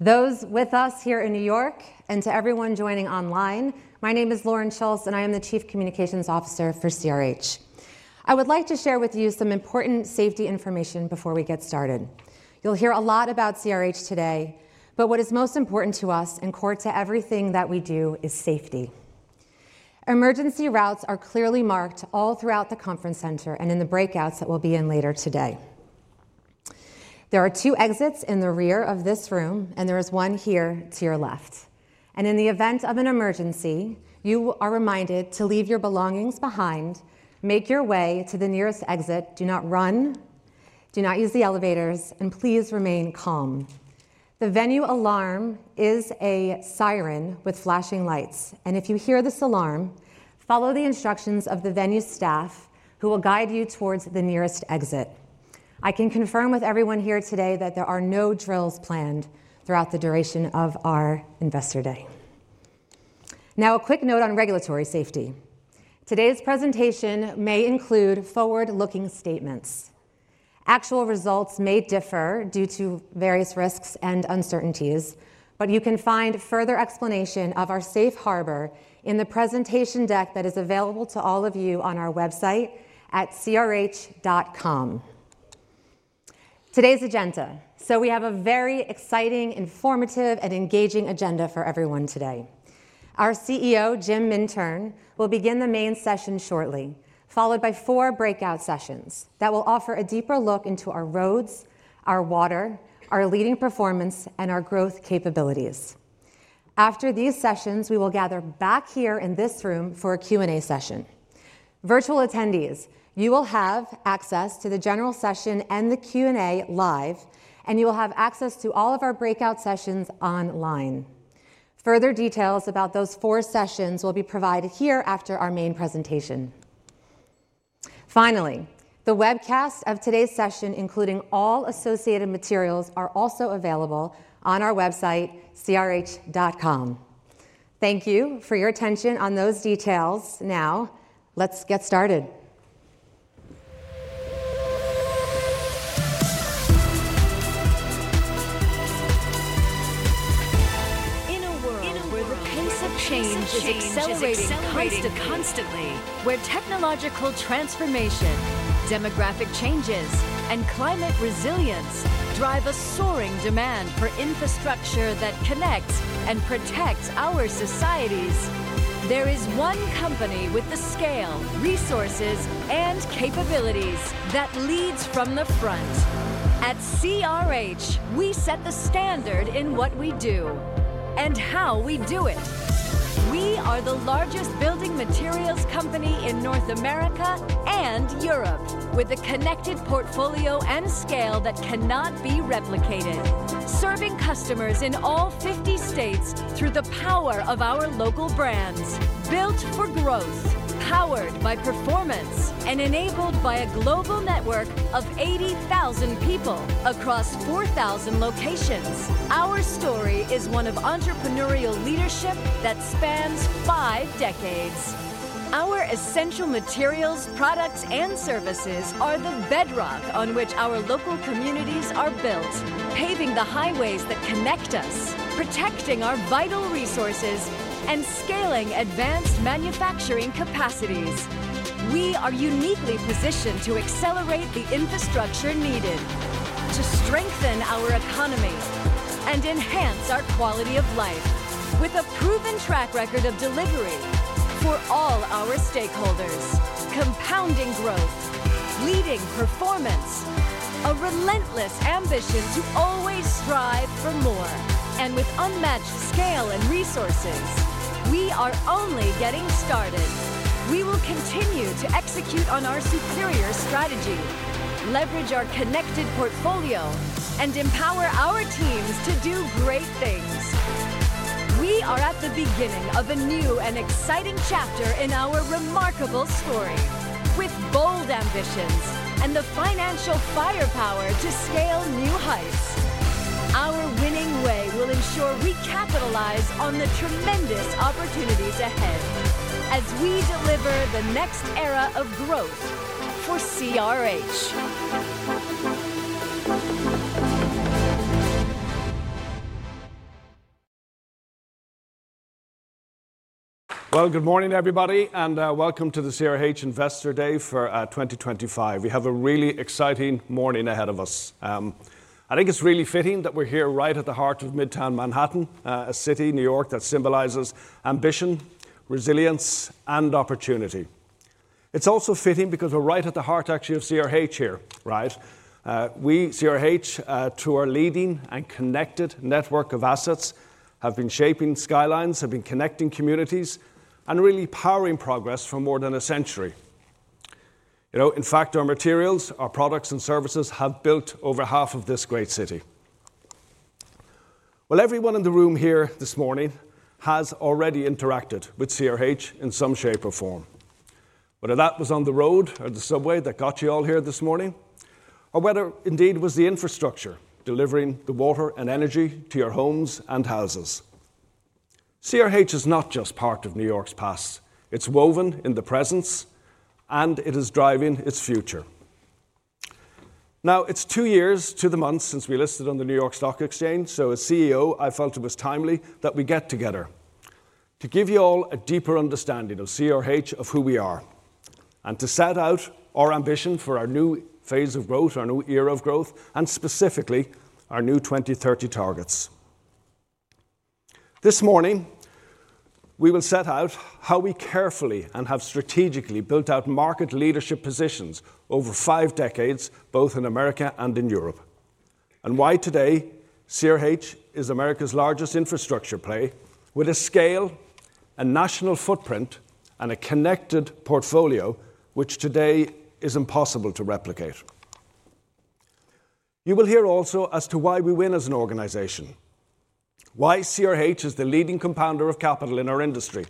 Those with us here in New York and to everyone joining online, my name is Lauren Schulz and I am the Chief Communications Officer for CRH. I would like to share with you some important safety information before we get started. You'll hear a lot about CRH today, but what is most important to us and core to everything that we do is safety. Emergency routes are clearly marked all throughout the conference center and in the breakouts that we'll be in later today. There are two exits in the rear of this room and there is one here to your left. In the event of an emergency, you are reminded to leave your belongings behind, make your way to the nearest exit, do not run, do not use the elevators, and please remain calm. The venue alarm is a siren with flashing lights, and if you hear this alarm, follow the instructions of the venue staff who will guide you towards the nearest exit. I can confirm with everyone here today that there are no drills planned throughout the duration of our Investor Day. Now a quick note on regulatory safety. Today's presentation may include forward-looking statements. Actual results may differ due to various risks and uncertainties, but you can find further explanation of our safe harbor in the presentation deck that is available to all of you on our website and at crh.com. Today's agenda: we have a very exciting, informative, and engaging agenda for everyone today. Our CEO Jim Mintern will begin the main session shortly, followed by four breakout sessions that will offer a deeper look into our roads, our water, our leading performance, and our growth capabilities. After these sessions, we will gather back here in this room for a Q&A session. Virtual attendees, you will have access to the general session and the Q&A live, and you will have access to all of our breakout sessions online. Further details about those four sessions will be provided here after our main presentation. Finally, the webcast of today's session, including all associated materials, are also available on our website crh.com. Thank you for your attention on those details. Now let's get started. In a world where the pace of change is accelerating constantly, where technological transformation, demographic changes, and climate resilience drive a soaring demand for infrastructure that connects and protects our societies, there is one company with the scale, resources, and capabilities that leads from the front. At CRH, we set the standard in what we do and how we do it. We are the largest building materials company in North America and Europe with a connected portfolio and scale that cannot be replicated, serving customers in all 50 states through the power of our local brands. Built for growth, powered by performance, and enabled by a global network of 80,000 people across 4,000 locations, our story is one of entrepreneurial leadership. That spans five decades. Our essential materials, products, and services are the bedrock on which our local communities are built, paving the highways that connect us, protecting our vital resources, and scaling advanced manufacturing capacities. We are uniquely positioned to accelerate the infrastructure needed to strengthen our economy and enhance our quality of life, with a proven track record of delivery for all our stakeholders. Compounding growth, leading performance, a relentless ambition to always strive for more. With unmatched scale and resources, we are only getting started. We will continue to execute on our superior strategy, leverage our connected portfolio, and empower our teams to do great things. We are at the beginning of a. New and exciting chapter in our remarkable story. With bold ambitions and the financial firepower to scale new heights, our winning way. Will ensure we capitalize on the tremendous. Opportunities ahead as we deliver the next. Era of growth for CRH. Good morning everybody, and welcome to the CRH Investor Day for 2025. We have a really exciting morning ahead of us. I think it's really fitting that we're here right at the heart of Midtown Manhattan, a city, New York, that symbolizes ambition, resilience, and opportunity. It's also fitting because we're right at the heart actually of CRH here, right? We at CRH, through our leading and connected network of assets, have been shaping skylines, connecting communities, and really powering progress for more than a century. In fact, our materials, our products, and services have built over half of this great city. Everyone in the room here this morning has already interacted with CRH in some shape or form, whether that was on the road or the subway that got you all here this morning, or whether indeed it was the infrastructure delivering the water and energy to your homes and houses. CRH is not just part of New York's past. It's woven in the present and it is driving its future. Now, it's two years to the month since we listed on the New York Stock Exchange. As CEO, I felt it was timely that we get together to give you all a deeper understanding of CRH, of who we are, and to set out on our ambition for our new phase of growth, our new era of growth, and specifically our new 2030 targets. This morning, we will set out how we carefully and have strategically built out market leadership positions over five decades, both in America and in Europe, and why today CRH is America's largest infrastructure play with a scale, a national footprint, and a connected portfolio, which today is impossible to replicate. You will hear also as to why we win as an organization, why CRH is the leading compounder of capital in our industry,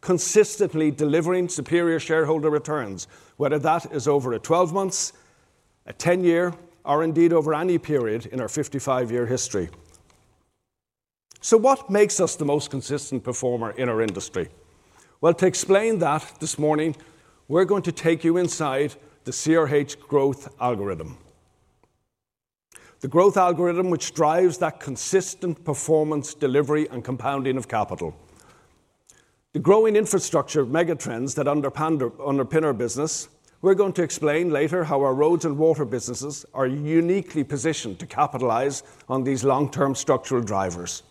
consistently delivering superior shareholder returns, whether that is over a 12 month, a 10 year, or indeed over any period in our 55-year history. What makes us the most consistent performer in our industry? To explain that this morning, we're going to take you inside the CRH growth algorithm. The growth algorithm drives that consistent performance, delivery, and compounding of capital, the growing infrastructure megatrends that underpin our business. We're going to explain later how our roads and water businesses are uniquely positioned to capitalize on these long-term structural drivers.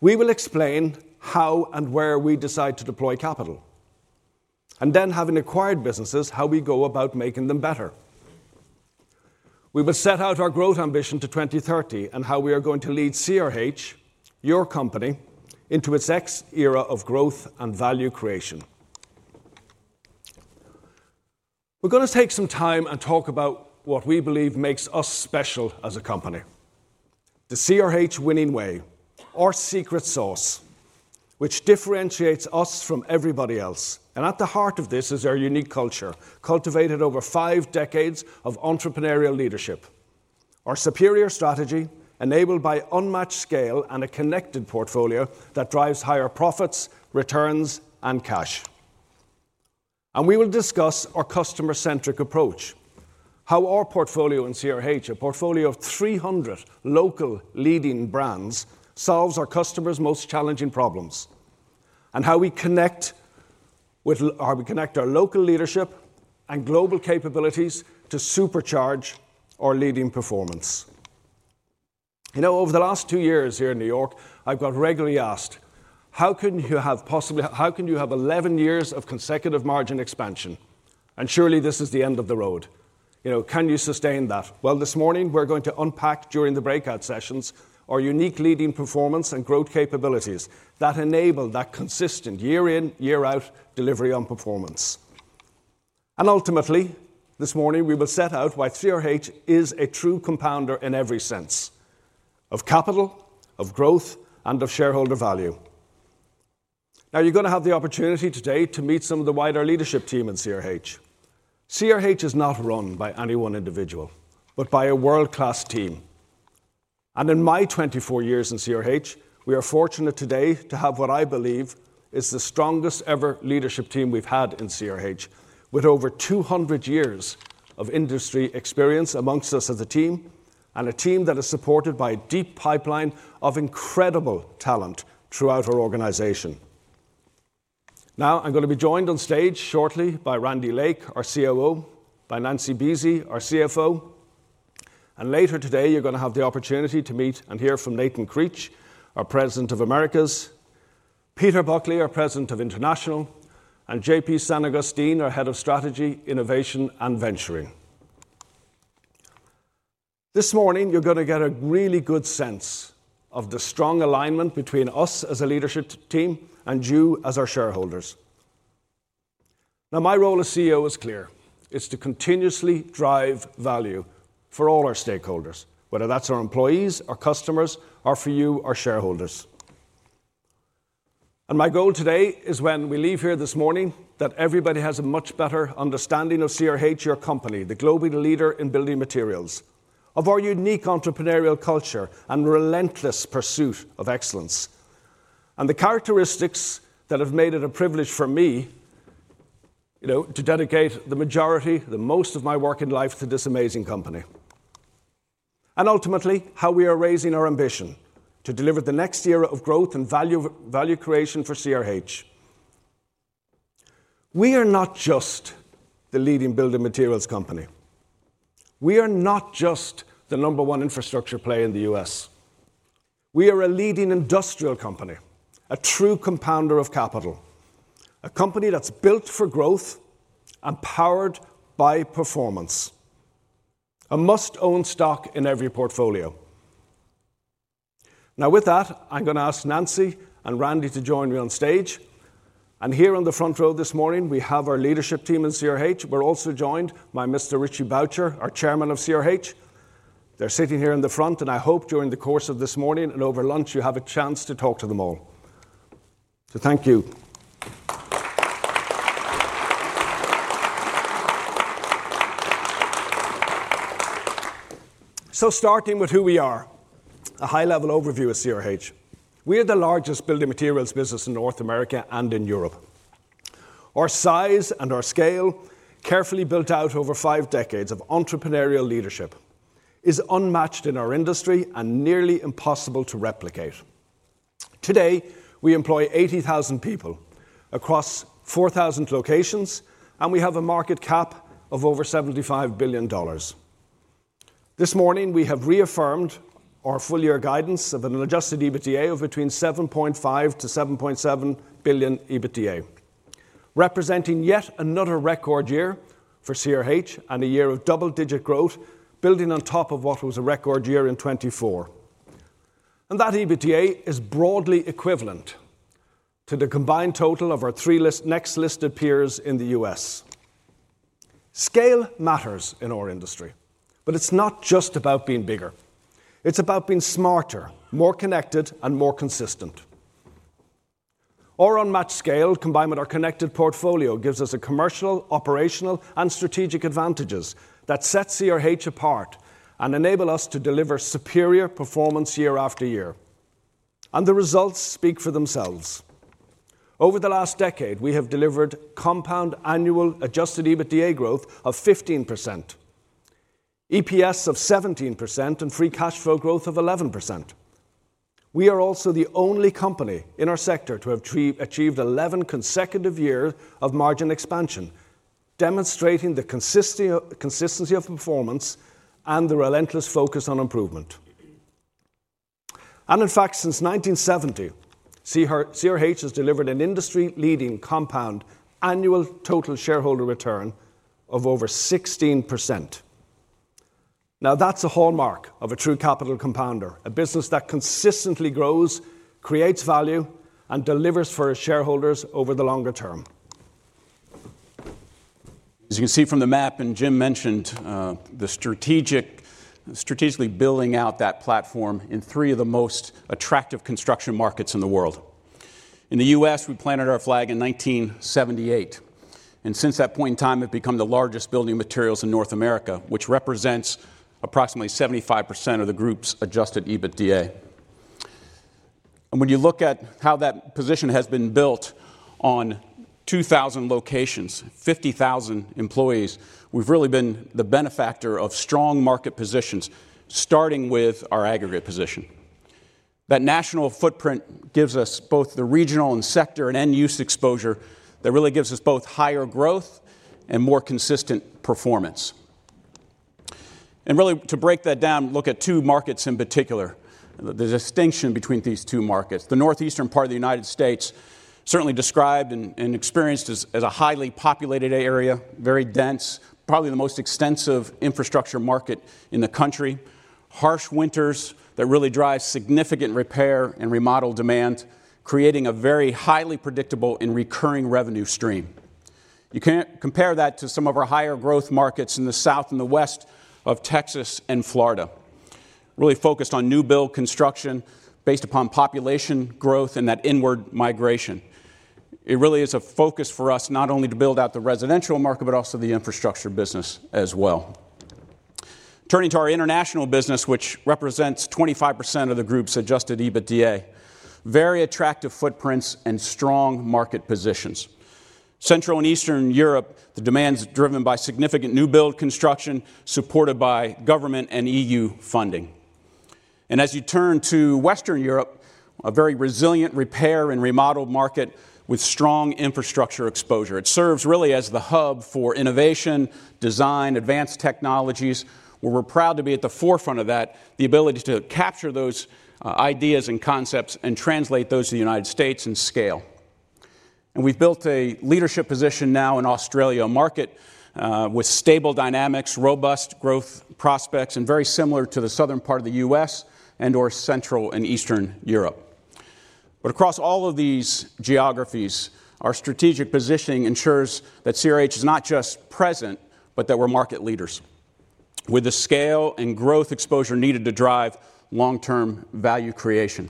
We will explain how and where we decide to deploy capital and then having acquired businesses, how we go about making them better. We will set out our growth ambition to 2030 and how we are going to lead CRH, your company, into its next era of growth and value creation. We're going to take some time and talk about what we believe makes us special as a company. The CRH winning way. Our secret sauce which differentiates us from everybody else. At the heart of this is our unique culture cultivated over five decades of entrepreneurial leadership, our superior strategy enabled by unmatched scale and a connected portfolio that drives higher profits, returns, and cash. We will discuss our customer-centric approach, how our portfolio in CRH, a portfolio of 300 local leading brands, solves our customers' most challenging problems and how we connect our local leadership and global capabilities to supercharge our leading performance. Over the last two years here in New York, I've got regularly asked how can you have 11 years of consecutive margin expansion and surely this is the end of the road, you know, can you sustain that? This morning we're going to unpack during the breakout sessions our unique leading performance and growth capabilities that enable that consistent year in, year out delivery on performance. Ultimately this morning we will set out why CRH is a true compounder in every sense of capital, of growth, and of shareholder value. Now you're going to have the opportunity today to meet some of the wider leadership team in CRH. CRH is not run by any one individual but by a world-class team. In my 24 years in CRH, we are fortunate today to have what I believe is the strongest ever leadership team we've had in CRH, with over 200 years of industry experience amongst us as a team and a team that is supported by a deep pipeline of incredible talent throughout our organization. Now I'm going to be joined on stage shortly by Randy Lake, our COO, by Nancy Buese, our CFO. Later today, you're going to have the opportunity to meet and hear from Nathan Creech, our President of Americas, Peter Buckley, our President of International, and JP San Agustin, our Head of Strategy, Innovation and Venturing. This morning you're going to get a really good sense of the strong alignment between us as a leadership team and you as our shareholders. Now my role as CEO is clear. It's to continuously drive value for all our stakeholders, whether that's our employees, our customers, or for you, our shareholders. My goal today is when we leave here this morning, that everybody has a much better understanding of CRH, your company, the global leader in building materials, of our unique entrepreneurial culture and relentless pursuit of excellence and the characteristics that have made it a privilege for me to dedicate the majority, the most of my work in life to this amazing company and ultimately how we are raising our ambition to deliver the next era of growth and value creation for CRH. We are not just the leading building materials company, we are not just the number one infrastructure play in the U.S. We are a leading industrial company, a true compounder of capital, a company that's built for growth and powered by performance, a must own stock in every portfolio. Now with that, I'm going to ask Nancy and Randy to join me on stage. Here on the front row this morning we have our leadership team in CRH. We're also joined by Mr. Richie Boucher, our Chairman of CRH. They're sitting here in the front and I hope during the course of this morning and over lunch you have a chance to talk to them all. Thank you. Starting with who we are, a high-level overview of CRH. We are the largest building materials business in North America and in Europe. Our size and our scale, carefully built out over five decades of entrepreneurial leadership, is unmatched in our industry and nearly impossible to replicate. Today we employ 80,000 people across 4,000 locations and we have a market cap of over $75 billion. This morning we have reaffirmed our full-year guidance of an adjusted EBITDA of between $7.5 billion-$7.7 billion, representing yet another record year for CRH and a year of double-digit growth building on top of what was a record year in 2024. That EBITDA is broadly equivalent to the combined total of our three next listed peers in the U.S. Scale matters in our industry, but it's not just about being bigger, it's about being smarter, more connected and more consistent. Our unmatched scale combined with our connected portfolio gives us commercial, operational and strategic advantages that set CRH apart and enable us to deliver superior performance year after year. The results speak for themselves. Over the last decade we have delivered compound annual adjusted EBITDA growth of 15%, EPS of 17%, and free cash flow growth of 11%. We are also the only company in our sector to have achieved 11 consecutive years of margin expansion, demonstrating the consistency of performance and the relentless focus on improvement. In fact, since 1970, CRH has delivered an industry-leading compound annual total shareholder return of over 16%. Now that's a hallmark of a true capital compounder, a business that consistently grows, creates value, and delivers for shareholders over the longer term. As you can see from the map and Jim mentioned, strategically building out that platform in three of the most attractive construction markets in the world. In the U.S. we planted our flag in 1978 and since that point in time have become the largest building materials in North America, which represents approximately 75% of the group's adjusted EBITDA. When you look at how that position has been built on 2,000 locations, 50,000 employees, we've really been the benefactor of strong market positions. Starting with our aggregate position, that national footprint gives us both the regional and sector and end use exposure that really gives us both higher growth and more consistent performance. To break that down, look at two markets in particular. The distinction between these two markets, the Northeastern part of the United States certainly described and experienced as a highly populated area, very dense, probably the most extensive infrastructure market in the country. Harsh winters that really drive significant repair and remodel demand, creating a very highly predictable and recurring revenue stream. You can't compare that to some of our higher-growth markets in the south and the west of Texas and Florida. Really focused on new build construction based upon population growth and that inward migration. It really is a focus for us not only to build out the residential market, but also the infrastructure business as well. Turning to our international business, which represents 25% of the group's adjusted EBITDA, very attractive footprints and strong market positions. Central and Eastern Europe, the demand is driven by significant new build construction supported by government and EU funding. As you turn to Western Europe, a very resilient repair and remodeled market with strong infrastructure exposure. It serves really as the hub for innovation, design, advanced technologies where we're proud to be at the forefront of that, the ability to capture those ideas and concepts and translate those to the United States and scale. We've built a leadership position now in Australia market with stable dynamics, robust growth prospects and very similar to the southern part of the U.S. and or Central and Eastern Europe. Across all of these geographies, our strategic positioning ensures that CRH is not just present, but that we're market leaders with the scale and growth exposure needed to drive long-term value creation.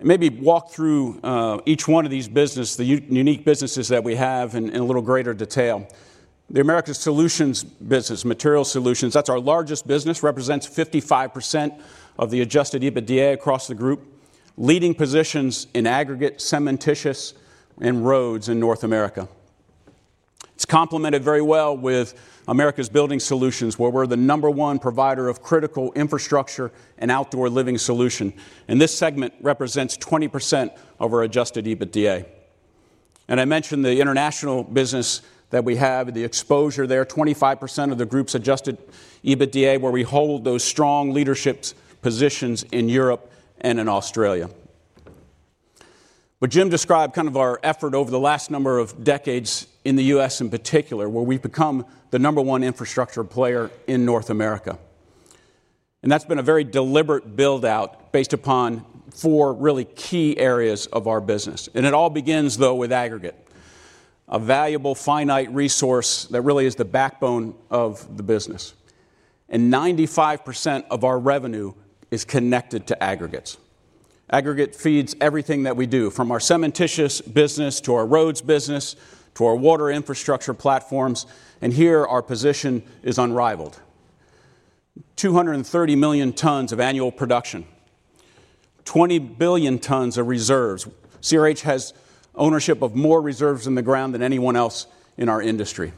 Maybe walk through each one of these business. The unique businesses that we have in a little greater detail. The Americas Solutions business, Material Solutions, that's our largest business, represents 55% of the adjusted EBITDA across the group, leading positions in aggregates, cementitious and roads in North America. It's complemented very well with Americas Building Solutions where we're the number one provider of critical infrastructure and an outdoor-living solution. This segment represents 20% of our adjusted EBITDA. I mentioned the international business that we have, the exposure there, 25% of the group's adjusted EBITDA where we hold those strong leadership positions in Europe and in Australia. Jim described kind of our effort over the last number of decades in the U.S. in particular, where we've become the number one infrastructure player in North America. That's been a very deliberate build out based upon four really key areas of our business. It all begins though with aggregates, a valuable finite resource that really is the backbone of the business. 95% of our revenue is connected to aggregates. Aggregates feed everything that we do from our cementitious business to our roads business to our water infrastructure platforms. Here our position is unrivaled. 230 million tons of annual production, 20 billion tons of reserves. CRH has ownership of more reserves in the ground than anyone else in our industry.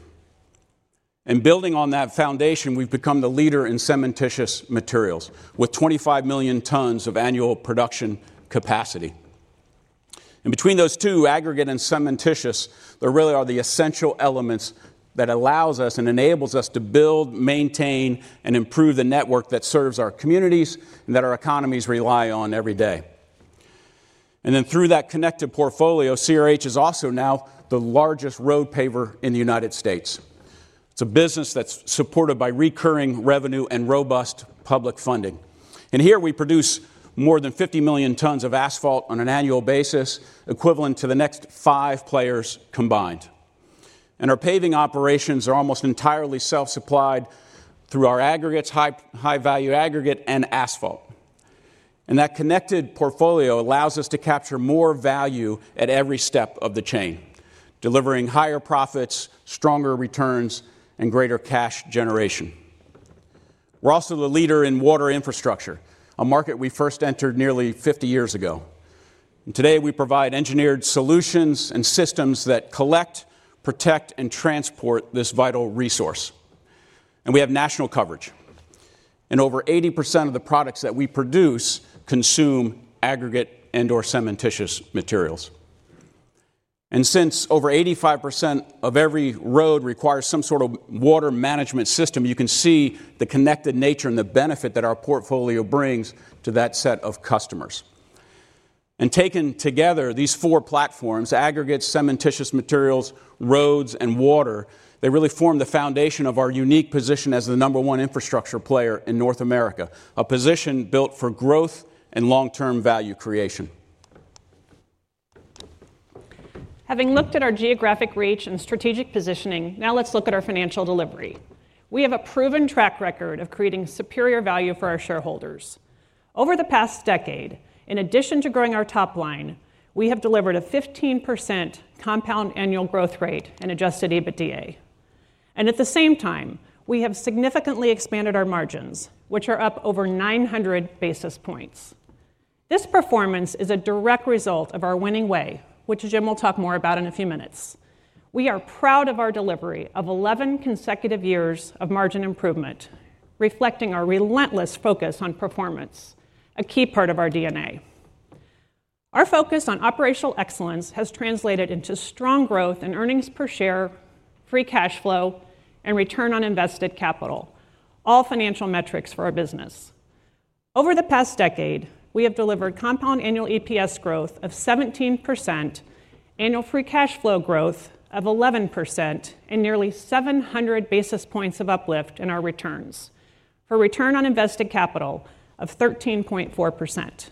Building on that foundation, we've become the leader in cementitious materials with 25 million tons of annual production capacity. Between those two, aggregates and cementitious, there really are the essential elements that allow us and enable us to build, maintain and improve the network that serves our communities and that our economies rely on every day. Through that connected portfolio, CRH is also now the largest road paver in the United States. It's a business that's supported by recurring revenue and robust public funding. Here we produce more than 50 million tons of asphalt on an annual basis, equivalent to the next five players combined. Our paving operations are almost entirely self-supplied through our aggregates, high-value aggregate and asphalt. That connected portfolio allows us to capture more value at every step of the chain, delivering higher profits, stronger returns and greater cash generation. We're also the leader in water infrastructure, a market we first entered nearly 50 years ago. Today we provide engineered solutions and systems that collect, protect, and transport this vital resource. We have national coverage, and over 80% of the products that we produce consume aggregate and/or cementitious materials. Since over 85% of every road requires some sort of water management system, you can see the connected nature and the benefit that our portfolio brings to that set of customers. Taken together, these four platforms—aggregates, cementitious materials, roads, and water—really form the foundation of our unique position as the number one infrastructure player in North America, a position built for growth and long-term value creation. Having looked at our geographic reach and strategic positioning, now let's look at our financial delivery. We have a proven track record of creating superior value for our shareholders. Over the past decade, in addition to growing our top line, we have delivered a 15% compound annual growth rate in adjusted EBITDA, and at the same time we have significantly expanded our margins, which are up over 900 basis points. This performance is a direct result of our winning way, which Jim will talk more about in a few minutes. We are proud of our delivery of 11 consecutive years of margin improvement, reflecting our relentless focus on performance, a key part of our DNA. Our focus on operational excellence has translated into strong growth in earnings per share, free cash flow, and return on invested capital, all financial metrics for our business. Over the past decade, we have delivered compound annual EPS growth of 17%, annual free cash flow growth of 11%, and nearly 700 basis points of uplift in our returns for return on invested capital of 13.4%.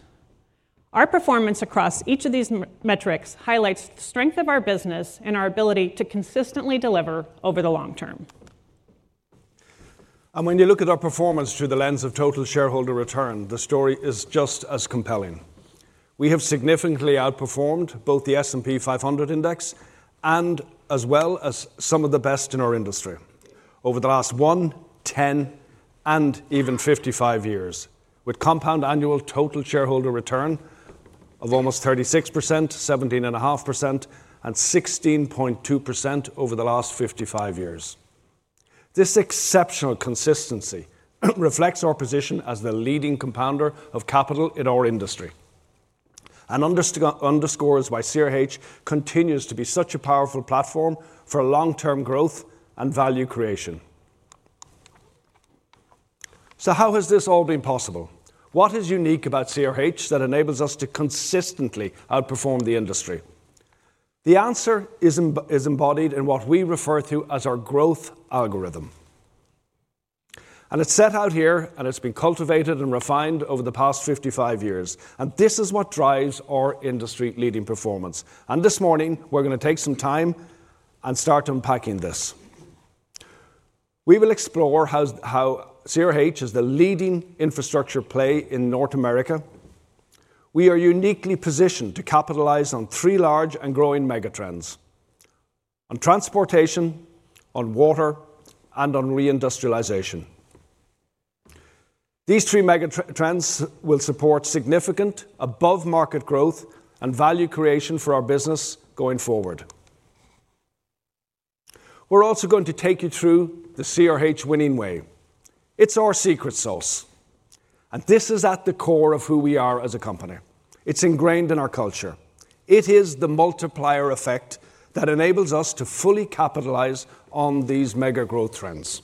Our performance across each of these metrics highlights the strength of our business and our ability to consistently deliver over the long term. When you look at our performance through the lens of total shareholder return, the story is just as compelling. We have significantly outperformed both the S&P 500 index as well as some of the best in our industry over the last one, 10, and even 55 years, with compound annual total shareholder return of almost 36%, 17.5%, and 16.2% over the last 55 years. This exceptional consistency reflects our position as the leading compounder of capital in our industry and underscores why CRH continues to be such a powerful platform for long-term growth and value creation. How has this all been possible? What is unique about CRH that enables us to consistently outperform the industry? The answer is embodied in what we refer to as our growth algorithm, and it's set out here. It's been cultivated and refined over the past 55 years, and this is what drives our industry-leading performance. This morning we're going to take some time to start unpacking this. We will explore how CRH is the leading infrastructure play in North America. We are uniquely positioned to capitalize on three large and growing megatrends: on transportation, on water, and on reindustrialization. These three megatrends will support significant above-market growth and value creation for our business going forward. We're also going to take you through the CRH winning way. It's our secret sauce, and this is at the core of who we are as a company. It's ingrained in our culture. It is the multiplier effect that enables us to fully capitalize on these mega growth trends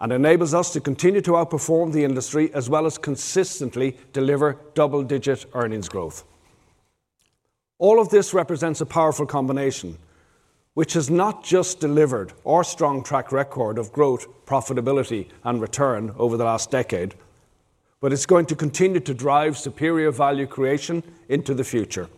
and enables us to continue to outperform the industry as well as consistently deliver double-digit earnings growth. All of this represents a powerful combination which has not just delivered our strong track record of growth, profitability, and return over the last decade, but it's going to continue to drive superior value creation into the future.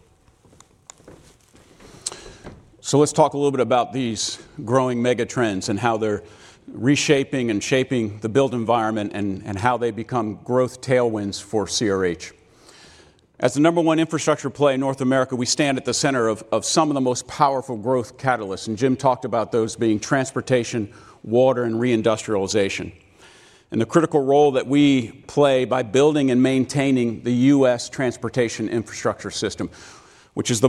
Let's talk a little bit about these growing megatrends and how they're reshaping and shaping the built environment and how they become growth tailwinds for CRH as the number one infrastructure play in North America. We stand at the center of some of the most powerful growth catalysts. Jim talked about those being transportation, water, and reindustrialization and the critical role that we play by building and maintaining the U.S. transportation infrastructure system, which is the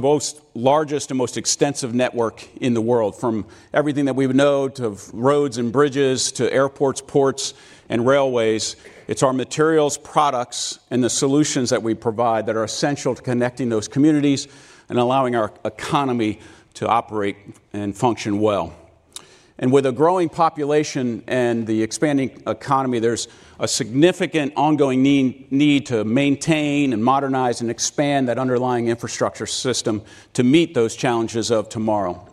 largest and most extensive network in the world. From everything that we've known, to roads and bridges, to airports, ports, and railways, it's our materials, products, and the solutions that we provide that are essential to connecting those communities and allowing our economy to operate and function well. With a growing population and the expanding economy, there's a significant ongoing need to maintain, modernize, and expand that underlying infrastructure system to meet those challenges of tomorrow.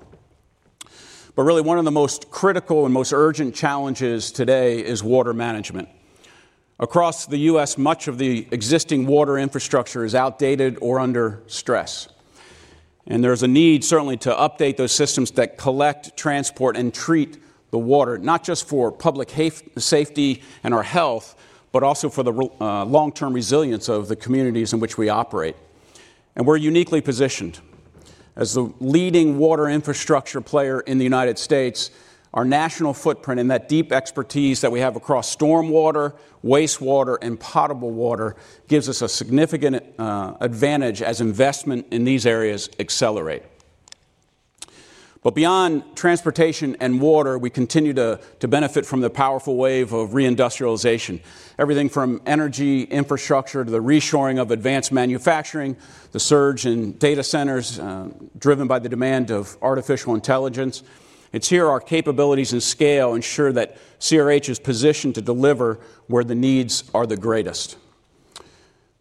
One of the most critical and most urgent challenges today is water management. Across the U.S., much of the existing water infrastructure is outdated or under stress. There's a need certainly to update those systems that collect, transport, and treat the water, not just for public safety and our health, but also for the long-term resilience of the communities in which we operate. We're uniquely positioned as the leading water infrastructure player in the United States. Our national footprint and that deep expertise that we have across stormwater, wastewater, and potable water gives us a significant advantage as investment in these areas accelerates. Beyond transportation and water, we continue to benefit from the powerful wave of reindustrialization. Everything from energy infrastructure to the reshoring of advanced manufacturing, the surge in data centers driven by the demand of artificial intelligence. It's here our capabilities and scale ensure that CRH is positioned to deliver where the needs are the greatest.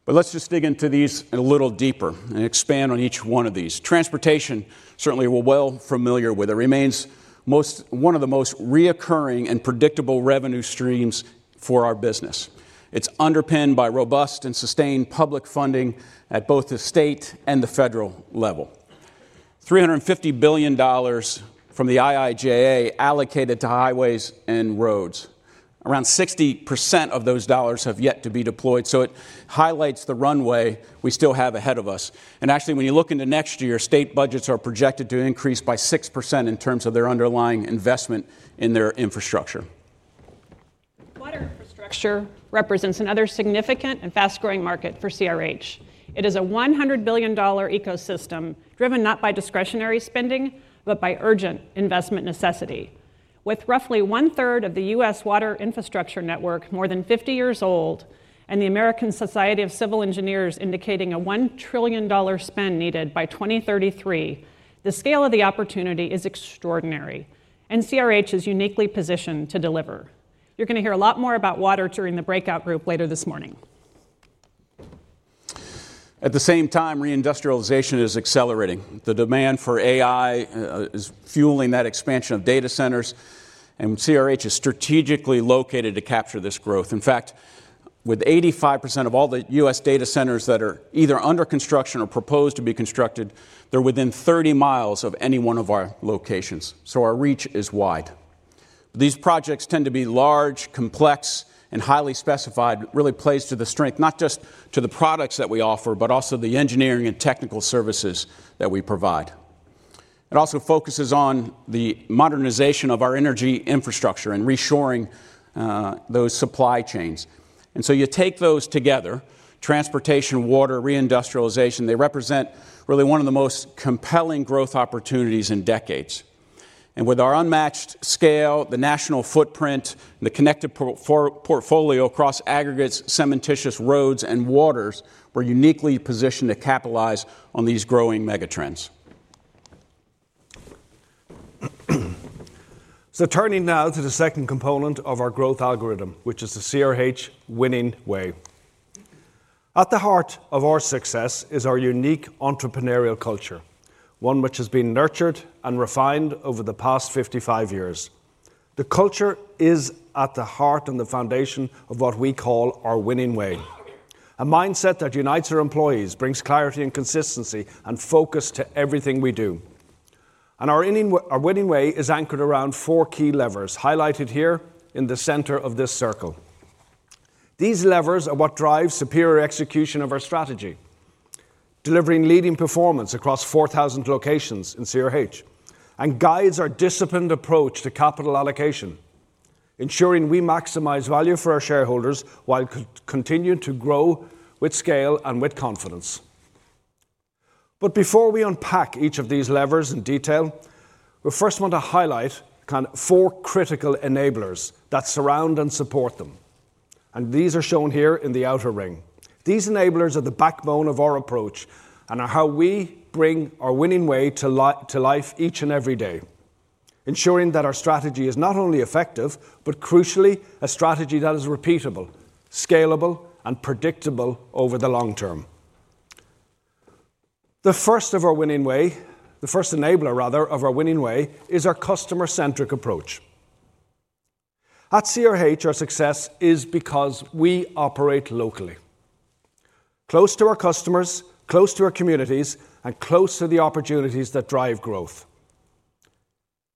Let's just dig into these a little deeper and expand on each one of these. Transportation, certainly we're well familiar with it, remains one of the most reoccurring and predictable revenue streams for our business. It's underpinned by robust and sustained public funding at both the state and the federal level. $350 billion from the IIJA allocated to highways and roads. Around 60% of those dollars have yet to be deployed. It highlights the runway we still have ahead of us. When you look into next year, state budgets are projected to increase by 6% in terms of their underlying investment in their infrastructure. Water infrastructure represents another significant and fast-growing market for CRH. It is a $100 billion ecosystem driven not by discretionary spending, but by urgent investment necessity. With roughly 1/3 of the U.S. water infrastructure network more than 50 years old and the American Society of Civil Engineers indicating a $1 trillion spend needed by 2033, the scale of the opportunity is extraordinary. CRH is uniquely positioned to deliver. You're going to hear a lot more about water during the breakout group later this morning. At the same time, reindustrialization is accelerating, the demand for AI is fueling that expansion of data centers. CRH is strategically located to capture this growth. In fact, with 85% of all the U.S. data centers that are either under construction or proposed to be constructed, they're within 30 mi of any one of our locations. Our reach is wide. These projects tend to be large, complex, and highly specified. Really plays to the strength not just to the products that we offer, but also the engineering and technical services that we provide. It also focuses on the modernization of our energy infrastructure and reshoring those supply chains. You take those together, transportation, water, reindustrialization, they represent really one of the most compelling growth opportunities in decades. With our unmatched scale, the national footprint, the connected portfolio across aggregates, cementitious roads and waters, we're uniquely positioned to capitalize on these growing megatrends. Turning now to the second component of our growth algorithm, which is the CRH winning way. At the heart of our success is our unique entrepreneurial culture, one which has been nurtured and refined over the past 55 years. The culture is at the heart and the foundation of what we call our winning way, a mindset that unites our employees, brings clarity, consistency, and focus to everything we do. Our winning way is anchored around four key levers, highlighted here in the center of this circle. These levers are what drive superior execution of our strategy, delivering leading performance across 4,000 locations in CRH and guiding our disciplined approach to capital allocation, ensuring we maximize value for our shareholders while continuing to grow with scale and with confidence. Before we unpack each of these levers in detail, we first want to highlight four critical enablers that surround and support them, shown here in the outer ring. These enablers are the backbone of our approach and are how we bring our winning way to life each and every day, ensuring that our strategy is not only effective, but crucially, a strategy that is repeatable, scalable, and predictable over the long term. The first enabler of our winning way is our customer-centric approach. At CRH, our success is because we operate locally, close to our customers, close to our communities, and close to the opportunities that drive growth.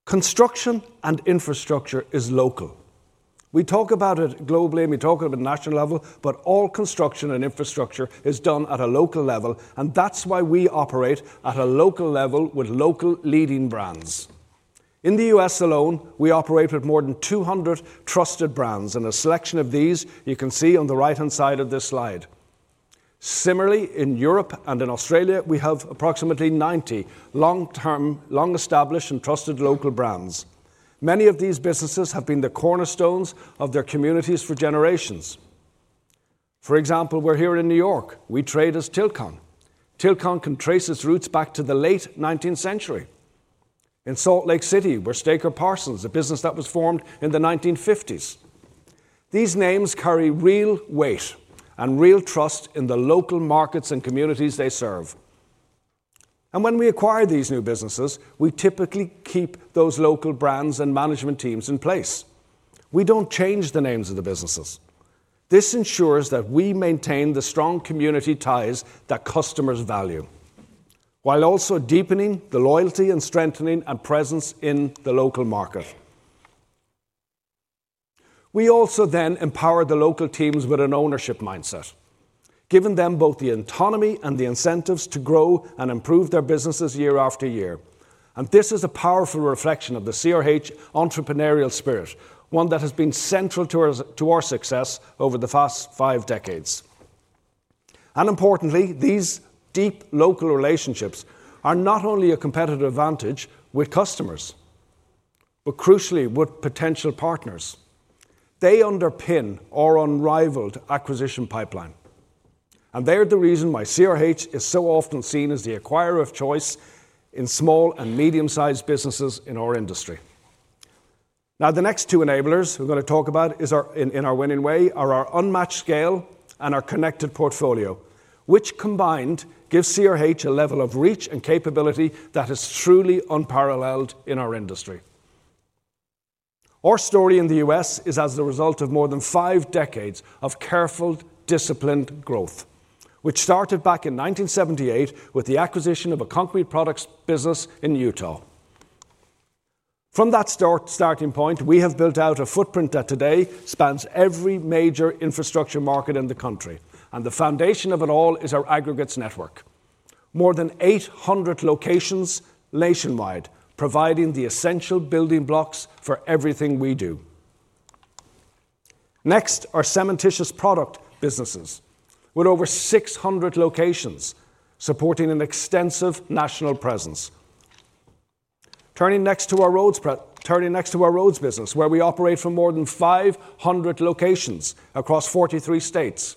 Construction and infrastructure is local. We talk about it globally and we talk about national level, but all construction and infrastructure is done at a local level. That's why we operate at a local level with local leading brands. In the U.S. alone, we operate with more than 200 trusted brands, and a selection of these you can see on the right-hand side of this slide. Similarly, in Europe and in Australia, we have approximately 90 long-term, long-established, and trusted local brands. Many of these businesses have been the cornerstones of their communities for generations. For example, we're here in New York, we trade as Tilcon. Tilcon can trace its roots back to the late 19th century. In Salt Lake City, where Staker Parson is a business that was formed in the 1950s, these names carry real weight and real trust in the local markets and communities they serve. When we acquire these new businesses, we typically keep those local brands and management teams in place. We don't change the names of the businesses. This ensures that we maintain the strong community ties that customers value, while also deepening the loyalty and strengthening our presence in the local market. We also then empower the local teams with an ownership mindset, giving them both the autonomy and the incentives to grow and improve their businesses year after year. This is a powerful reflection of the CRH entrepreneurial spirit, one that has been central to our success over the past five decades. Importantly, these deep local relationships are not only a competitive advantage with customers, but crucially with potential partners. They underpin our unrivaled acquisition pipeline and they are the reason why CRH is so often seen as the acquirer of choice in small and medium sized businesses in our industry. Now the next two enablers we're going to talk about in our winning way are our unmatched scale and our connected portfolio, which combined gives CRH a level of reach and capability that is truly unparalleled in our industry. Our story in the U.S. is the result of more than five decades of careful, disciplined growth, which started back in 1978 with the acquisition of a concrete products business in Utah. From that starting point, we have built out a footprint that today spans every major infrastructure market in the country. The foundation of it all is our aggregates network, more than 800 locations nationwide, providing the essential building blocks for everything we do. Next are cementitious product businesses with over 600 locations supporting an extensive national presence. Turning next to our roads business, where we operate from more than 500 locations across 43 states.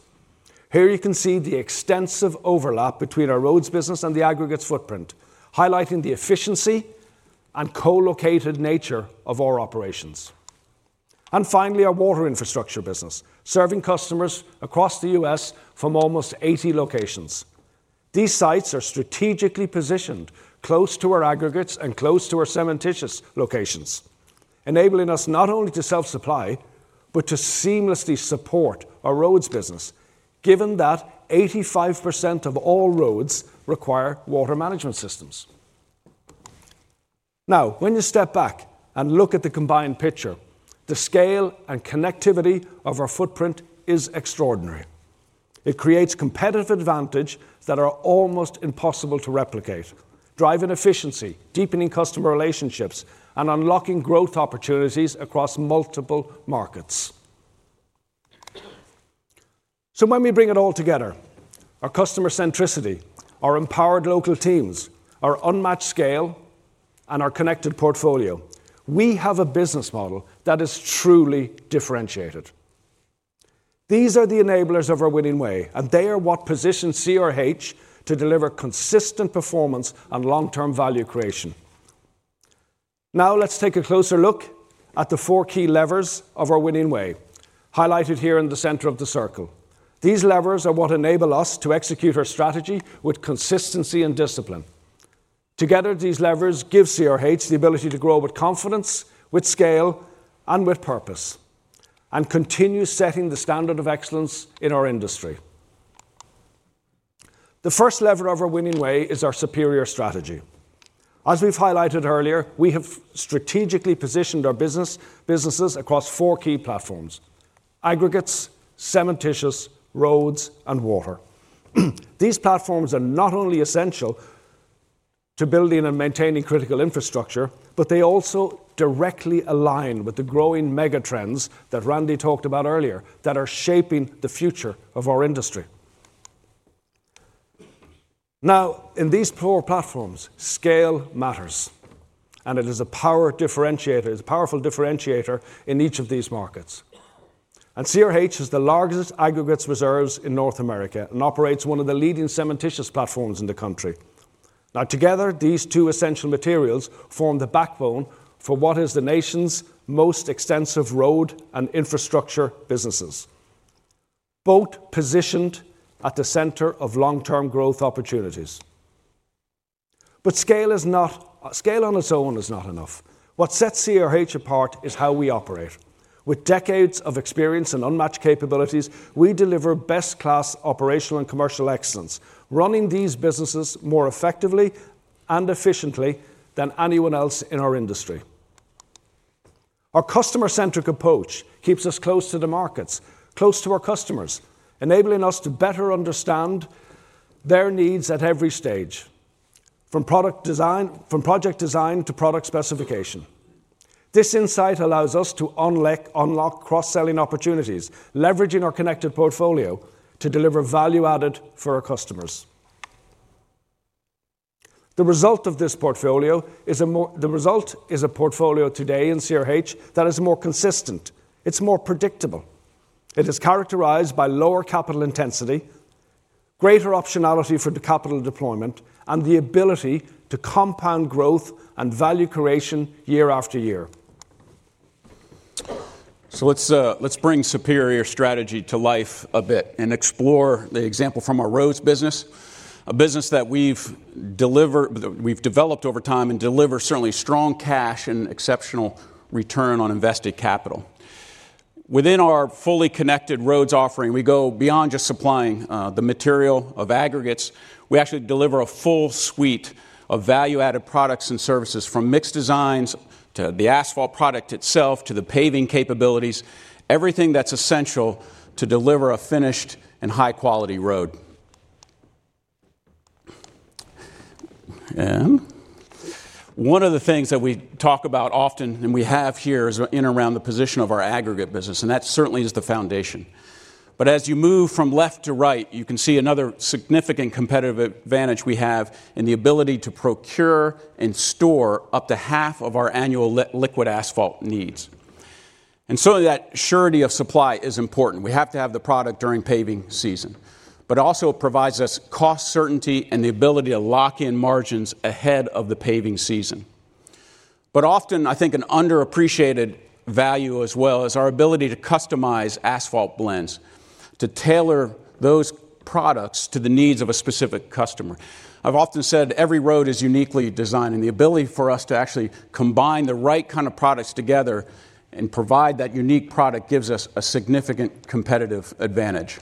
Here you can see the extensive overlap between our roads business and the aggregates footprint, highlighting the efficiency and co-located nature of our operations. Finally, our water infrastructure business serves customers across the U.S. from almost 80 locations. These sites are strategically positioned close to our aggregates and close to our cementitious locations, enabling us not only to self-supply but to seamlessly support our roads business given that 85% of all roads require water management systems. When you step back and look at the combined picture, the scale and connectivity of our footprint is extraordinary. It creates competitive advantages that are almost impossible to replicate. Driving efficiency, deepening customer relationships, and unlocking growth opportunities across multiple markets. When we bring it all together, our customer centricity, our empowered local teams, our unmatched scale, and our connected portfolio, we have a business model that is truly differentiated. These are the enablers of our winning way, and they are what position CRH to deliver consistent performance and long-term value creation. Now let's take a closer look at the four key levers of our winning way highlighted here in the center of the circle. These levers are what enable us to execute our strategy with consistency and discipline. Together, these levers give CRH the ability to grow with confidence, with scale, and with purpose, and continue setting the standard of excellence in our industry. The first lever of our winning way is our superior strategy. As we've highlighted earlier, we have strategically positioned our businesses across four key aggregates, cementitious, roads, and water. These platforms are not only essential to building and maintaining critical infrastructure, but they also directly align with the growing megatrends that Randy talked about earlier that are shaping the future of our industry. In these four platforms, scale matters, and it is a powerful differentiator in each of these markets. CRH has the largest aggregates reserves in North America and operates one of the leading cementitious platforms in the country. Together, these two essential materials form the backbone for what is the nation's most extensive road and infrastructure businesses, both positioned at the center of long-term growth opportunities. Scale on its own is not enough. What sets CRH apart is how we operate. With decades of experience and unmatched capabilities, we deliver best-in-class operational and commercial excellence, running these businesses more effectively and efficiently than anyone else in our industry. Our customer-centric approach keeps us close to the markets, close to our customers, enabling us to better understand their needs at every stage from project design to product specification. This insight allows us to unlock cross-selling opportunities, leveraging our connected portfolio to deliver value added for our customers. The result is a portfolio today in CRH that is more consistent, it's more predictable. It is characterized by lower capital intensity, greater optionality for the capital deployment, and the ability to compound growth and value creation year after year. Let's bring superior strategy to life a bit and explore the example from our roads business, a business that we've developed over time and deliver certainly strong cash and exceptional return on invested capital. Within our fully connected roads offering, we go beyond just supplying the material of aggregates. We actually deliver a full suite of value-added products and services, from mix designs to the asphalt product itself to the paving capabilities, everything that's essential to deliver a finished and high-quality road. One of the things that we talk about often and we have here is in around the position of our aggregate business, and that certainly is the foundation. As you move from left to right, you can see another significant competitive advantage we have in the ability to procure and store up to half of our annual liquid asphalt needs. That surety of supply is important. We have to have the product during paving season, but it also provides us cost certainty and the ability to lock in margins ahead of the paving season. Often, I think an underappreciated value as well is our ability to customize asphalt blends to tailor those products to the needs of a specific customer. I've often said every road is uniquely designed, and the ability for us to actually combine the right kind of products together and provide that unique product gives us a significant competitive advantage.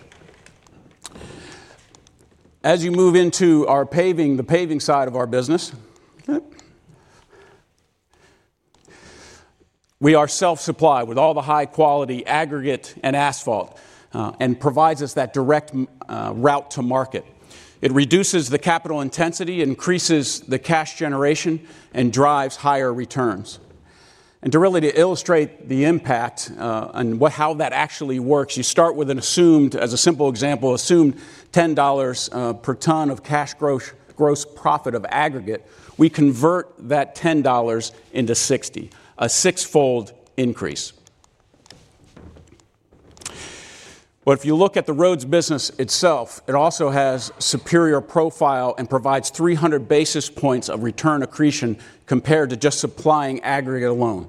As you move into our paving, the paving side of our business, we are self-supplied with all the high-quality aggregate and asphalt, and it provides us that direct route to market. It reduces the capital intensity, increases the cash generation, and drives higher returns. To illustrate the impact and how that actually works, you start with an assumed, as a simple example, assumed $10 per ton of cash gross profit of aggregate. We convert that $10 into $60, a sixfold increase. If you look at the roads business itself, it also has superior profile and provides 300 basis points of return accretion compared to just supplying aggregate alone.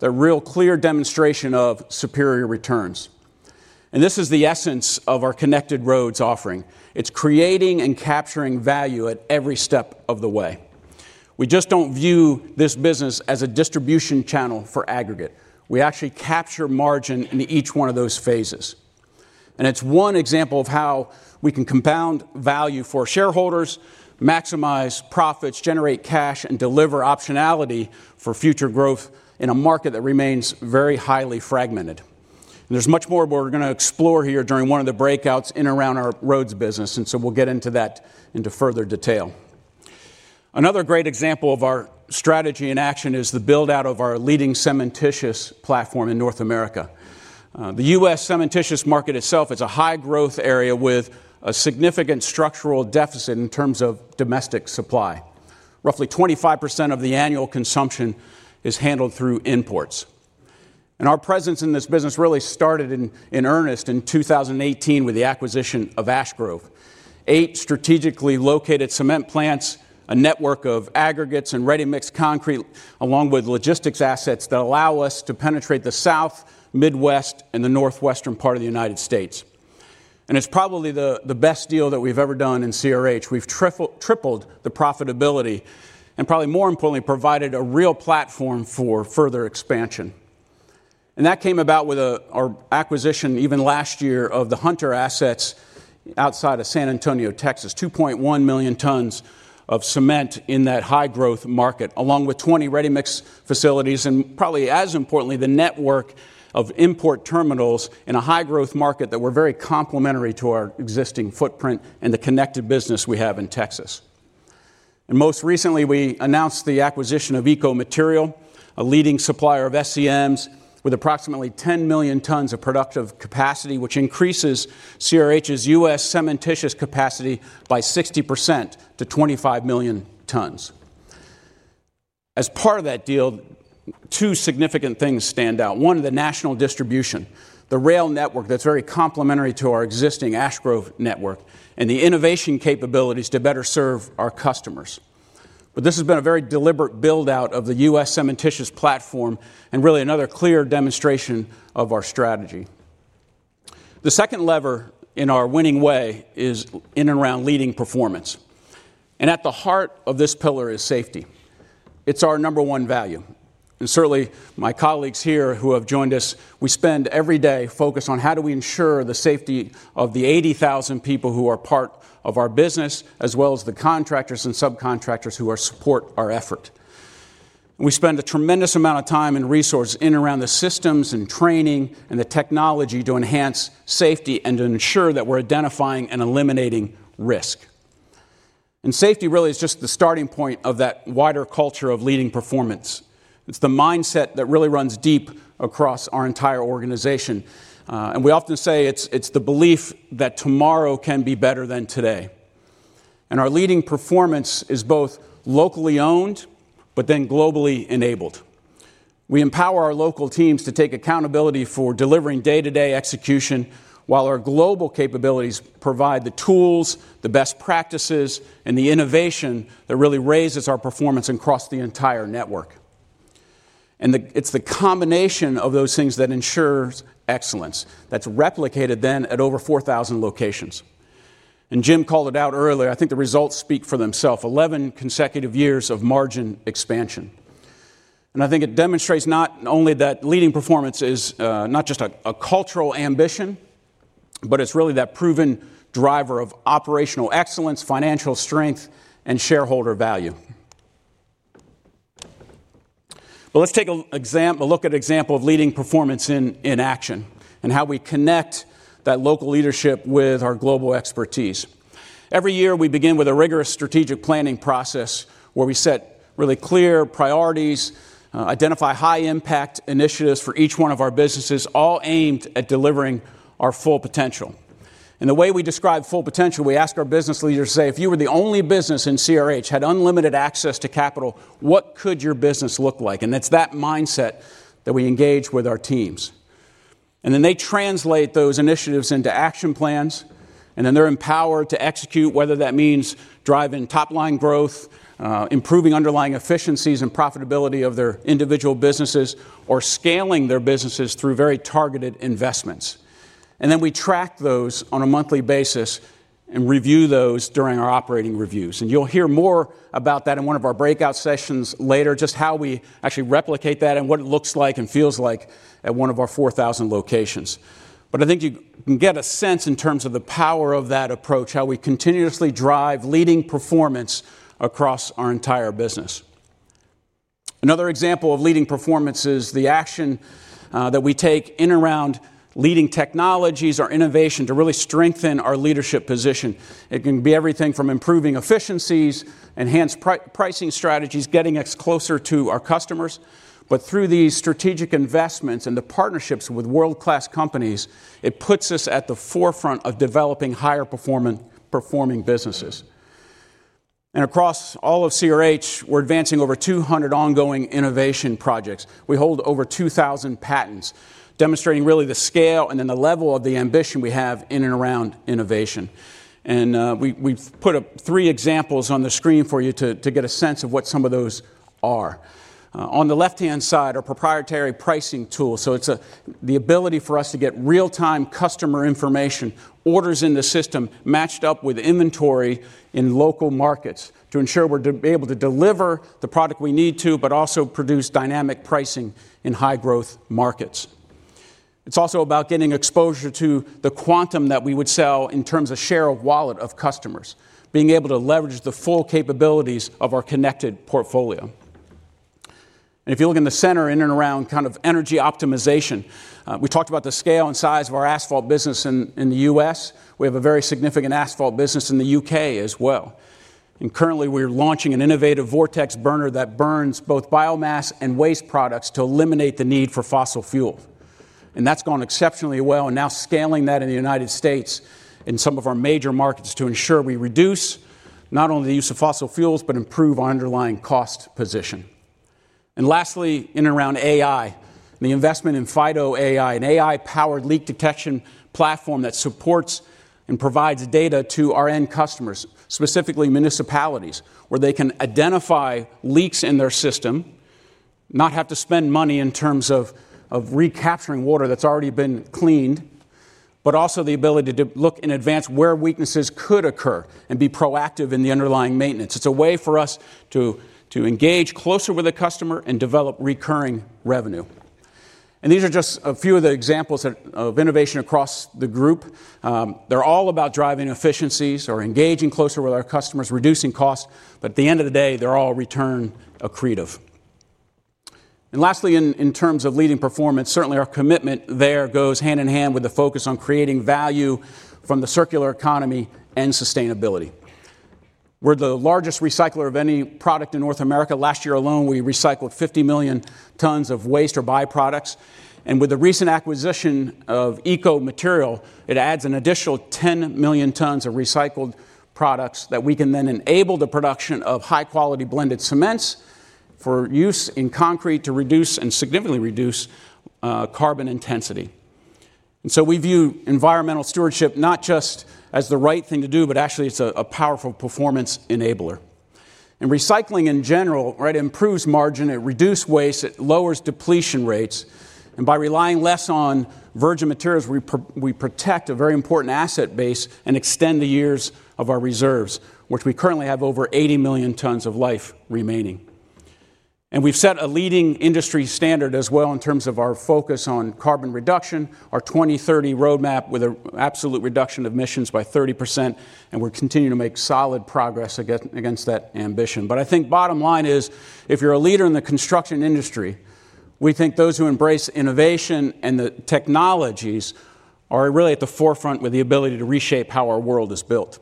The real clear demonstration of superior returns, and this is the essence of our connected roads offering. It's creating and capturing value at every step of the way. We just don't view this business as a distribution channel for aggregate. We actually capture margin in each one of those phases. It's one example of how we can compound value for shareholders, maximize profits, generate cash, and deliver optionality for future growth in a market that remains very highly fragmented. There is much more we're going to explore here during one of the breakouts around our roads business, and we'll get into that in further detail. Another great example of our strategy in action is the build out of our leading cementitious platform in North America. The U.S. cementitious market itself is a high-growth area with a significant structural deficit in terms of domestic supply. Roughly 25% of the annual consumption is handled through imports. Our presence in this business really started in earnest in 2018 with the acquisition of Ash Grove: 8 strategically located cement plants, a network of aggregates and readymixed concrete, along with logistics assets that allow us to penetrate the South, Midwest, and the Northwestern part of the United States. It's probably the best deal that we've ever done in CRH. We've tripled the profitability and, probably more importantly, provided a real platform for further expansion. That came about with our acquisition even last year of the Hunter assets outside of San Antonio, Texas: 2.1 million tons of cement in that high-growth market, along with 20 readymixed facilities and, probably as importantly, the network of import terminals in a high-growth market that were very complementary to our existing footprint and the connected business we have in Texas. Most recently, we announced the acquisition of Eco Material, a leading supplier of SEMs with approximately 10 million tons of productive capacity, which increases CRH's U.S. cementitious capacity by 60% to 25 million tons. As part of that deal, two significant things stand out. One, the national distribution, the rail network that's very complementary to our existing Ash Grove network, and the innovation capabilities to better serve our customers. This has been a very deliberate build out of the U.S. cementitious platform and really another clear demonstration of our strategy. The second lever in our winning way is in and around leading performance. At the heart of this pillar is safety. It's our number one value. Certainly, my colleagues here who have joined us, we spend every day focused on how do we ensure the safety of the 80,000 people who are part of our business, as well as the contractors and subcontractors who support our effort. We spend a tremendous amount of time and resources around the systems and training and the technology to enhance safety and to ensure that we're identifying and eliminating risk. Safety really is just the starting point of that wider culture of leading performance. It's the mindset that really runs deep across our entire organization. We often say it's the belief that tomorrow can be better than today. Our leading performance is both locally owned but then globally enabled. We empower our local teams to take accountability for delivering day-to-day execution while our global capabilities provide the tools, the best practices, and the innovation that really raises our performance across the entire network. It's the combination of those things that ensures excellence that's replicated at over 4,000 locations. Jim called it out earlier. I think the results speak for themselves. Eleven consecutive years of margin expansion. I think it demonstrates not only that leading performance is not just a cultural ambition, but it's really that proven driver of operational excellence, financial strength, and shareholder value. Let's take a look at an example of leading performance in action and how we connect that local leadership with our global expertise. Every year we begin with a rigorous strategic planning process where we set really clear priorities, identify high-impact initiatives for each one of our businesses, all aimed at delivering our full potential. The way we describe full potential, we ask our business leaders, say, if you were the only business in CRH, had unlimited access to capital, what could your business look like? It's that mindset that we engage with our teams and then they translate those initiatives into action plans and then they're empowered to execute, whether that means driving top-line growth, improving underlying efficiencies and profitability of their individual businesses, or scaling their businesses through very targeted investments. We track those on a monthly basis and review those during our operating reviews. You'll hear more about that in one of our breakout sessions later, just how we actually replicate that and what it looks like and feels like at one of our 4,000 locations. I think you can get a sense in terms of the power of that approach, how we continuously drive leading performance across our entire business. Another example of leading performance is the action that we take in around leading technologies, our innovation to really strengthen our leadership position. It can be everything from improving efficiencies, enhanced pricing strategies, getting us closer to our customers. Through these strategic investments and the partnerships with world class companies, it puts us at the forefront of developing higher performing businesses. Across all of CRH we're advancing over 200 ongoing innovation projects. We hold over 2,000 patents, demonstrating really the scale and then the level of the ambition we have in and around innovation. We've put up three examples on the screen for you to get a sense of what some of those are. On the left hand side are proprietary pricing tools. It's the ability for us to get real time customer information, orders in the system matched up with inventory in local markets to ensure we're able to deliver the product we need to, but also produce dynamic pricing in high-growth markets. It's also about getting exposure to the quantum that we would sell in terms of share of wallet of customers, being able to leverage the full capabilities of our connected portfolio. If you look in the center, in and around kind of energy optimization. We talked about the scale and size of our asphalt business in the U.S. We have a very significant asphalt business in the U.K. as well. Currently we are launching an innovative vortex burner that burns both biomass and waste products to eliminate the need for fossil fuels. That's gone exceptionally well. Now scaling that in the United States, in some of our major markets to ensure we reduce not only the use of fossil fuels, but improve our underlying cost position. Lastly, in and around AI, the investment in FIDO AI, an AI powered leak detection platform that supports and provides data to our end customers, specifically municipalities, where they can identify leaks in their system, not have to spend money in terms of recapturing water that's already been cleaned, but also the ability to look in advance where weaknesses could occur and be proactive in the underlying maintenance. It's a way for us to engage closer with the customer and develop recurring revenue. These are just a few of the examples of innovation across the group, they're all about driving efficiencies or engaging closer with our customers, reducing cost. At the end of the day they're all return accretive. Lastly, in terms of leading performance, certainly our commitment there goes hand in hand with the focus on creating value from the circular economy and sustainability. We're the largest recycler of any product in North America. Last year alone we recycled 50 million tons of waste or byproducts. With the recent acquisition of Eco Material, it adds an additional 10 million tons of recycled products that we can then enable the production of high-quality blended cements for use in concrete to reduce and significantly reduce carbon intensity. We view environmental stewardship not just as the right thing to do, but actually it's a powerful performance enabler. Recycling in general improves margin, it reduces waste, it lowers depletion rates. By relying less on virgin materials, we protect a very important asset base and extend the years of our reserves, which we currently have over 80 million tons of life remaining. We've set a leading industry standard as well in terms of our focus on carbon reduction. Our 2030 roadmap with an absolute reduction of emissions by 30%. We're continuing to make solid progress against that ambition. I think bottom line is if you're a leader in the construction industry, we think those who embrace innovation and the technologies are really at the forefront with the ability to reshape how our world is built.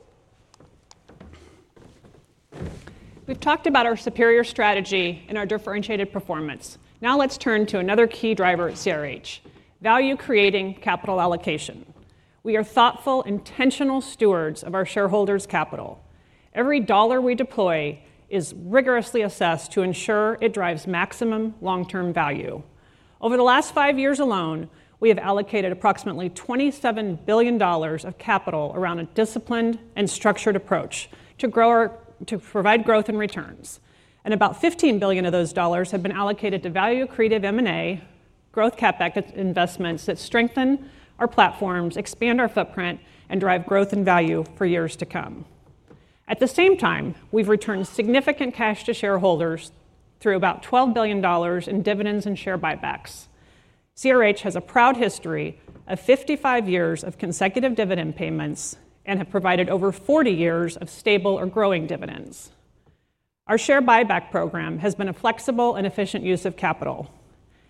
We've talked about our superior strategy and our differentiated performance. Now let's turn to another key driver at CRH: value creating capital allocation. We are thoughtful, intentional stewards of our shareholders' capital. Every dollar we deploy is rigorously assessed to ensure it drives maximum long-term value. Over the last five years alone, we have allocated approximately $27 billion of capital around a disciplined and structured approach to provide growth and returns. About $15 billion of those dollars have been allocated to value accretive M&A growth CapEx, investments that strengthen our platforms, expand our footprint, and drive growth and value for years to come. At the same time, we've returned significant cash to shareholders through about $12 billion in dividends and share buybacks. CRH has a proud history of 55 years of consecutive dividend payments and has provided over 40 years of stable or growing dividends. Our share buyback program has been a flexible and efficient use of capital.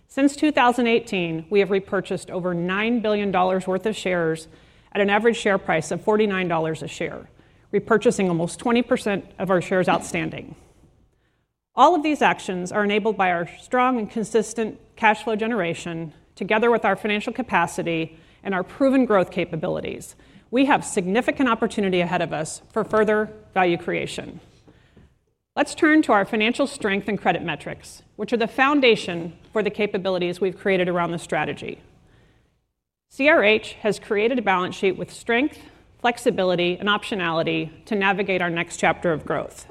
Since 2018, we have repurchased over $9 billion worth of shares at an average share price of $49 a share, repurchasing almost 20% of our shares outstanding. All of these actions are enabled by our strong and consistent cash flow generation. Together with our financial capacity and our proven growth capabilities, we have significant opportunity ahead of us for further value creation. Let's turn to our financial strength and credit metrics, which are the foundation for the capabilities we've created around the strategy. CRH has created a balance sheet with strength, flexibility, and optionality to navigate our next chapter of growth.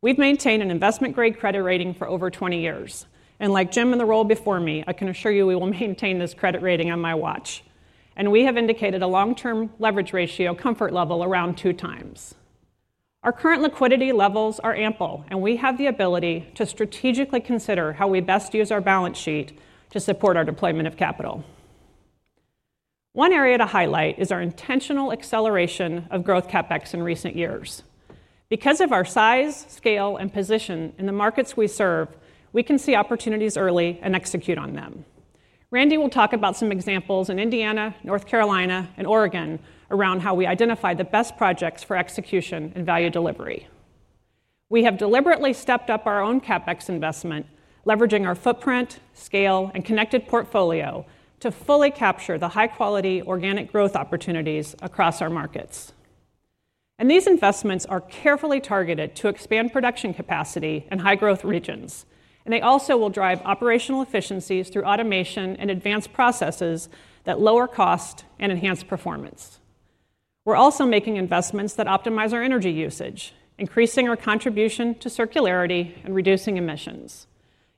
We've maintained an investment-grade credit rating for over 20 years, and like Jim in the role before me, I can assure you we will maintain this credit rating on my watch, and we have indicated a long-term leverage ratio comfort level around 2x. Our current liquidity levels are ample, and we have the ability to strategically consider how we best use our balance sheet to support our deployment of capital. One area to highlight is our intentional acceleration of growth CapEx in recent years. Because of our size, scale, and position in the markets we serve, we can see opportunities early and execute on them. Randy will talk about some examples in Indiana, North Carolina, and, Oregon around how we identify the best projects for execution and value delivery. We have deliberately stepped up our own CapEx investment, leveraging our footprint, scale, and connected portfolio to fully capture the high-quality organic growth opportunities across our markets. These investments are carefully targeted to expand production capacity in high-growth regions, and they also will drive operational efficiencies through automation and advanced processes that lower cost and enhance performance. We are also making investments that optimize our energy usage, increasing our contribution to circularity and reducing emissions.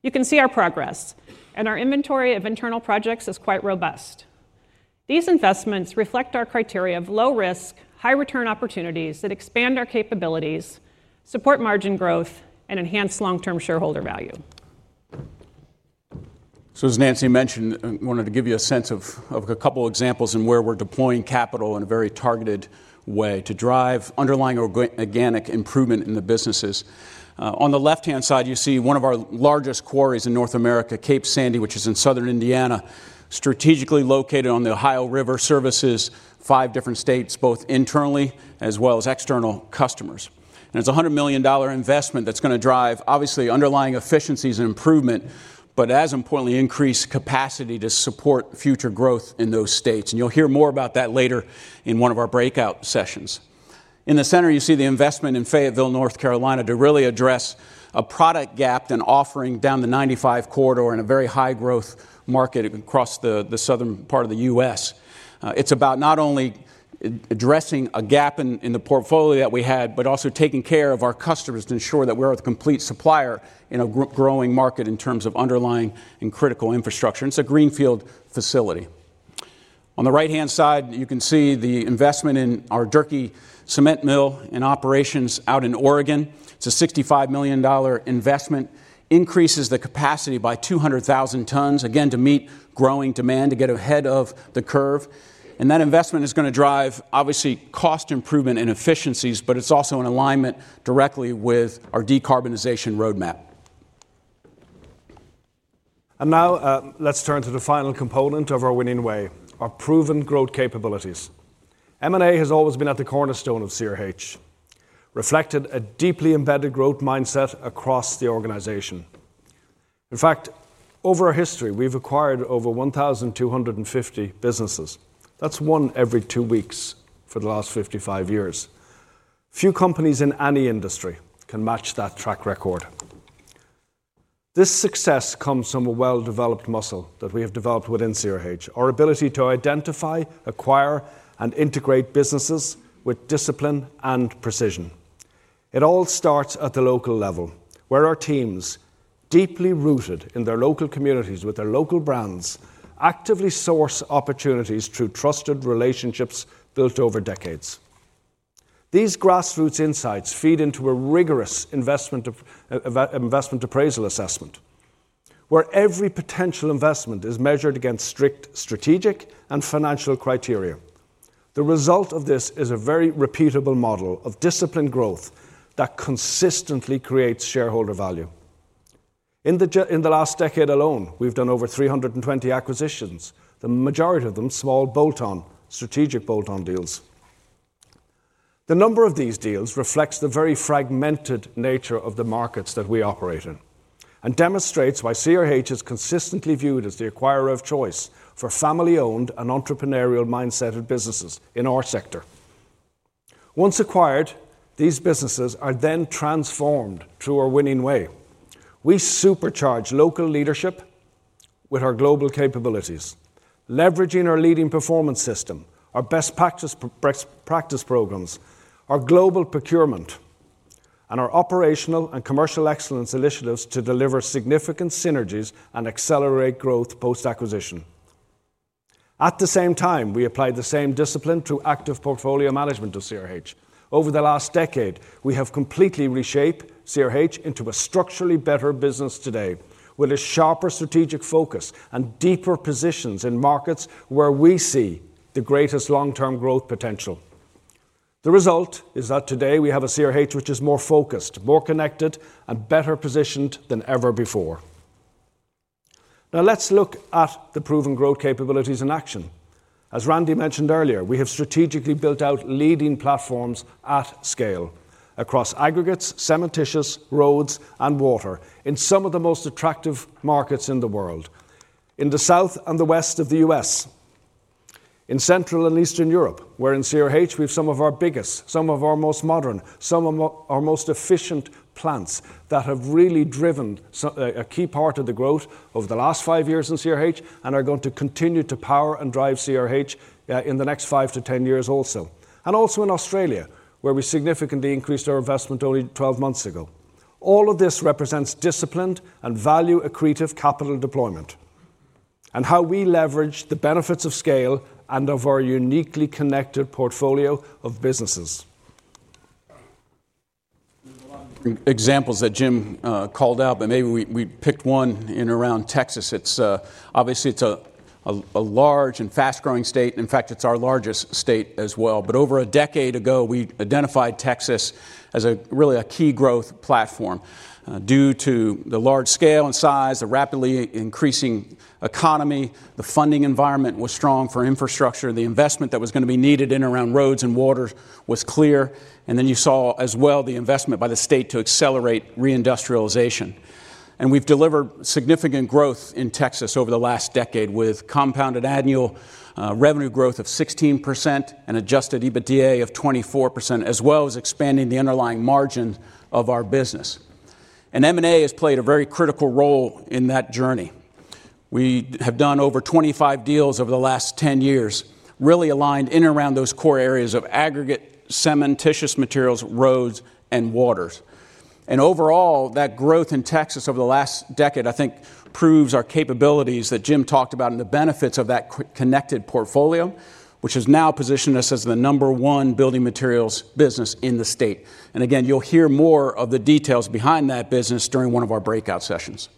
You can see our progress, and our inventory of internal projects is quite robust. These investments reflect our criteria of low risk, high-return opportunities that expand our capabilities, support margin growth, and enhance long-term shareholder value. As Nancy mentioned, I wanted to give you a sense of a couple examples in where we're deploying capital in a very targeted way to drive underlying organic improvement in the businesses. On the left hand side you see one of our largest quarries in North America, Cape Sandy, which is in Southern Indiana, strategically located on the Ohio River, services five different states both internally as well as external customers, and it's a $100 million investment that's going to drive obviously underlying efficiencies and improvement, but as importantly, increased capacity to support future growth in those states. You'll hear more about that later in one of our breakout sessions. In the center you see the investment in Fayetteville, North Carolina to really address a product gap and offering down the 95 corridor in a very high-growth market across the southern part of the U.S. It's about not only addressing a gap in the portfolio that we had, but also taking care of our customers to ensure that we're the complete supplier in a growing market in terms of underlying and critical infrastructure. It's a greenfield facility. On the right hand side you can see the investment in our Durkee cement mill and operations out in Oregon. It's a $65 million investment, increases the capacity by 200,000 tons again to meet growing demand to get ahead of the curve. That investment is going to drive obviously cost improvement and efficiencies. It's also in alignment directly with our decarbonization roadmap. Now let's turn to the final component of our winning way, our proven growth capabilities. M&A has always been at the cornerstone of CRH, reflecting a deeply embedded growth mindset across the organization. In fact, over our history we've acquired over 1,250 businesses. That's one every two weeks for the last 55 years. Few companies in any industry can match that track record. This success comes from a well-developed muscle that we have developed within CRH. Our ability to identify, acquire, and integrate businesses with discipline and precision. It all starts at the local level, where our teams, deeply rooted in their local communities with their local brands, actively source opportunities through trusted relationships built over decades. These grassroots insights feed into a rigorous investment appraisal assessment, where every potential investment is measured against strict strategic and financial criteria. The result of this is a very repeatable model of disciplined growth that consistently creates shareholder value. In the last decade alone, we've done over 320 acquisitions, the majority of them small, strategic bolt-on deals. The number of these deals reflects the very fragmented nature of the markets that we operate in and demonstrates why CRH is consistently viewed as the acquirer of choice for family-owned and entrepreneurial mindset businesses in our sector. Once acquired, these businesses are then transformed through our winning way. We supercharge local leadership with our global capabilities, leveraging our leading performance system, our best practice programs, our global procurement, and our operational and commercial excellence initiatives to deliver significant synergies and accelerate growth post-acquisition. At the same time, we apply the same discipline to active portfolio management of CRH. Over the last decade, we have completely reshaped CRH into a structurally better business today with a sharper strategic focus and deeper positions in markets where we see the greatest long-term growth potential. The result is that today we have a CRH which is more focused, more connected, and better positioned than ever before. Now let's look at the proven growth capabilities in action. As Randy mentioned earlier, we have strategically built out leading platforms at scale across aggregates, cementitious, roads, and water in some of the most attractive markets in the world in the South and the West of the U.S., in Central and Eastern Europe, where in CRH we have some of our biggest, some of our most modern, some of our most efficient plants that have really driven a key part of the growth over the last five years in CRH and are going to continue to power and drive CRH in the next five to 10 years also, and also in Australia where we significantly increased our investment only 12 months ago. All of this represents disciplined and value-accretive capital deployment and how we leverage the benefits of scale and of our uniquely connected portfolio of businesses. Examples that Jim called out. Maybe we picked one in around Texas. It's obviously it's a large and fast growing state. In fact, it's our largest state as well. Over a decade ago we identified Texas as really a key growth platform due to the large scale and size, the rapidly increasing economy, the funding environment was strong for infrastructure, the investment that was going to be needed in around roads and water was clear. You saw as well the investment by the state to accelerate reindustrialization. We've delivered significant growth in Texas over the last decade with compounded annual revenue growth of 16% and adjusted EBITDA of 24% as well as expanding the underlying margin of our business. M&A has played a very critical role in that journey. We have done over 25 deals over the last 10 years, really aligned in around those core areas of aggregates, cementitious materials, roads and waters. Overall, that growth in Texas over the last decade I think proves our capabilities that Jim talked about and the benefits of that connected portfolio which has now positioned us as the number one building materials business in the state. You'll hear more of the details behind that business during one of our breakout sessions.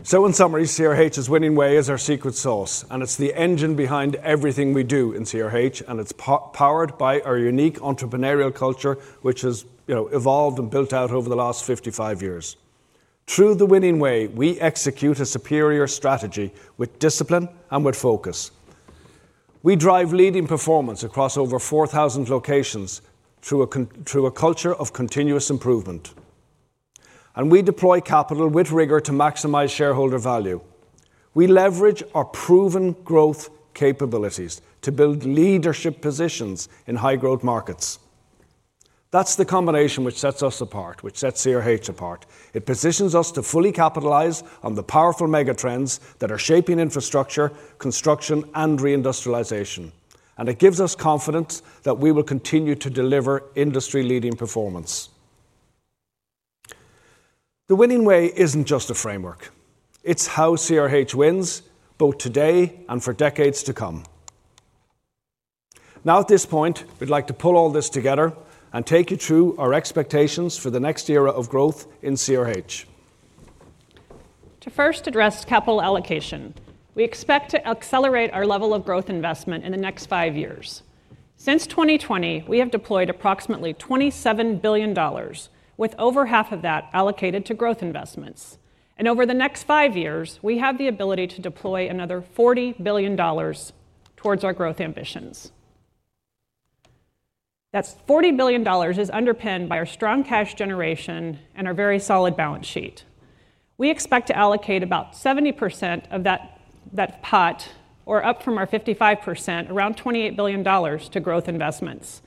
In summary, CRH's winning way is our secret sauce, and it's the engine behind everything we do in CRH. It's powered by our unique entrepreneurial culture, which has evolved and built out over the last 55 years through the winning way. We execute a superior strategy with discipline and with focus. We drive leading performance across over 4,000 locations through a culture of continuous improvement, and we deploy capital with rigor to maximize shareholder value. We leverage our proven growth capabilities to build leadership positions in high-growth markets. That's the combination which sets us apart, which sets CRH apart. It positions us to fully capitalize on the powerful megatrends that are shaping infrastructure construction and reindustrialization, and it gives us confidence that we will continue to deliver industry leading performance. The winning way isn't just a framework. It's how CRH wins both today and for decades to come. At this point, we'd like to pull all this together and take you through our expectations for the next era of growth in CRH. To first address capital allocation. We expect to accelerate our level of growth investment in the next five years. Since 2020 we have deployed approximately $27 billion with over half of that allocated to growth investments. Over the next five years we have the ability to deploy another $40 billion towards our growth ambitions. That $40 billion is underpinned by our strong cash generation and our very solid balance sheet. We expect to allocate about 70% of that pot, up from our 55%, around $28 billion to growth investments.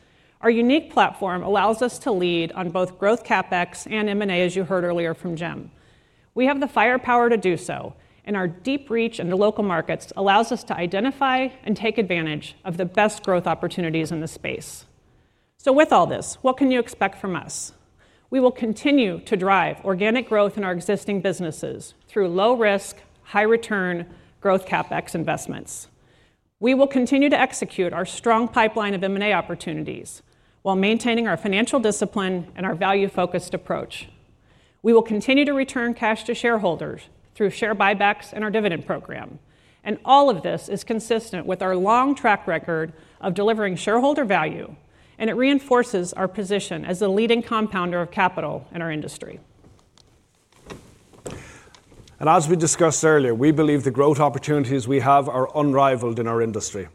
Our unique platform allows us to lead on both growth CapEx and M&A. As you heard earlier from Jim, we have the firepower to do so. Our deep reach in the local markets allows us to identify and take advantage of the best growth opportunities in the space. With all this, what can you expect from us? We will continue to drive organic growth in our existing businesses through low risk, high-return growth CapEx investments. We will continue to execute our strong pipeline of M&A opportunities while maintaining our financial discipline and our value focused approach. We will continue to return cash to shareholders through share buybacks and our dividend program. All of this is consistent with our long track record of delivering shareholder value and it reinforces our position as the leading compounder of capital in our industry. As we discussed earlier, we believe the growth opportunities we have are unrivaled in our industry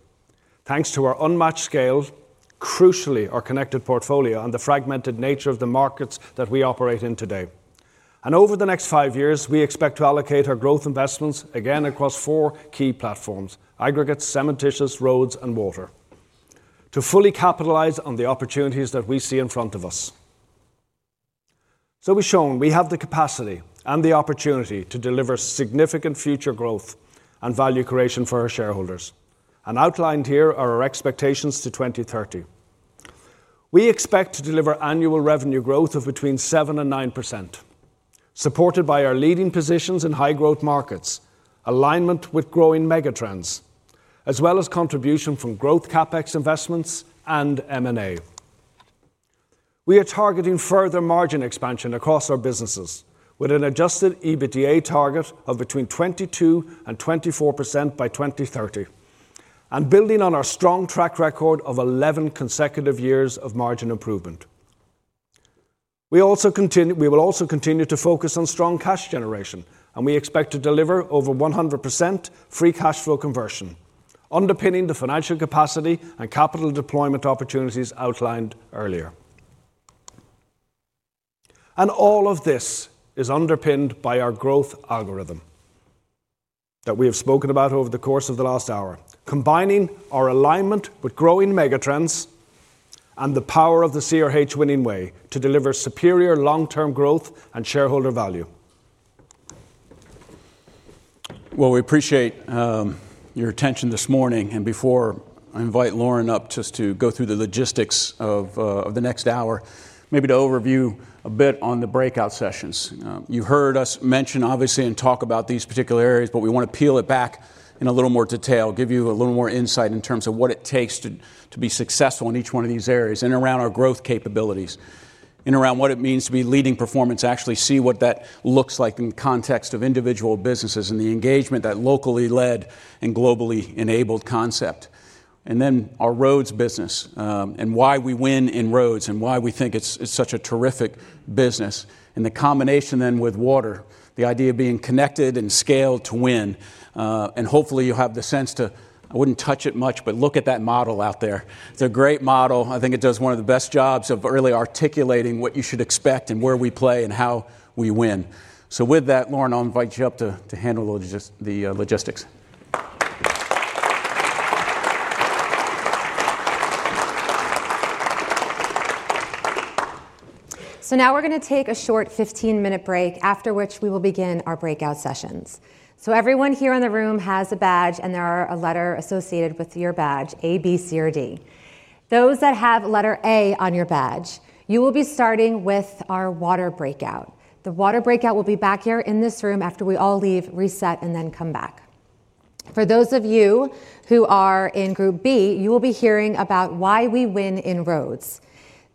thanks to our unmatched scale, crucially our connected portfolio, and the fragmented nature of the markets that we operate in today. Over the next five years, we expect to allocate our growth investments again across four key platforms: aggregate, cementitious, roads, and water to fully capitalize on the opportunities that we see in front of us. We have shown we have the capacity and the opportunity to deliver significant future growth and value creation for our shareholders. Outlined here are our expectations to 2030. We expect to deliver annual revenue growth of between 7% and 9% supported by our leading positions in high-growth markets, alignment with growing megatrends, as well as contribution from growth CapEx investments and M&A. We are targeting further margin expansion across our businesses with an adjusted EBITDA target of between 22% and 24% by 2030. Building on our strong track record of 11 consecutive years of margin improvement, we will also continue to focus on strong cash generation and we expect to deliver over 100% free cash flow conversion, underpinning the financial capacity and capital deployment opportunities outlined earlier. All of this is underpinned by our growth algorithm that we have spoken about over the course of the last hour, combining our alignment with growing megatrends and the power of the CRH winning way to deliver superior long term growth and shareholder value. We appreciate your attention this morning. Before I invite Lauren up just to go through the logistics of the next hour, maybe to overview a bit on the breakout sessions you heard us mention, obviously, and talk about these particular areas. We want to peel it back in a little more detail, give you a little more insight in terms of what it takes to be successful in each one of these areas and around our growth capabilities and around what it means to be leading performance. Actually see what that looks like in context of individual businesses and the engagement that locally led and globally enabled concept. Then our roads business and why we win in roads and why we think it's such a terrific business and the combination then with water, the idea of being connected and scaled to win, and hopefully you'll have the sense to. I wouldn't touch it much, but look at that model out there. It's a great model. I think it does one of the best jobs of really articulating what you should expect and where we place and how we win. With that, Lauren, I'll invite you up to handle the logistics. We are going to take a short 15-minute break, after which we will begin our breakout sessions. Everyone here in the room has a badge, and there is a letter associated with your badge: A, B, C, or D. Those that have letter A on your badge, you will be starting with our water breakout. The water breakout will be back here in this room after we all leave, reset, and then come back. For those of you who are in group B, you will be hearing about why we win in roads.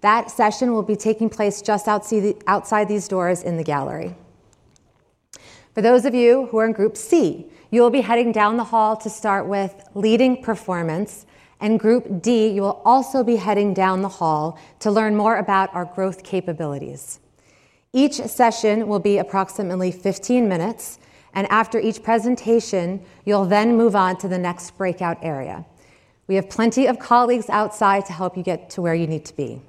That session will be taking place just outside these doors in the gallery. For those of you who are in group C, you'll be heading down the hall to start with leading performance. Group D, you will also be heading down the hall to learn more about our growth capabilities. Each session will be approximately 15 minutes, and after each presentation, you'll then move on to the next breakout area. We have plenty of colleagues outside to help you get to where you need to be.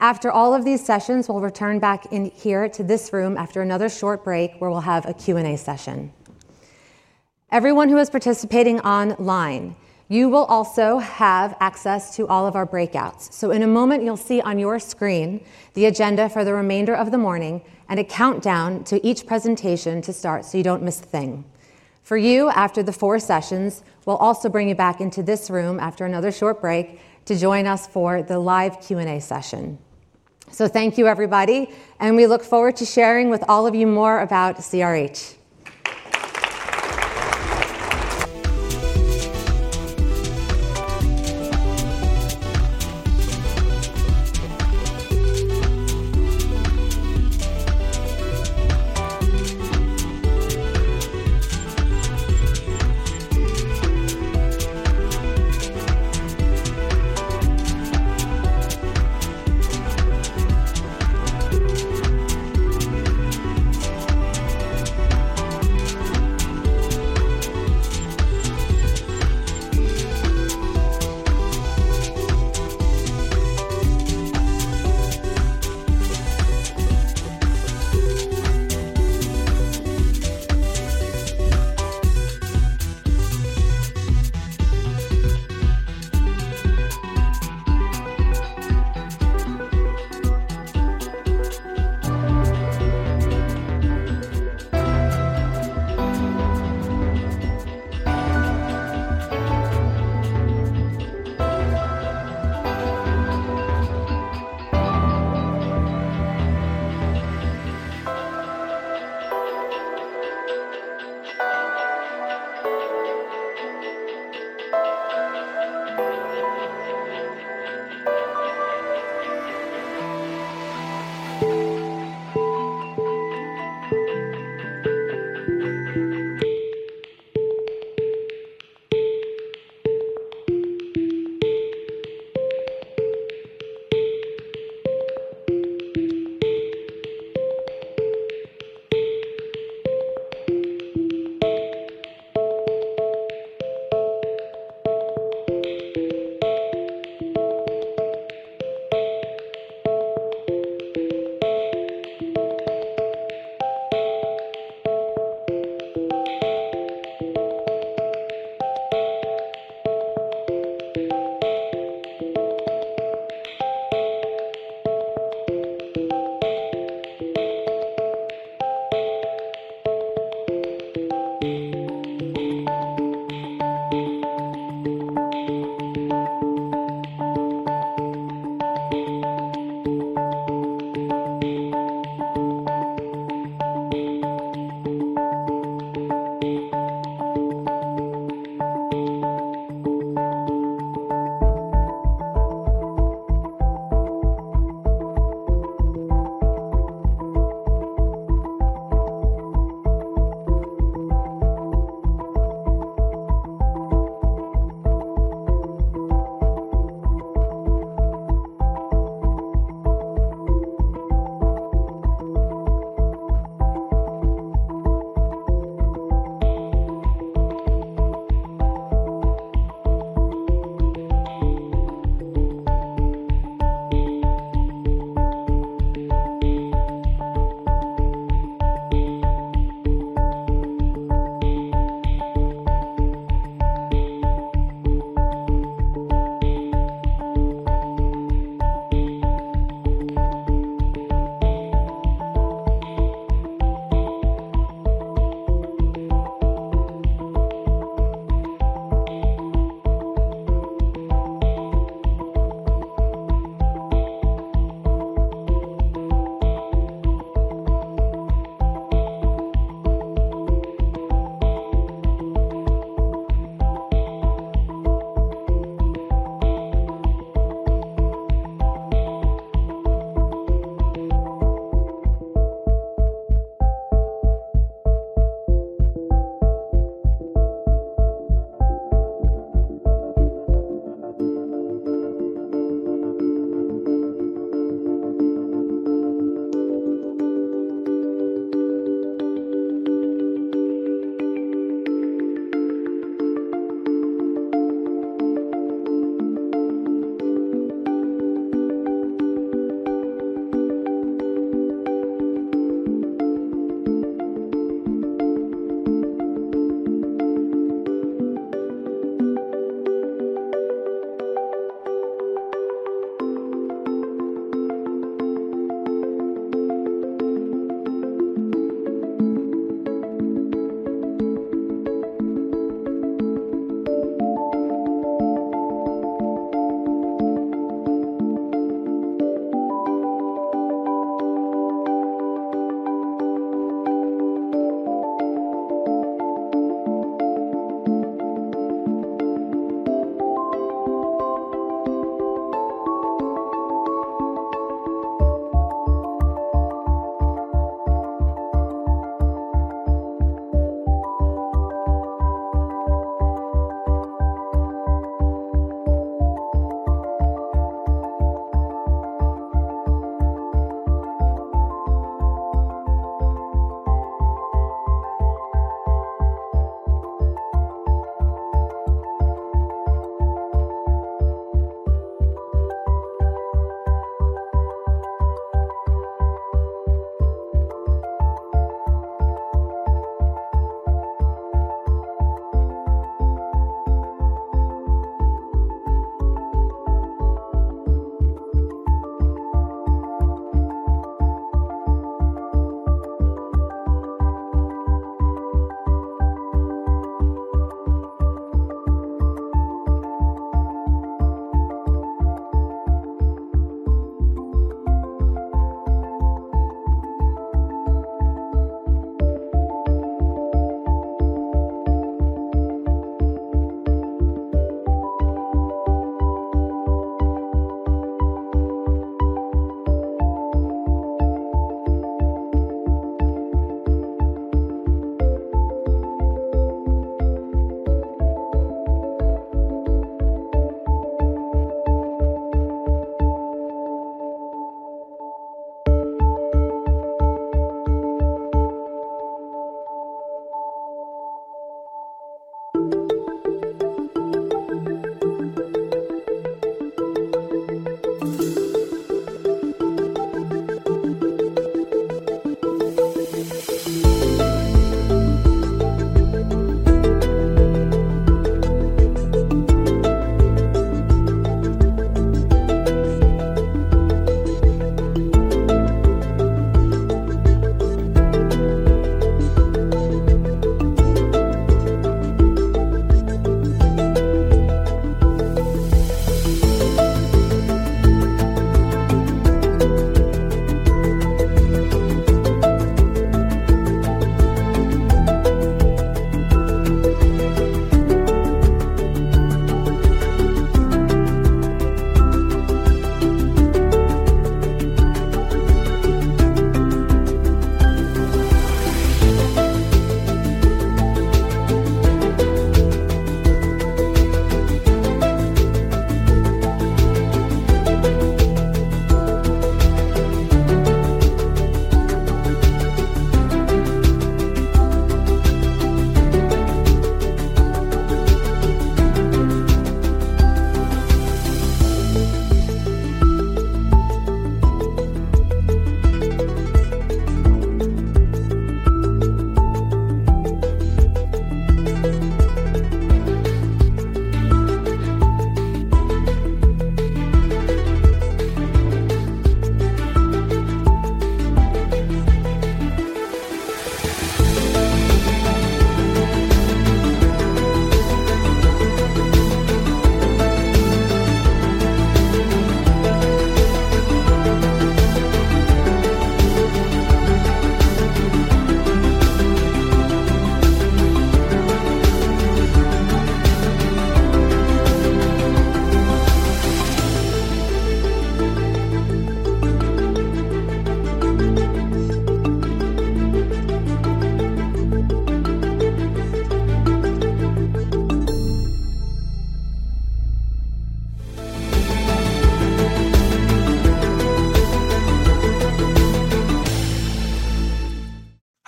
After all of these sessions, we'll return back in here to this room after another short break, where we'll have a Q&A session. Everyone who is participating online, you will also have access to all of our breakouts. In a moment, you'll see on your screen the agenda for the remainder of the morning and a countdown to each presentation to start so you don't miss a thing. For you, after the four sessions, we'll also bring you back into this room after another short break to join us for the live Q&A session. Thank you, everybody, and we look forward to sharing with all of you more about CRH.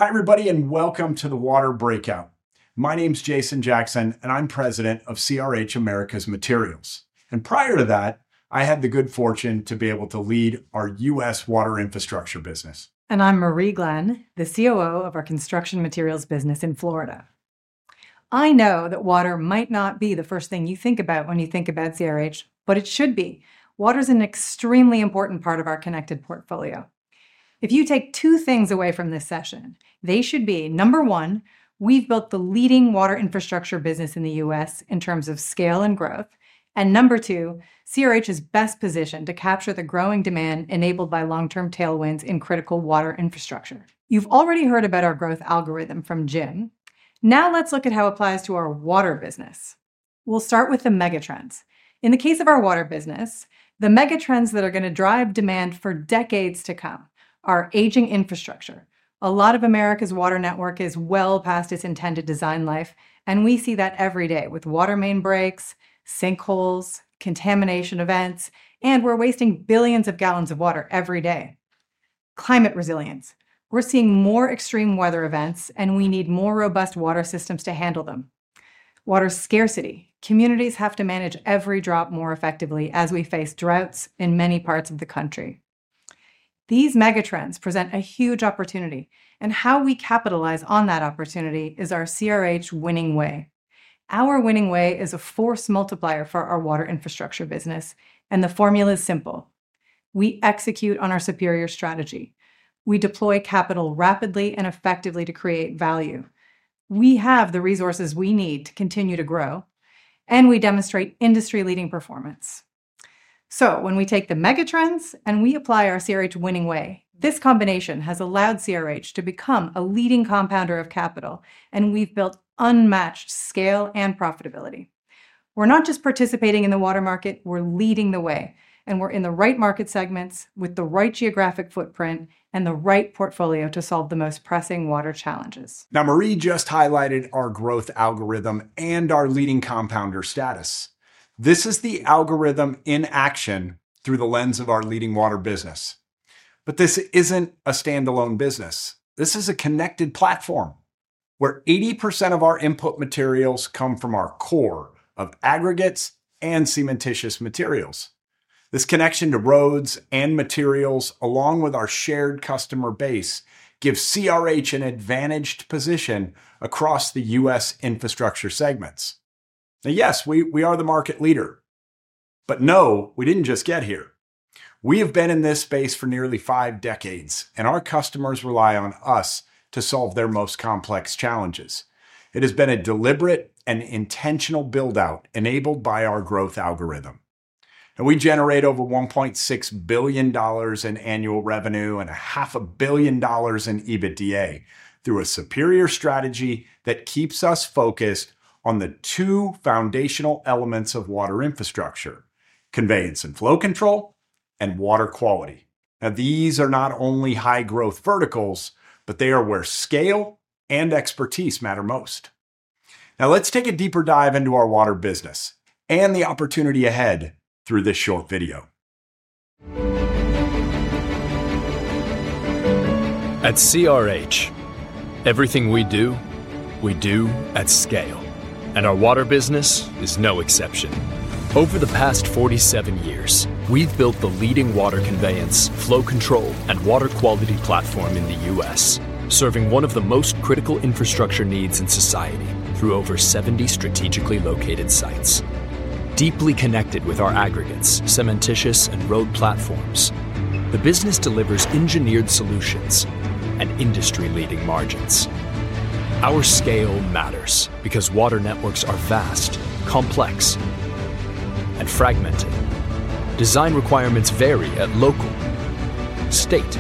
Hi everybody and welcome to the Water Breakout. My name is Jason Jackson and I'm President of CRH Americas Materials. Prior to that I had the good fortune to be able to lead our U.S. water infrastructure business. I'm Marie Glenn, the COO of our construction materials business in Florida. I know that water might not be the first thing you think about when you think about CRH, but it should be. Water is an extremely important part of our connected portfolio. If you take two things away from this session, they should be: Number one, we've built the leading water infrastructure business in the U.S. in terms of scale and growth. Number two, CRH is best positioned to capture the growing demand enabled by long-term tailwinds in critical water infrastructure. You've already heard about our growth algorithm from Jim. Now let's look at how it applies to our water business. We'll start with the megatrends. In the case of our water business, the megatrends that are going to drive demand for decades to come are aging infrastructure. A lot of America's water network is well past its intended design life, and we see that every day with water main breaks, sinkholes, contamination events, and we're wasting billions of gallons of water every day. Climate resilience: we're seeing more extreme weather events, and we need more robust water systems to handle them. Water scarcity: communities have to manage every drop more effectively as we face droughts in many parts of the country. These megatrends present a huge opportunity, and how we capitalize on that opportunity is our CRH winning way. Our winning way is a force multiplier for our water infrastructure business, and the formula is simple. We execute on our superior strategy. We deploy capital rapidly and effectively to create value. We have the resources we need to continue to grow, and we demonstrate industry-leading performance. When we take the megatrends and we apply our CRH winning way, this combination has allowed CRH to become a leading compounder of capital, and we've built unmatched scale and profitability. We're not just participating in the water market, we're leading the way. We're in the right market segments with the right geographic footprint and the right portfolio to solve the most pressing water challenges. Now, Marie just highlighted our growth algorithm and our leading compounder status. This is the algorithm in action through the lens of our leading water business. This isn't a standalone business. This is a connected platform where 80% of our input materials come from our core of aggregates and cementitious materials. This connection to roads and materials, along with our shared customer base, gives CRH an advantaged position across the U.S. infrastructure segments. Yes, we are the market leader, but no, we didn't just get here. We have been in this space for nearly five decades, and our customers rely on us to solve their most complex challenges. It has been a deliberate and intentional build out enabled by our growth algorithm. We generate over $1.6 billion in annual revenue and half a billion dollars in EBITDA through a superior strategy that keeps us focused on the two foundational elements of water infrastructure: conveyance and flow control, and water quality. These are not only high-growth verticals, but they are where scale and expertise matter most. Let's take a deeper dive into our water business and the opportunity ahead through this short video. At CRH, everything we do, we do at scale. Our water business is no exception. Over the past 47 years, we've built the leading water conveyance, flow control, and. Water quality platform in the U.S., serving. One of the most critical infrastructure needs in society. Through over 70 strategically located sites, deeply connected with our aggregates, cementitious and road. Platforms, the business delivers engineered solutions and industry-leading margins. Our scale matters because water networks are vast, complex, and fragmented. Design requirements vary at local, state,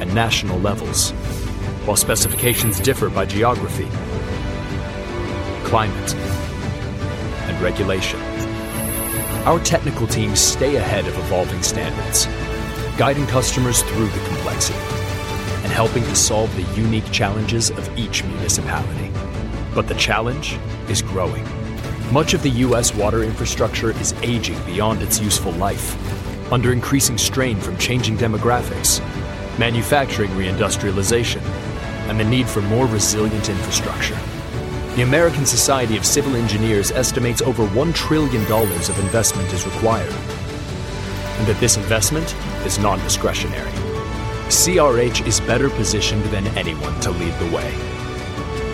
and national levels. While specifications differ by geography, climate, and regulation. Our technical teams stay ahead of evolving standards, guiding customers through the complexity. Helping to solve the unique challenges of each municipality. The challenge is growing. Much of the U.S. water infrastructure is aging beyond its useful life under increasing strain from changing demographics, manufacturing reindustrialization. The need for more resilient infrastructure. The American Society of Civil Engineers estimates over $1 trillion of investment is required. This investment is non-discretionary. CRH is better positioned than anyone to lead the way.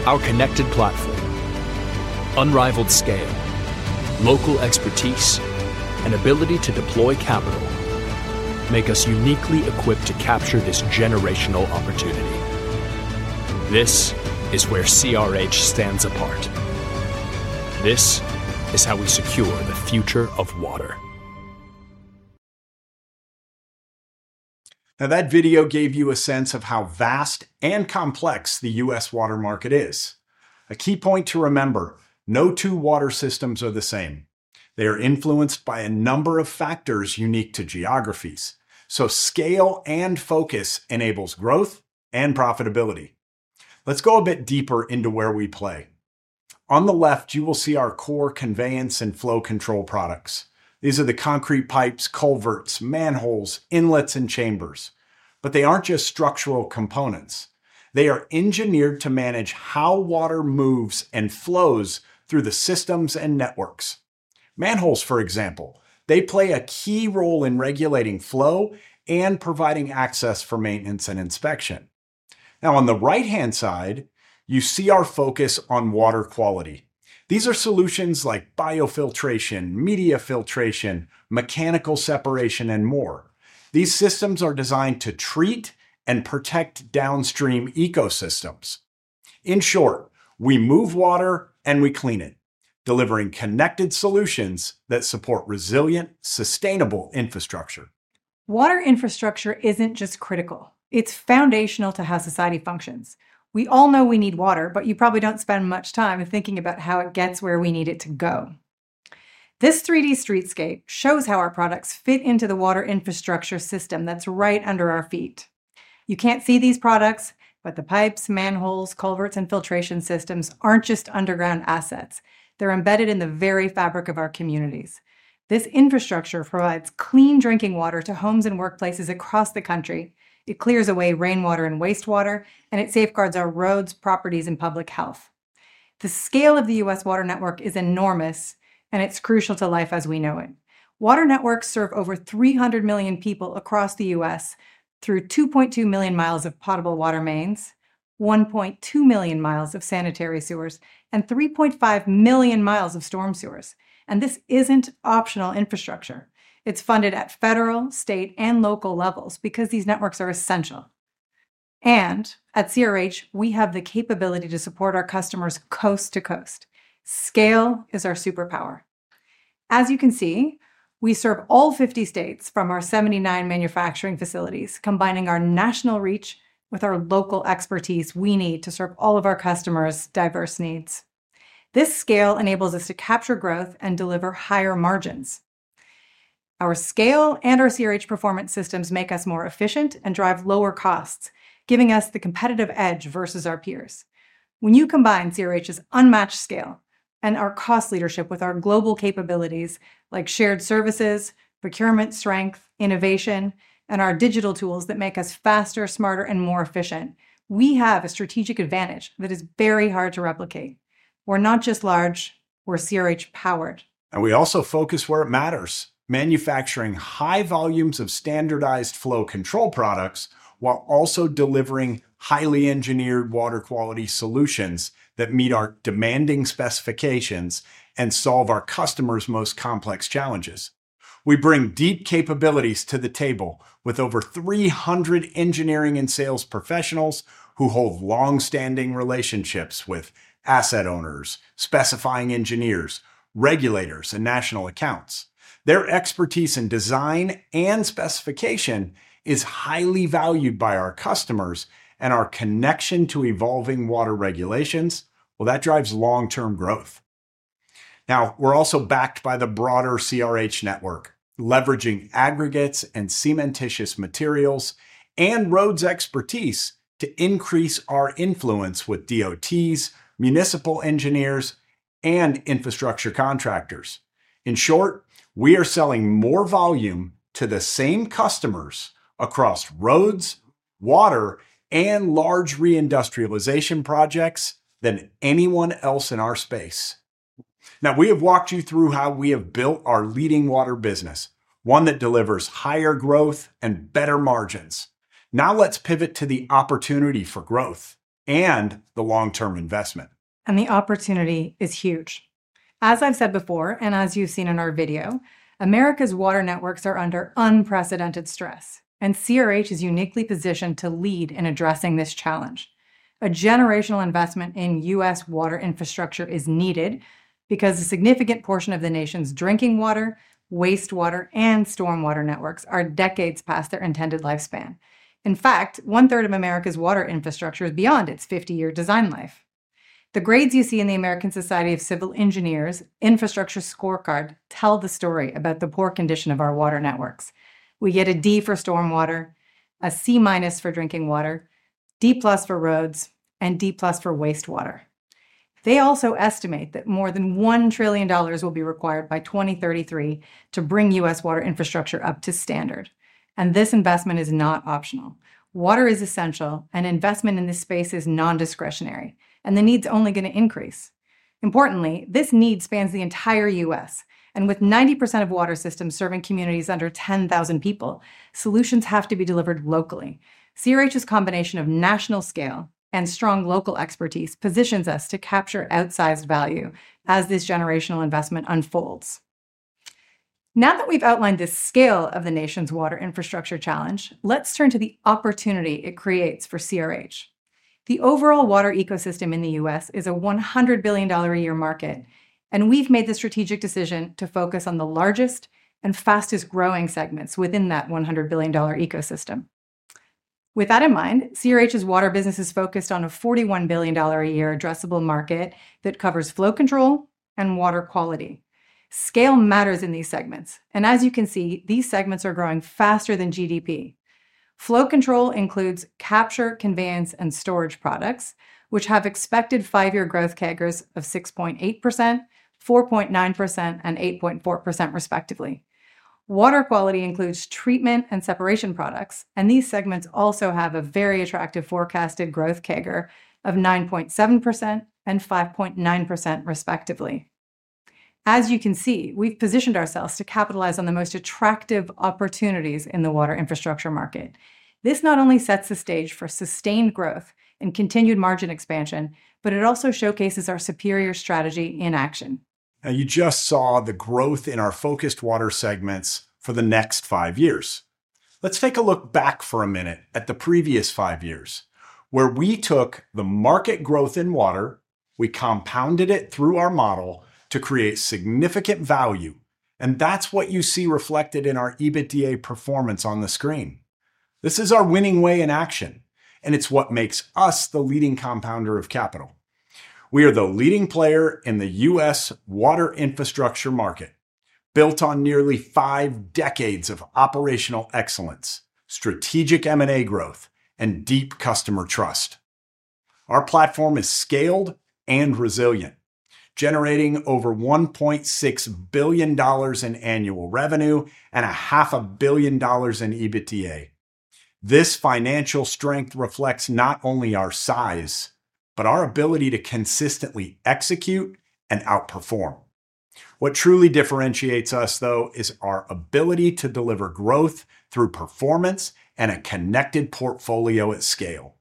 Our connected platform. Unrivaled scale, local expertise. The ability to deploy capital makes us. Uniquely equipped to capture this generational opportunity. This is where CRH stands apart. This is how we secure the future of water. Now, that video gave you a sense of how vast and complex the U.S. water market is. A key point to remember, no two water systems are the same. They are influenced by a number of factors unique to geographies. Scale and focus enables growth and profitability. Let's go a bit deeper into where we play. On the left you will see our core conveyance and flow control products. These are the concrete pipes, culverts, manholes, inlets, and chambers. They aren't just structural components. They are engineered to manage how water moves and flows through the systems and networks. Manholes, for example, play a key role in regulating flow and providing access for maintenance and inspection. On the right hand side, you see our focus on water quality. These are solutions like biofiltration, media filtration, mechanical separation, and more. These systems are designed to treat and protect downstream ecosystems. In short, we move water and we clean it, delivering connected solutions that support resilient, sustainable infrastructure. Water infrastructure isn't just critical, it's foundational to how society functions. We all know we need water, but you probably don't spend much time thinking about how it gets where we need it to go. This 3D streetscape shows how our products fit into the water infrastructure system that's right under our feet. You can't see these products, but the pipes, manholes, culverts, and filtration systems aren't just underground assets. They're embedded in the very fabric of our communities. This infrastructure provides clean drinking water to homes and workplaces across the country. It clears away rainwater and wastewater. It safeguards our roads, properties, and public health. The scale of the U.S. water network is enormous, and it's crucial to life as we know it. Water networks serve over 300 million people across the U.S. through 2.2 million mi of potable water mains, 1.2 million mi of sanitary sewers, and 3.5 million mi of storm sewers. This isn't optional infrastructure. It's funded at federal, state, and local levels because these networks are essential. At CRH, we have the capability to support our customers coast to coast. Scale is our superpower. As you can see, we serve all 50 states from our 79 manufacturing facilities. Combining our national reach with our local expertise, we need to serve all of our customers' diverse needs. This scale enables us to capture growth and deliver higher margins. Our scale and our CRH performance systems make us more efficient and drive lower costs, giving us the competitive edge versus our peers. When you combine CRH's unmatched scale and our cost leadership with our global capabilities like shared services, procurement strength, innovation, and our digital tools that make us faster, smarter, and more efficient, we have a strategic advantage that is very hard to replicate. We're not just large, we're CRH powered. We also focus where it matters, manufacturing high volumes of standardized flow control products while also delivering highly engineered water quality solutions that meet our demanding specifications and solve our customers' most complex challenges. We bring deep capabilities to the table with over 300 engineering and sales professionals who hold longstanding relationships with asset owners, specifying engineers, regulators, and national accounts. Their expertise in design and specification is highly valued by our customers, and our connection to evolving water regulations drives long-term growth. We are also backed by the broader CRH network, leveraging aggregates and cementitious materials and roads expertise to increase our influence with DOTs, municipal engineers, and infrastructure contractors. In short, we are selling more volume to the same customers across roads, water, and large reindustrialization projects than anyone else in our space. We have walked you through how we have built our leading water business, one that delivers higher growth and better margins. Now let's pivot to the opportunity for growth and the long-term investment. The opportunity is huge. As I've said before and as you've seen in our video, America's water networks are under unprecedented stress and CRH is uniquely positioned to lead in addressing this challenge. A generational investment in U.S. water infrastructure is needed because a significant portion of the nation's drinking water, wastewater, and stormwater networks are decades past their intended lifespan. In fact, 1/3 of America's water infrastructure is beyond its 50-year design life. The grades you see in the American Society of Civil Engineers Infrastructure Scorecard tell the story about the poor condition of our water networks. We get a D for stormwater, a C- for drinking water, D for roads, and D for wastewater. They also estimate that more than $1 trillion will be required by 2033 to bring U.S. water infrastructure up to standard. This investment is not optional. Water is essential, and investment in this space is non-discretionary, and the need's only going to increase. Importantly, this need spans the entire U.S., and with 90% of water systems serving communities under 10,000 people, solutions have to be delivered locally. CRH's combination of national scale and strong local expertise positions us to capture outsized value as this generational investment unfolds. Now that we've outlined the scale of the nation's water infrastructure challenge, let's turn to the opportunity it creates for CRH. The overall water ecosystem in the U.S. is a $100 billion a year market. We've made the strategic decision to focus on the largest and fastest growing segments within that $100 billion ecosystem. With that in mind, CRH's water business is focused on a $41 billion a year addressable market that covers flow control and water quality. Scale matters in these segments, and as you can see, these segments are growing faster than GDP. Flow control includes capture, conveyance, and storage products, which have expected five-year growth CAGRs of 6.8%, 4.9%, and 8.4% respectively. Water quality includes treatment and separation products, and these segments also have a very attractive forecasted growth CAGR of 9.7% and 5.9% respectively. As you can see, we've positioned ourselves to capitalize on the most attractive opportunities in the water infrastructure market. This not only sets the stage for sustained growth and continued margin expansion, but it also showcases our superior strategy in action. Now you just saw the growth in our focused water segments for the next five years. Let's take a look back for a minute at the previous five years where we took the market growth in water. We compounded it through our model to create significant value. That's what you see reflected in our EBITDA performance on the screen. This is our winning way in action, and it's what makes us the leading compounder of capital. We are the leading player in the U.S. water infrastructure market. Built on nearly five decades of operational excellence, strategic M&A growth, and deep customer trust, our platform is scaled and resilient, generating over $1.6 billion in annual revenue and $500 million dollars in EBITDA. This financial strength reflects not only our size, but our ability to consistently execute and outperform. What truly differentiates us, though, is our ability to deliver growth through performance and a connected portfolio at scale.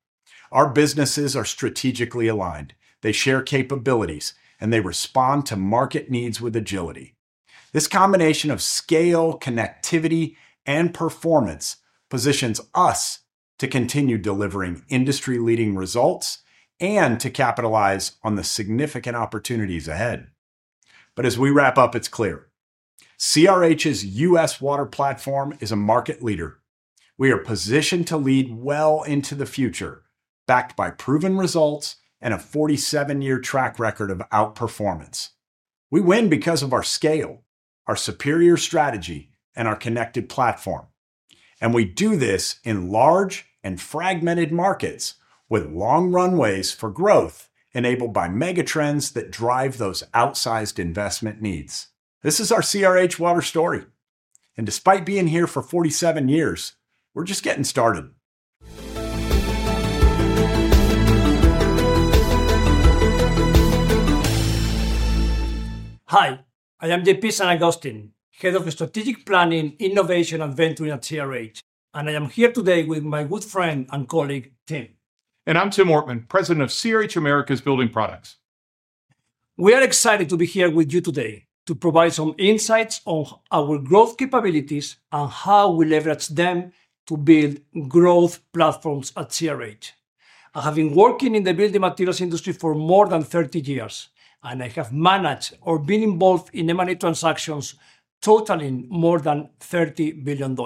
Our businesses are strategically aligned, they share capabilities, and they respond to market needs with agility. This combination of scale, connectivity, and performance positions us to continue delivering industry-leading results and to capitalize on the significant opportunities ahead. As we wrap up, it's clear CRH's U.S. water platform is a market leader. We are positioned to lead well into the future, backed by proven results and a 47-year track record of outperformance. We win because of our scale, our superior strategy, and our connected platform. We do this in large and fragmented markets with long runways for growth enabled by megatrends that drive those outsized investment needs. This is our CRH water story, and despite being here for 47 years, we're just getting started. Hi, I am JP San Agustin, Head of Strategy, Innovation and Venturing at CRH, and I am here today with my good friend and colleague Tim. I'm Tim Ortman, President of CRH Americas Building Products. We are excited to be here with you today to provide some insights on our growth capabilities and how we leverage them to build growth platforms at CRH. I have been working in the building materials industry for more than 30 years, and I have managed or been involved in M&A transactions totaling more than $30 billion.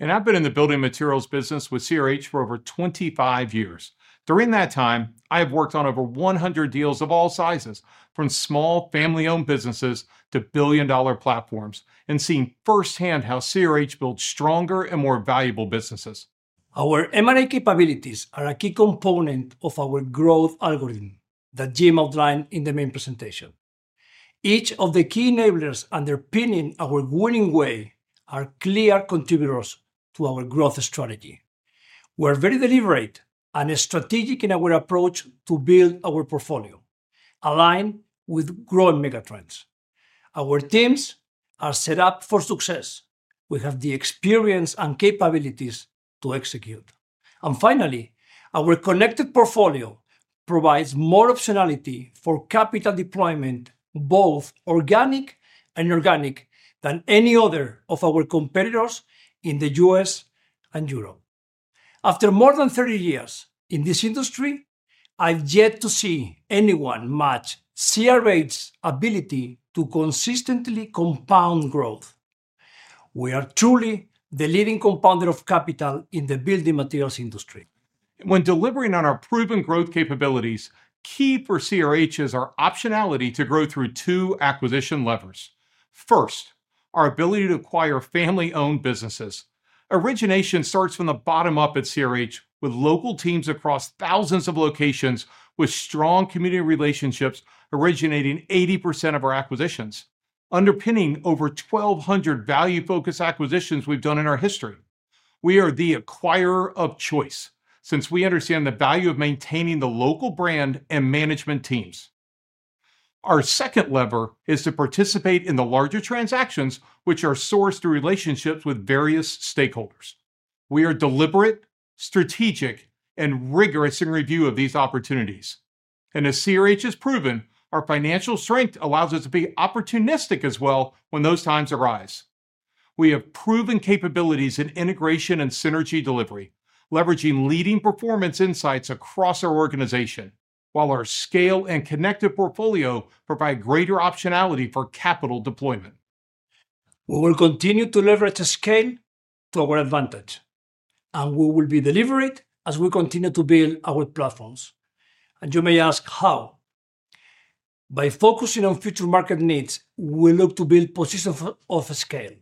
I have been in the building materials business with CRH for over 25 years. During that time, I have worked on over 100 deals of all sizes, from small family-owned businesses to billion dollar platforms, and seen firsthand how CRH builds stronger and more valuable businesses. Our M&A pipeline capabilities are a key component of our growth algorithm that Jim outlined in the main presentation. Each of the key enablers underpinning our winning way are clear contributors to our growth strategy. We're very deliberate and strategic in our approach to build our portfolio aligned with growing megatrends. Our teams are set up for success, we have the experience and capabilities to execute, and finally, our connected portfolio provides more optionality for capital deployment, both organic and inorganic, than any other of our competitors in the U.S. and Europe. After more than 30 years in this industry, I've yet to see anyone match CRH's ability to consistently compound growth. We are truly the leading compounder of capital in the building materials industry. Delivering on our proven growth capabilities. Key for CRH is our optionality to grow through two acquisition levers. First, our ability to acquire family owned businesses. Origination starts from the bottom up at CRH with local teams across thousands of locations with strong community relationships, with originating 80% of our acquisitions underpinning over 1,200 value-focused acquisitions we've done in our history. We are the acquirer of choice since we understand the value of maintaining the local brand and management teams. Our second lever is to participate in the larger transactions which are sourced through relationships with various stakeholders. We are deliberate, strategic, and rigorous in review of these opportunities, and as CRH has proven, our financial strength allows us to be opportunistic as well when those times arise. We have proven capabilities in integration and synergy delivery, leveraging leading performance insights across our organization. While our scale and connected portfolio provide greater optionality for capital deployment. We will continue to leverage scale to our advantage, and we will be delivering as we continue to build our platforms. You may ask how. By focusing on future market needs, we look to build positions of scale,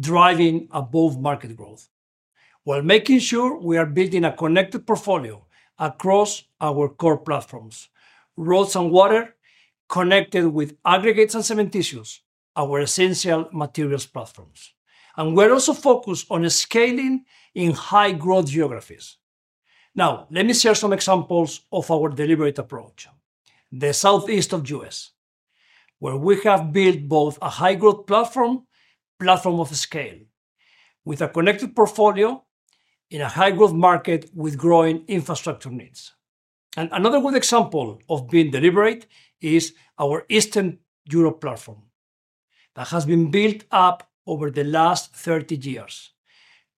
driving above market growth while making sure we are building a connected portfolio across our core platforms, roads and water, connected with aggregates and cement, our essential materials platforms. We are also focused on scaling in high-growth geographies. Now let me share some examples of our deliberate approach. The Southeast of the U.S., where we have built both a high-growth platform, a platform of scale with a connected portfolio in a high-growth market with growing infrastructure needs, is one example. Another good example of being deliberate is our Eastern Europe platform that has been built up over the last 30 years.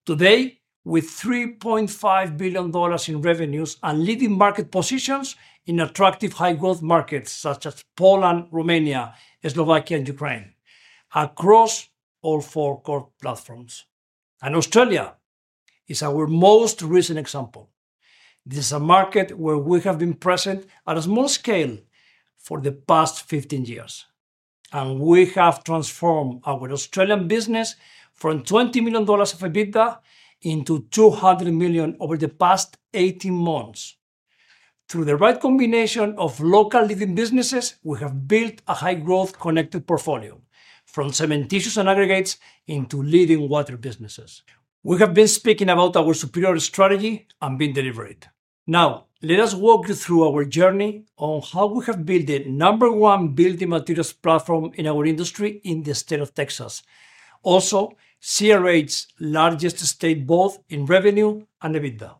Today, with $3.5 billion in revenues and leading market positions in attractive high-growth markets such as Poland, Romania, Slovakia, and Ukraine across all four core platforms. Australia is our most recent example. This is a market where we have been present at a small scale for the past 15 years, and we have transformed our Australian business from $20 million of EBITDA into $200 million over the past 18 months. Through the right combination of local leading businesses, we have built a high growth connected portfolio from cement and aggregates into leading water businesses. We have been speaking about our superior strategy and being deliberate. Now let us walk you through our journey on how we have built the number one building materials platform in our industry in the state of Texas, also CRH's largest state both in revenue and EBITDA.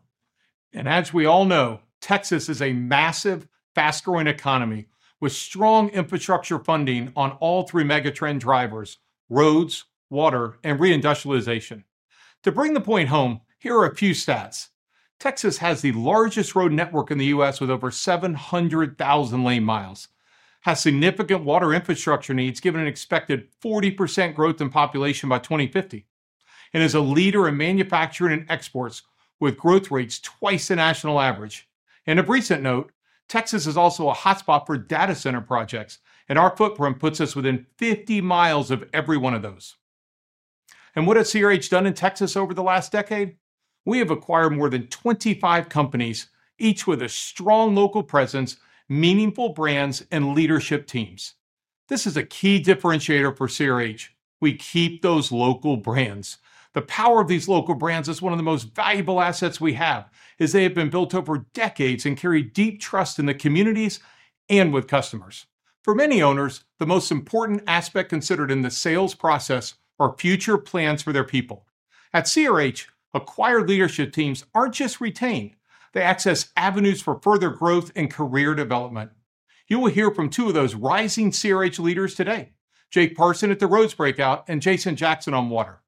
As we all know, Texas is a massive, fast-growing economy with strong infrastructure funding on all three megatrend drivers: roads, water, and reindustrialization. To bring the point home, here are a few stats. Texas has the largest road network in the U.S. with over 700,000 lane miles, has significant water infrastructure needs given an expected 40% growth in population by 2050, and is a leader in manufacturing and exports with growth rates twice the national average. Of recent note, Texas is also a hotspot for data center projects, and our footprint puts us within 50 mi of every one of those. What has CRH done in Texas over the last decade? We have acquired more than 25 companies, each with a strong local presence, meaningful brands, and leadership teams. This is a key differentiator for CRH. We keep those local brands. The power of these local brands is one of the most valuable assets we have, as they have been built over decades and carry deep trust in the communities and with customers. For many owners, the most important aspect considered in the sales process is future plans for their people. At CRH, acquired leadership teams aren't just retained, they access avenues for further growth and career development. You will hear from two of those rising CRH leaders today, Jake Parson at the Roads Breakout and Jason Jackson on water.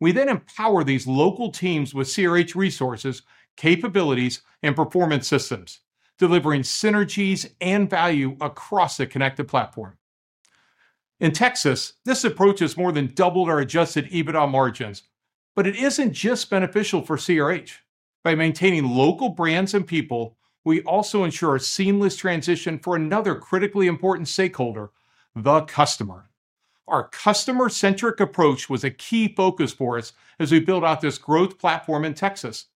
We then empower these local teams with CRH resources, capabilities, and performance systems, delivering synergies and value across the connected platform in Texas. This approach has more than doubled our adjusted EBITDA margins. It isn't just beneficial for CRH. By maintaining local brands and people, we also ensure a seamless transition for another critically important stakeholder, the customer. Our customer-centric approach was a key focus for us as we build out this growth platform in Texas,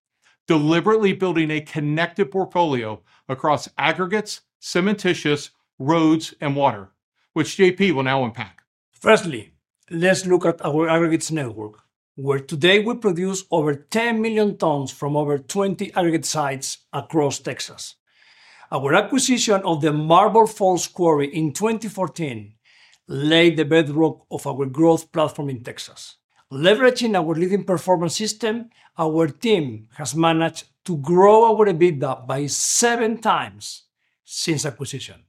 deliberately building a connected portfolio across aggregates, cementitious, roads, and water, which JP will now unpack. Firstly, let's look at our aggregates network where today we produce over 10 million tons from over 20 aggregate sites across Texas. Our acquisition of the Marble Falls quarry in 2014 laid the bedrock of our growth platform in Texas. Leveraging our leading performance system, our team has managed to grow our EBITDA by seven times since acquisition,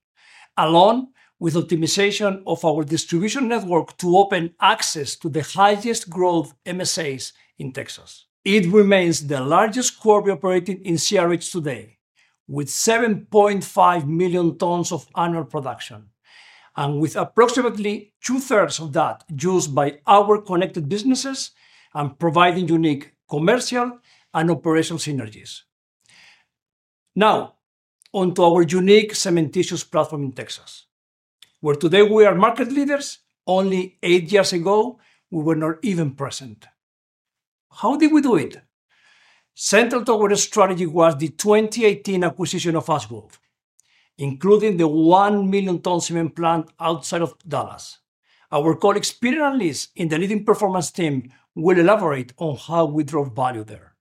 along with optimization of our distribution network to open access to the highest growth MSAs in Texas. It remains the largest core we operate in CRH today with 7.5 million tons of annual production, and with approximately 2/3 of that used by our connected businesses and providing unique commercial and operational synergies. Now onto our unique cementitious platform in Texas where today we are market leaders. Only eight years ago we were not even present. How did we do it? Central to our strategy was the 2018 acquisition of Ash Grove, including the 1 million ton cement plant outside of Dallas. Our colleagues Peter and Liz in the leading performance team will elaborate on how we draw value there.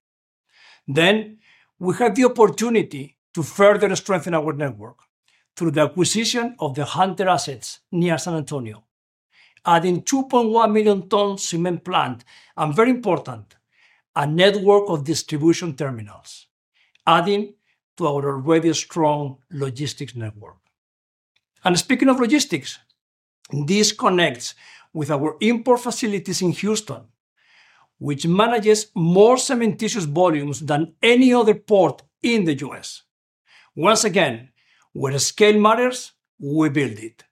We have the opportunity to further strengthen our network through the acquisition of the Hunter assets near San Antonio, adding a 2.1 million ton cement plant and, very important, a network of distribution terminals adding to our already strong logistics network. Speaking of logistics, this connects with our import facilities in Houston, which manages more cementitious volumes than any other port in the U.S. Where scale matters, we build it.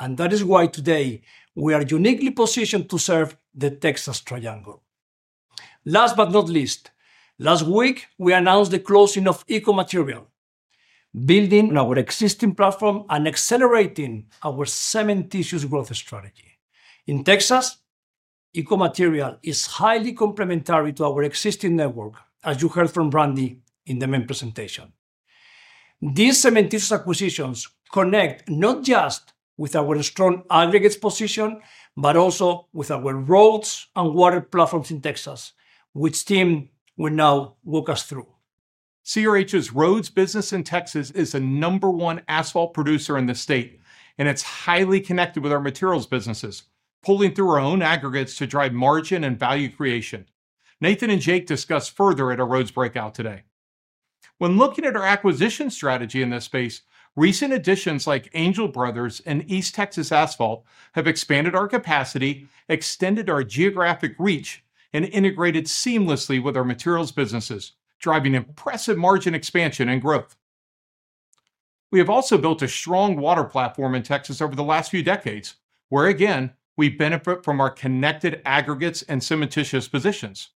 That is why today we are uniquely positioned to serve the Texas Triangle. Last but not least, last week we announced the closing of Eco Material, building our existing platform and accelerating our cementitious growth strategy in Texas. Eco Material is highly complementary to our existing network. As you heard from Randy in the main presentation, these cementitious acquisitions connect not just with our strong aggregates position, but also with our roads and water platforms in Texas, which Tim will now walk us through. CRH's roads business in Texas is the number one asphalt producer in the state, and it's highly connected with our materials businesses, pulling through our own aggregates to drive margin and value creation. Nathan and Jake discuss further at our Roads Breakout today when looking at our acquisition strategy in this space. Recent additions like Angel Brothers and East Texas Asphalt have expanded our capacity, extended our geographic reach, and integrated seamlessly with our materials businesses, driving impressive margin expansion and growth. We have also built a strong water platform in Texas over the last few decades, where again we benefit from our connected aggregates and cementitious positions.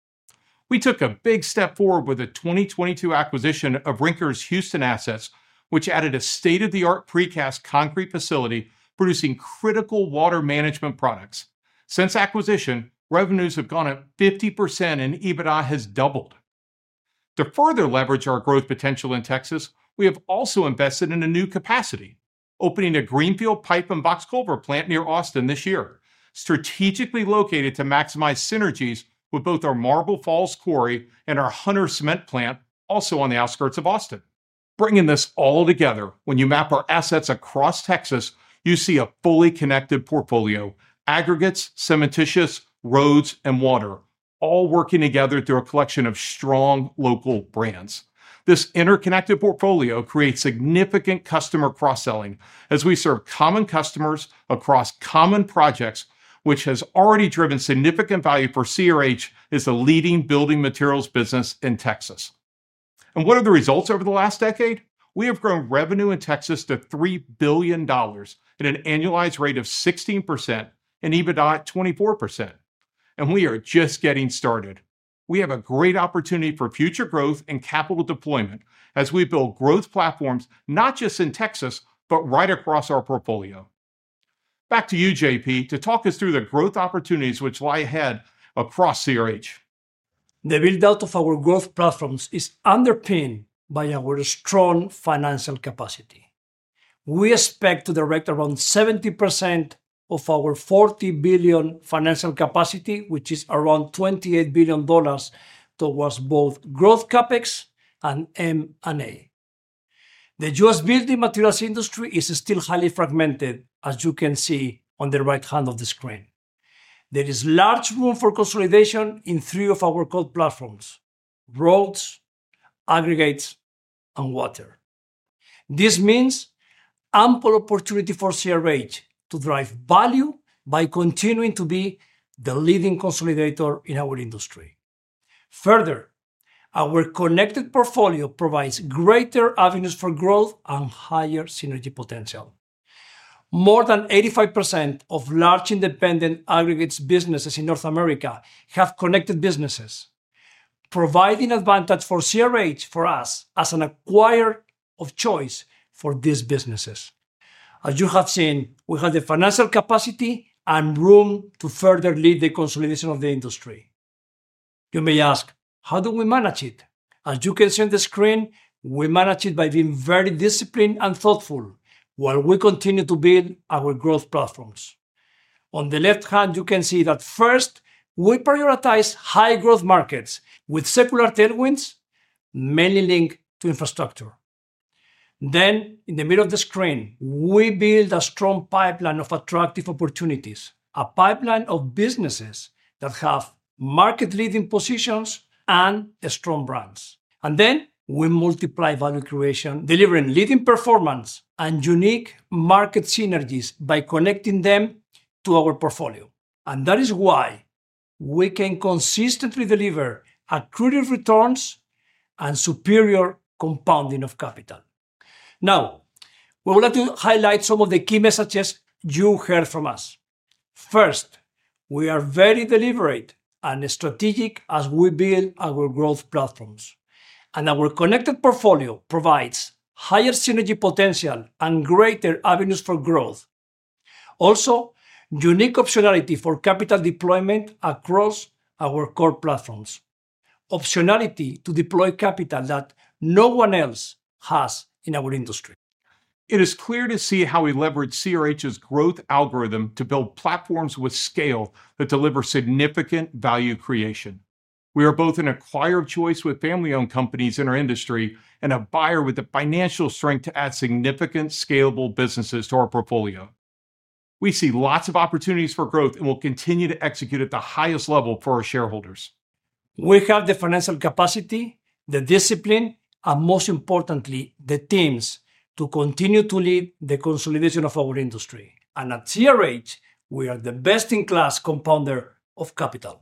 We took a big step forward with the 2022 acquisition of Rinker's Houston assets, which added a state-of-the-art precast concrete facility producing critical water management products. Since acquisition, revenues have gone up 50% and EBITDA has doubled to further leverage our growth potential in Texas. We have also invested in new capacity, opening a greenfield pipe and box culvert plant near Austin this year, strategically located to maximize synergies with both our Marble Falls Quarry and our Hunter Cement plant, also on the outskirts of Austin. Bringing this all together, when you map our assets across Texas, you see a fully connected portfolio: aggregates, cementitious, roads, and water, all working together through a collection of strong local brands. This interconnected portfolio creates significant customer cross-selling as we serve common customers across common projects, which has already driven significant value for CRH as the leading building materials business in Texas. What are the results? Over the last decade, we have grown revenue in Texas to $3 billion at an annualized rate of 16% and EBITDA at 24%, and we are just getting started. We have a great opportunity for future growth and capital deployment as we build growth platforms not just in Texas but right across our portfolio. Back to you, JP, to talk us through the growth opportunities which lie ahead across CRH. The build out of our growth platforms is underpinned by our strong financial capacity. We expect to direct around 70% of our $40 billion financial capacity, which is around $28 billion, towards both growth, CapEx and M&A. The U.S. building materials industry is still highly fragmented, as you can see on the right hand of the screen. There is large room for consolidation in three of our core platforms: roads, aggregates and water. This means ample opportunity for CRH to drive value by continuing to be the leading consolidator in our industry. Further, our connected portfolio provides greater avenues for growth and higher synergy potential. More than 85% of large independent aggregates businesses in North America have connected businesses, providing advantage for CRH, for us as an acquirer of choice for these businesses. As you have seen, we have the financial capacity and room to further lead the consolidation of the industry. You may ask, how do we manage it? As you can see on the screen, we manage it by being very disciplined and thoughtful while we continue to build our growth platforms. On the left hand, you can see that first we prioritize high-growth markets with secular tailwinds, mainly linked to infrastructure. In the middle of the screen, we build a strong pipeline of attractive opportunities, a pipeline of businesses that have market leading positions and strong brands. We multiply value creation, delivering leading performance and unique market synergies by connecting them to our portfolio. That is why we can consistently deliver accretive returns and superior compounding of capital. Now we would like to highlight some of the key messages you heard from us. First, we are very deliberate and strategic as we build our growth platforms, and our connected portfolio provides higher synergy potential and greater avenues for growth. Also, unique optionality for capital deployment across our core platforms. Optionality to deploy capital that no one else has in our industry. It is clear to see how we leverage CRH's growth algorithm to build platforms with scale that deliver significant value creation. We are both an acquirer of choice with family-owned companies in our industry and a buyer with the financial strength to add significant scalable businesses to our portfolio. We see lots of opportunities for growth and will continue to execute at the highest level for our shareholders. We have the financial capacity, the discipline, and most importantly the teams to continue to lead the consolidation of our industry. At CRH we are the best in class compounder of capital.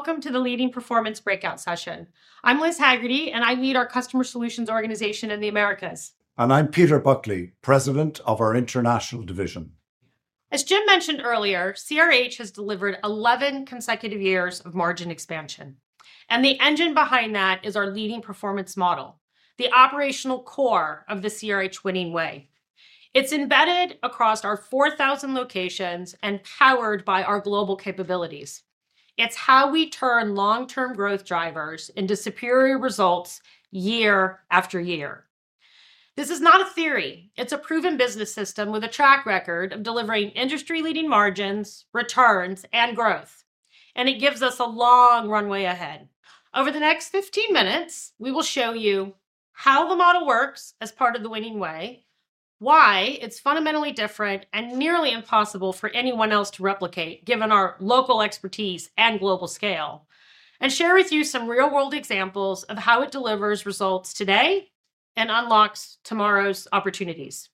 Hello everyone and welcome to the Leading Performance breakout session. I'm Liz Haggerty and I lead our Customer Solutions organization in the Americas. I'm Peter Buckley, President of our International division. As Jim mentioned earlier, CRH has delivered 11 consecutive years of margin expansion. The engine behind that is our leading performance model, the operational core of the CRH Winning Way. It's embedded across our 4,000 locations and powered by our global capabilities. It's how we turn long-term growth drivers into superior results year after year. This is not a theory. It's a proven business system with a track record of delivering industry-leading margins, returns, and growth, and it gives us a long runway ahead. Over the next 15 minutes, we will show you how the model works as part of the Winning Way, why it's fundamentally different and nearly impossible for anyone else to replicate given our local expertise and global scale, and share with you some real-world examples of how it delivers results today and unlocks tomorrow's opportunities.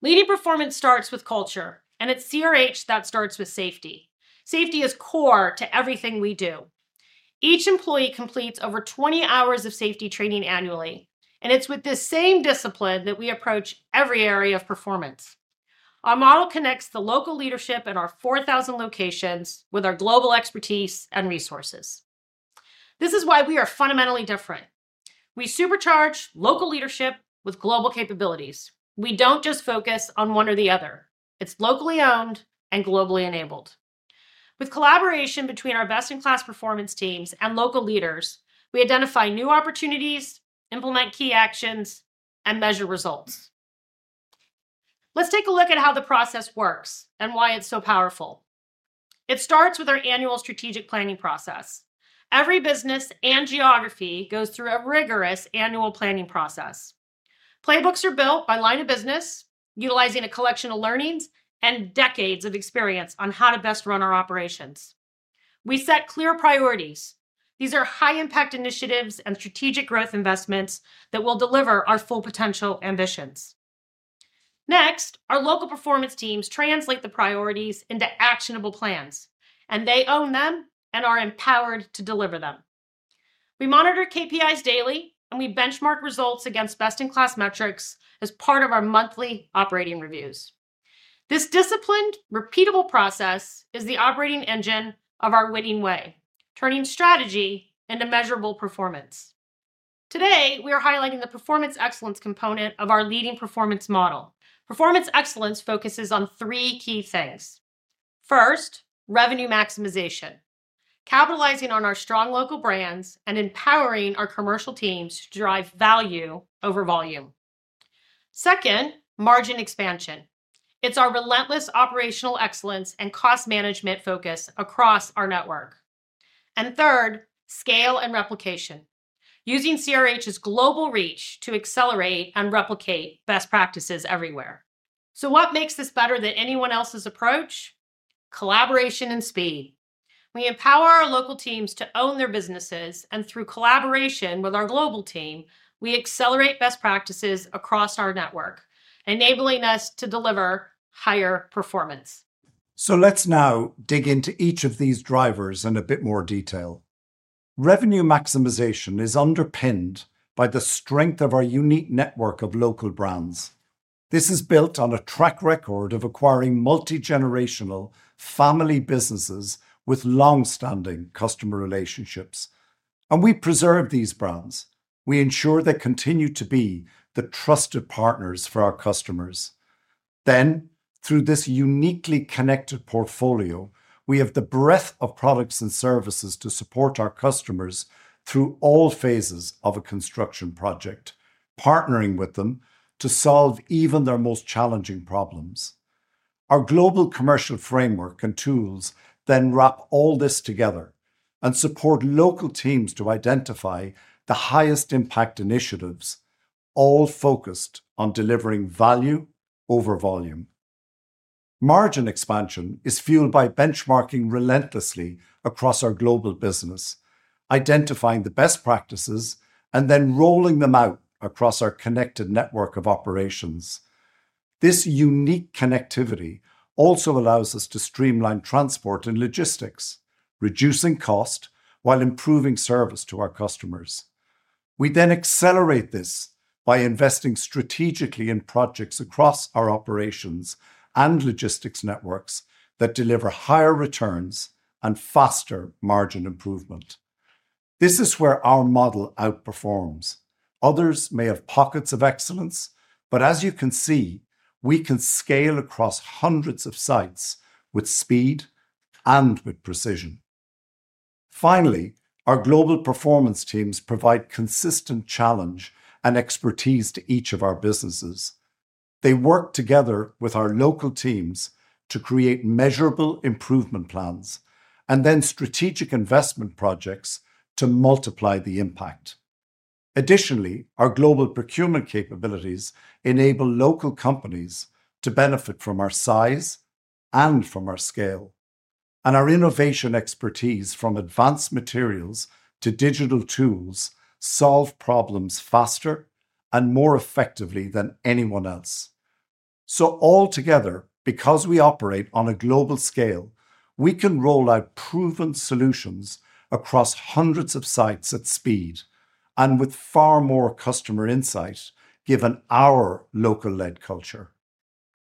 Leading performance starts with culture, and it's CRH that starts with safety. Safety is core to everything we do. Each employee completes over 20 hours of safety training annually, and it's with this same discipline that we approach every area of performance. Our model connects the local leadership in our 4,000 locations with our global expertise and resources. This is why we are fundamentally different. We supercharge local leadership with global capabilities. We don't just focus on one or the other. It's locally owned and globally enabled. With collaboration between our best-in-class performance teams and local leaders, we identify new opportunities, implement key actions, and measure results. Let's take a look at how the process works and why it's so powerful. It starts with our annual strategic planning process. Every business and geography goes through a rigorous annual planning process. Playbooks are built by line of business. Utilizing a collection of learnings and decades of experience on how to best run our operations, we set clear priorities. These are high-impact initiatives and strategic growth investments that will deliver our full potential ambitions. Next, our local performance teams translate the priorities into actionable plans, and they own them and are empowered to deliver them. We monitor KPIs daily, and we benchmark results against best-in-class metrics as part of our monthly operating reviews. This disciplined, repeatable process is the operating engine of our Winning Way, turning strategy into measurable performance. Today, we are highlighting the performance excellence component of our leading performance model. Performance excellence focuses on three key things. First, revenue maximization, capitalizing on our strong local brands and empowering our commercial teams to drive value over volume. Second, margin expansion. It's our relentless operational excellence and cost management focus across our network. Third, scale and replication, using CRH's global reach to accelerate and replicate best practices everywhere. What makes this better than anyone else's approach? Collaboration and speed. We empower our local teams to own their businesses, and through collaboration with our global team, we accelerate best practices across our network, enabling us to deliver higher performance. Let's now dig into each of these drivers in a bit more detail. Revenue maximization is underpinned by the strength of our unique network of local brands. This is built on a track record of acquiring multi-generational family businesses with long-standing customer relationships. We preserve these brands and ensure they continue to be the trusted partners for our customers. Through this uniquely connected portfolio, we have the breadth of products and services to support our customers through all phases of a construction project, partnering with them to solve even their most challenging problems. Our global commercial framework and tools wrap all this together and support local teams to identify the highest impact initiatives, all focused on delivering value over volume. Margin expansion is fueled by benchmarking relentlessly across our global business, identifying the best practices, and then rolling them out across our connected network of operations. This unique connectivity also allows us to streamline transport and logistics, reducing cost while improving service to our customers. We accelerate this by investing strategically in projects across our operations and logistics networks that deliver higher returns and faster margin improvement. This is where our model outperforms. Others may have pockets of excellence, but as you can see, we can scale across hundreds of sites with speed and with precision. Finally, our global performance teams provide consistent challenge and expertise to each of our businesses. They work together with our local teams to create measurable improvement plans and strategic investment projects to multiply the impact. Additionally, our global procurement capabilities enable local companies to benefit from our size and from our scale and our innovation expertise, from advanced materials to digital tools, solve problems faster and more effectively than anyone else. Altogether, because we operate on a global scale, we can roll out proven solutions across hundreds of sites at speed and with far more customer insight given our local-led culture.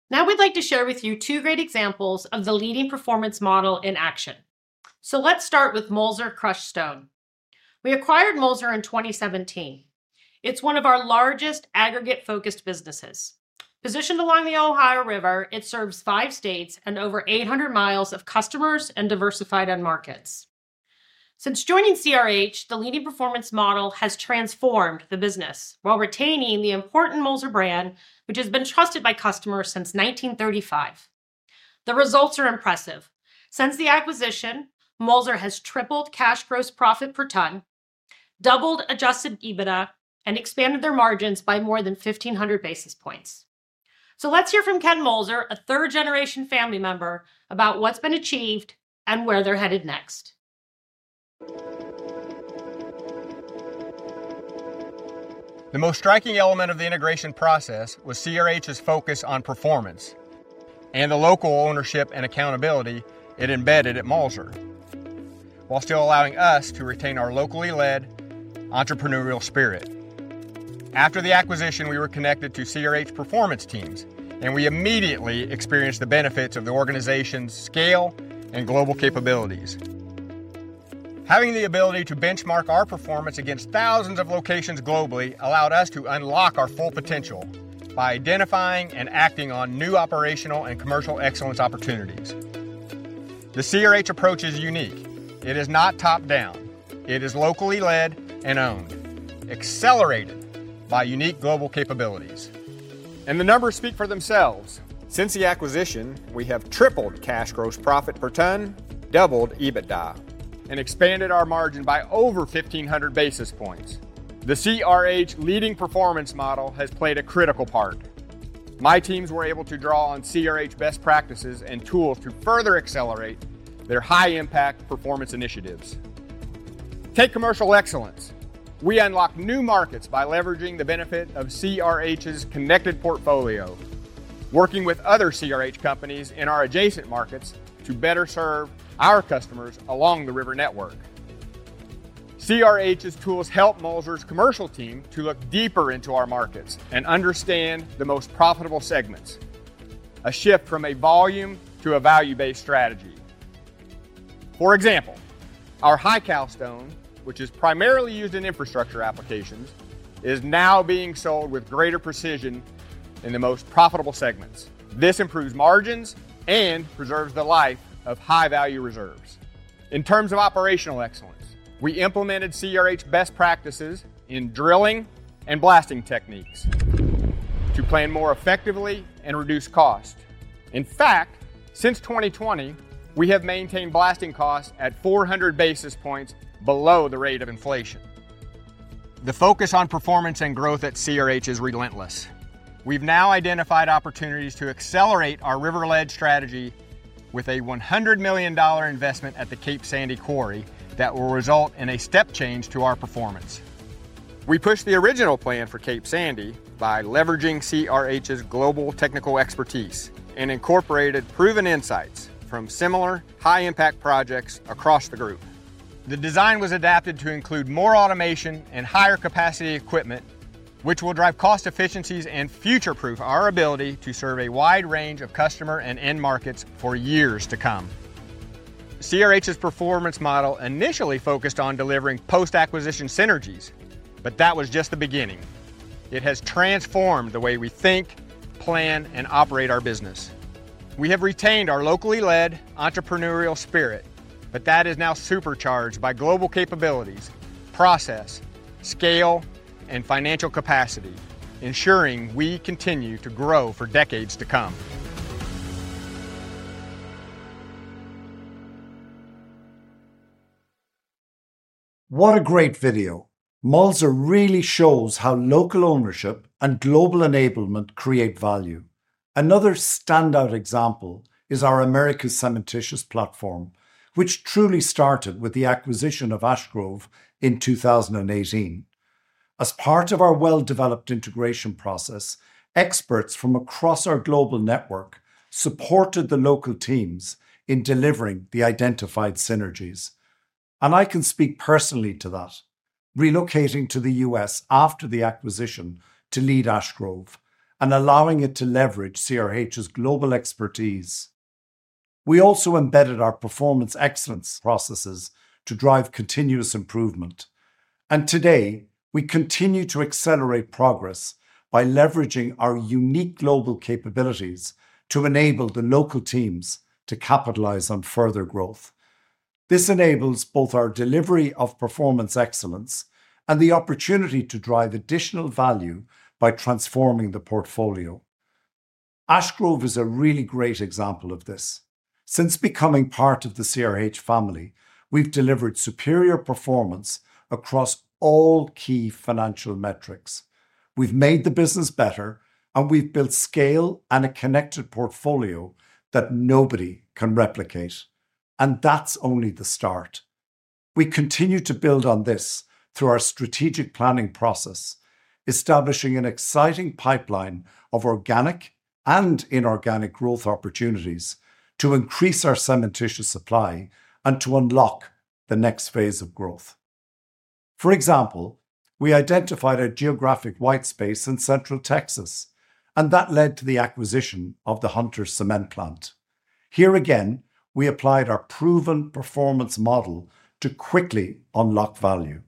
Now we'd like to share with you two great examples of the leading performance model in action. Let's start with Mulzer Crushstone. We acquired Mulzer in 2017. It's one of our largest aggregate focused businesses, positioned along the Ohio River. It serves five states and over 800 mi of customers and diversified end markets. Since joining CRH, the leading performance model has transformed the business while retaining the important Mulzer brand, which has been trusted by customers since 1935. The results are impressive. Since the acquisition, Mulzer has tripled cash gross profit per ton, doubled adjusted EBITDA, and expanded their margins by more than 1,500 basis points. Let's hear from Ken Mulzer, a third-generation family member, about what's been achieved and where they're headed next. The most striking element of the integration process was CRH's focus on performance and the local ownership and accountability it embedded at Mulzer, while still allowing us to retain our locally led entrepreneurial spirit. After the acquisition, we were connected to CRH performance teams and we immediately experienced the benefits of the organization's scale and global capabilities. Having the ability to benchmark our performance against thousands of locations globally allowed us to unlock our full potential by identifying and acting on new operational and commercial excellence opportunities. The CRH approach is unique. It is not top down. It is locally led and owned, accelerated by unique global capabilities. The numbers speak for themselves. Since the acquisition, we have tripled cash gross profit per ton, doubled EBITDA and expanded our margin by over 1,500 basis points. The CRH leading performance model has played a critical part. My teams were able to draw on CRH best practices and tools to further accelerate their high impact performance initiatives. Take commercial excellence. We unlock new markets by leveraging the benefit of CRH's connected portfolio, working with other CRH companies in our adjacent markets to better serve our customers along the river network. CRH's tools help Mulzer's commercial team to look deeper into our markets and understand the most profitable segments, a shift from a volume to a value based strategy. For example, our high cal stone, which is primarily used in infrastructure applications, is now being sold with greater precision in the most profitable segments. This improves margins and preserves the life of high-value reserves. In terms of operational excellence, we implemented CRH best practices in drilling and blasting techniques to plan more effectively and reduce cost. In fact, since 2020 we have maintained blasting costs at 400 basis points below the rate of inflation. The focus on performance and growth at CRH is relentless. We've now identified opportunities to accelerate our River Ledge Strategy with a $100 million investment at the Cape Sandy quarry that will result in a step change to our performance. We pushed the original plan for Cape Sandy by leveraging CRH's global technical expertise and incorporated proven insights from similar high-impact projects across the group. The design was adapted to include more automation and higher capacity equipment, which will drive cost efficiencies and future proof our ability to serve a wide range of customer and end markets for years to come. CRH's performance model initially focused on delivering post acquisition synergies, but that was just the beginning. It has transformed the way we think, plan and operate our business. We have retained our locally led entrepreneurial spirit, but that is now supercharged by global capabilities, process scale and financial capacity, ensuring we continue to grow for decades to come. What a great video. Mulzer really shows how local ownership and global enablement create value. Another standout example is our Americas cementitious platform, which truly started with the acquisition of Ash Grove in 2018. As part of our well-developed integration process, experts from across our global network supported the local teams in delivering the identified synergies, and I can speak personally to that. Relocating to the U.S. after the acquisition to lead Ash Grove and allowing it to leverage CRH plc's global expertise, we also embedded our performance excellence processes to drive continuous improvement. Today we continue to accelerate progress by leveraging our unique global capabilities to enable the local teams to capitalize on further growth. This enables both our delivery of performance excellence and the opportunity to drive additional value by transforming the portfolio. Ash Grove is a really great example of this. Since becoming part of the CRH family, we've delivered superior performance across all key financial metrics. We've made the business better, and we've built scale and a connected portfolio that nobody can replicate. That's only the start. We continue to build on this through our strategic planning process, establishing an exciting pipeline of organic and inorganic growth opportunities to increase our cementitious supply and to unlock the next phase of growth. For example, we identified a geographic white space in Central Texas, and that led to the acquisition of the Hunter Cement plant. Here again, we applied our proven performance model to quickly unlock value.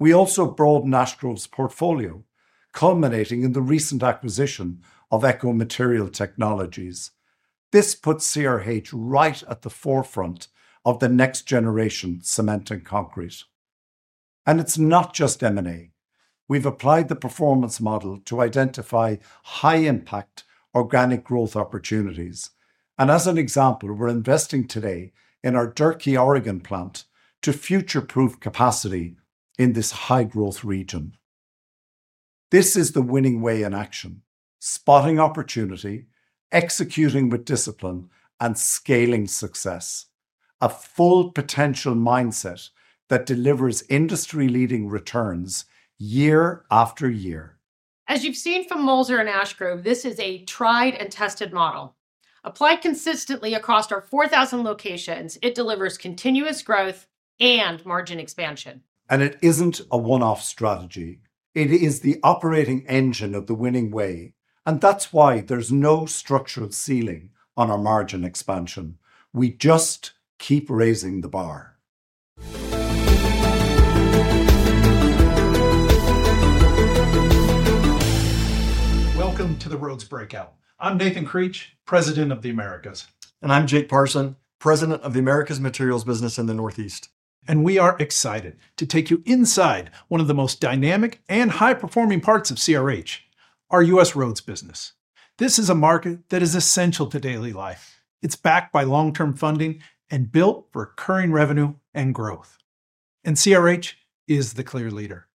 We also broadened Ash Grove's portfolio, culminating in the recent acquisition of Eco Material Technologies. This puts CRH right at the forefront of the next generation cement and concrete. It's not just M&A. We've applied the performance model to identify high-impact organic growth opportunities. As an example, we're investing today in our Durkee, Oregon plant to future-proof capacity in this high-growth region. This is the winning way in action: spotting opportunity, executing with discipline, and scaling success. A full potential mindset that delivers industry-leading returns year after year. As you've seen from Mulzer and Ash Grove, this is a tried and tested model applied consistently across our 4,000 locations. It delivers continuous growth and margin expansion. It isn't a one off strategy. It is the operating engine of the winning way. That is why there's no structural ceiling on our margin expansion. We just keep raising the bar. Welcome to the Rhodes breakout. I'm Nathan Creech, President of the Americas. Nathan Creech, President of Americas at CRH plc, Materials Business in the Northeast. We are excited to take you inside one of the most dynamic and high-performing parts of CRH, our U.S. Roads business. This is a market that is essential to daily life. It's backed by long term funding and built for recurring revenue and growth. CRH is the clear leader.